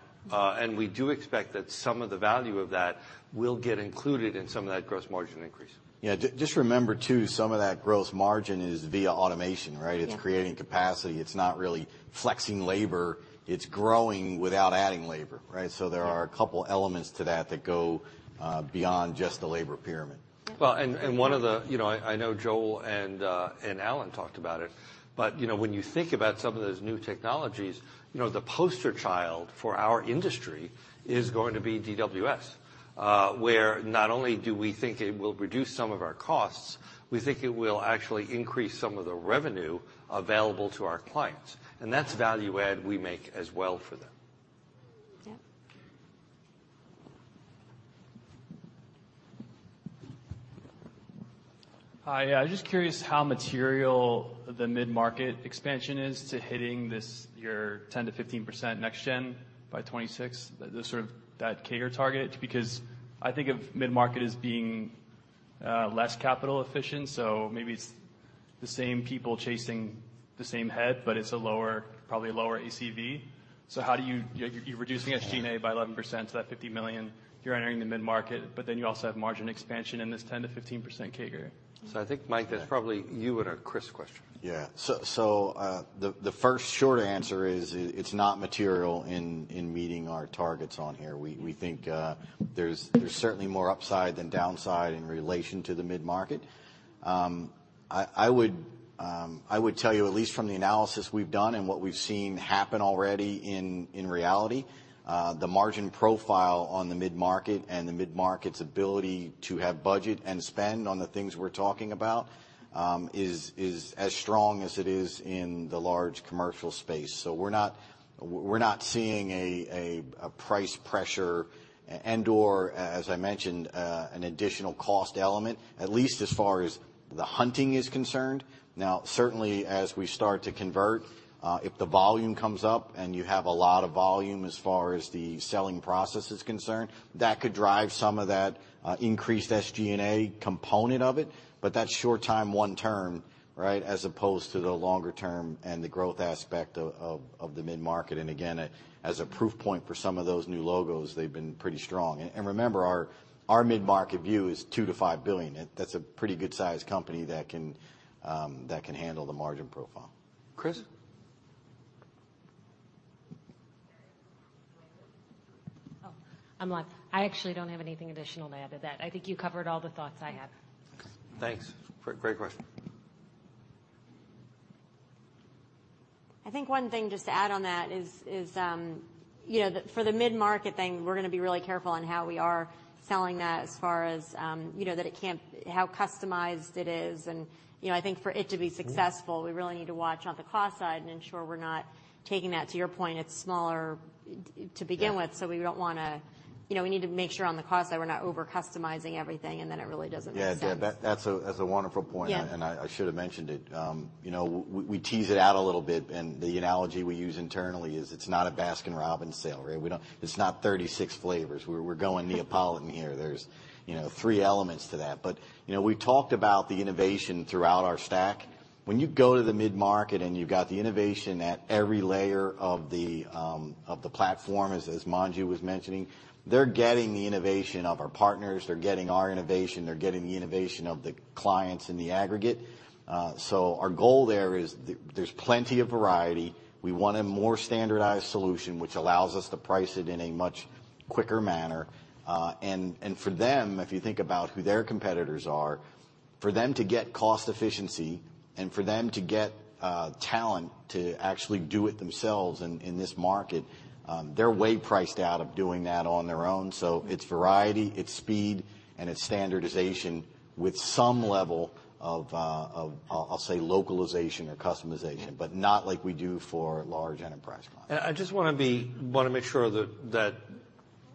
We do expect that some of the value of that will get included in some of that gross margin increase. Yeah, just remember, too, some of that gross margin is via automation, right? Yeah. It's creating capacity. It's not really flexing labor, it's growing without adding labor, right? Yeah. There are a couple elements to that that go beyond just the labor pyramid. Yeah. You know, I know Joel and Alan talked about it. You know, when you think about some of those new technologies, you know, the poster child for our industry is going to be DWS. Where not only do we think it will reduce some of our costs, we think it will actually increase some of the revenue available to our clients. That's value add we make as well for them. Yeah. Hi, I'm just curious how material the mid-market expansion is to hitting this, your 10%-15% next-gen by 2026, the sort of that CAGR target, because I think of mid-market as being less capital efficient, so maybe it's the same people chasing the same head, but it's a lower, probably a lower ACV. How do you? You're reducing SG&A by 11%, so that $50 million, you're entering the mid-market, but then you also have margin expansion in this 10%-15% CAGR. I think, Mike, that's probably you and a Chris question. The first short answer is it's not material in meeting our targets on here. We think there's certainly more upside than downside in relation to the mid-market. I would tell you, at least from the analysis we've done and what we've seen happen already in reality, the margin profile on the mid-market and the mid-market's ability to have budget and spend on the things we're talking about, is as strong as it is in the large commercial space. We're not seeing a price pressure and/or, as I mentioned, an additional cost element, at least as far as the hunting is concerned. As we start to convert, if the volume comes up and you have a lot of volume as far as the selling process is concerned, that could drive some of that increased SG&A component of it, but that's short time, one term, right? As opposed to the longer term and the growth aspect of, of the mid-market. As a proof point for some of those new logos, they've been pretty strong. Remember, our mid-market view is $2 billion-$5 billion. That's a pretty good sized company that can handle the margin profile. Chris? Oh, I'm live. I actually don't have anything additional to add to that. I think you covered all the thoughts I had. Thanks. Great, great question. I think one thing just to add on that is, you know, for the mid-market thing, we're gonna be really careful on how we are selling that as far as, you know, how customized it is. You know, I think for it to be successful. Mm-hmm. We really need to watch on the cost side and ensure we're not taking that, to your point, it's smaller to begin with. Yeah. We don't wanna, you know, we need to make sure on the cost side we're not over-customizing everything, and then it really doesn't make sense. Yeah, that's a wonderful point. Yeah. I should have mentioned it. You know, we tease it out a little bit, the analogy we use internally is it's not a Baskin-Robbins sale, right? It's not 36 flavors. We're going Neapolitan here. There's, you know, three elements to that. You know, we've talked about the innovation throughout our stack. When you go to the mid-market and you've got the innovation at every layer of the platform, as Manju was mentioning, they're getting the innovation of our partners, they're getting our innovation, they're getting the innovation of the clients in the aggregate. Our goal there is there's plenty of variety. We want a more standardized solution, which allows us to price it in a much quicker manner. For them, if you think about who their competitors are, for them to get cost efficiency and for them to get talent to actually do it themselves in this market, they're way priced out of doing that on their own. It's variety, it's speed, and it's standardization with some level of, I'll say localization or customization, but not like we do for large enterprise clients. I just wanna make sure that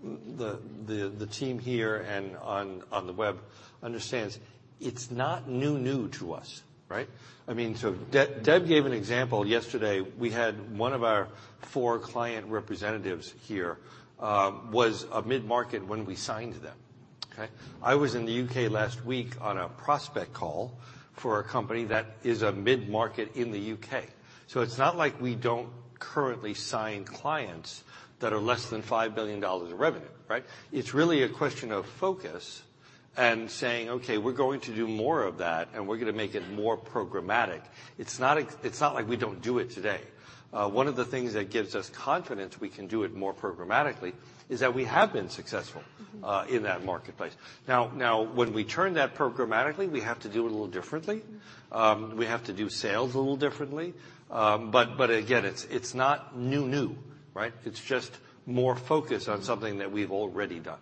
the team here and on the web understands, it's not new to us, right? I mean, Deb gave an example yesterday. We had one of our four client representatives here, was a mid-market when we signed them, okay? I was in the U.K. last week on a prospect call for a company that is a mid-market in the U.K. It's not like we don't currently sign clients that are less than $5 billion in revenue, right? It's really a question of focus and saying: Okay, we're going to do more of that, and we're gonna make it more programmatic. It's not like we don't do it today. One of the things that gives us confidence we can do it more programmatically is that we have been successful. Mm-hmm. in that marketplace. Now, when we turn that programmatically, we have to do it a little differently. We have to do sales a little differently. Again, it's not new, right? It's just more focused on something that we've already done.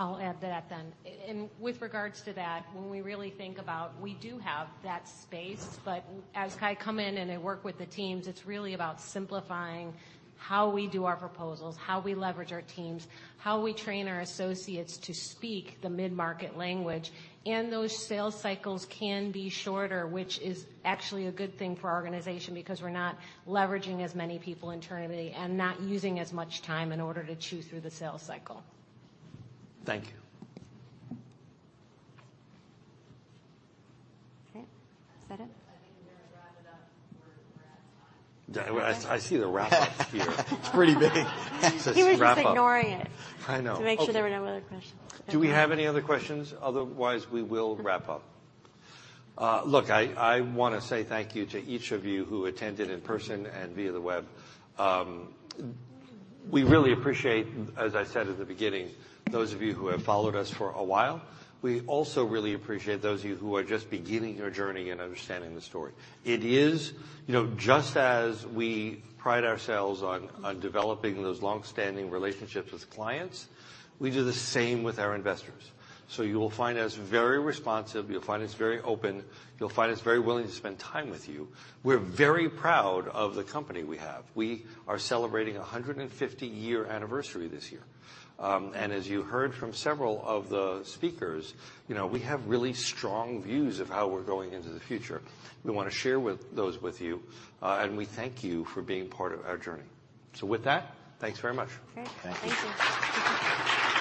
I'll add to that then. With regards to that, when we really think about. We do have that space, but as I come in and I work with the teams, it's really about simplifying how we do our proposals, how we leverage our teams, how we train our associates to speak the mid-market language. Those sales cycles can be shorter, which is actually a good thing for our organization because we're not leveraging as many people internally and not using as much time in order to chew through the sales cycle. Thank you. Okay, is that it? I think we're gonna wrap it up. We're wrapped up. I see the wrap up here. It's pretty big. He was just ignoring it. I know. to make sure there were no other questions. Do we have any other questions? We will wrap up. Look, I wanna say thank you to each of you who attended in person and via the web. We really appreciate, as I said at the beginning, those of you who have followed us for a while. We also really appreciate those of you who are just beginning your journey in understanding the story. You know, just as we pride ourselves on developing those long-standing relationships with clients, we do the same with our investors. You will find us very responsive, you'll find us very open, you'll find us very willing to spend time with you. We're very proud of the company we have. We are celebrating a 150-year anniversary this year. As you heard from several of the speakers, you know, we have really strong views of how we're going into the future. We wanna share those with you, and we thank you for being part of our journey. With that, thanks very much. Great. Thank you.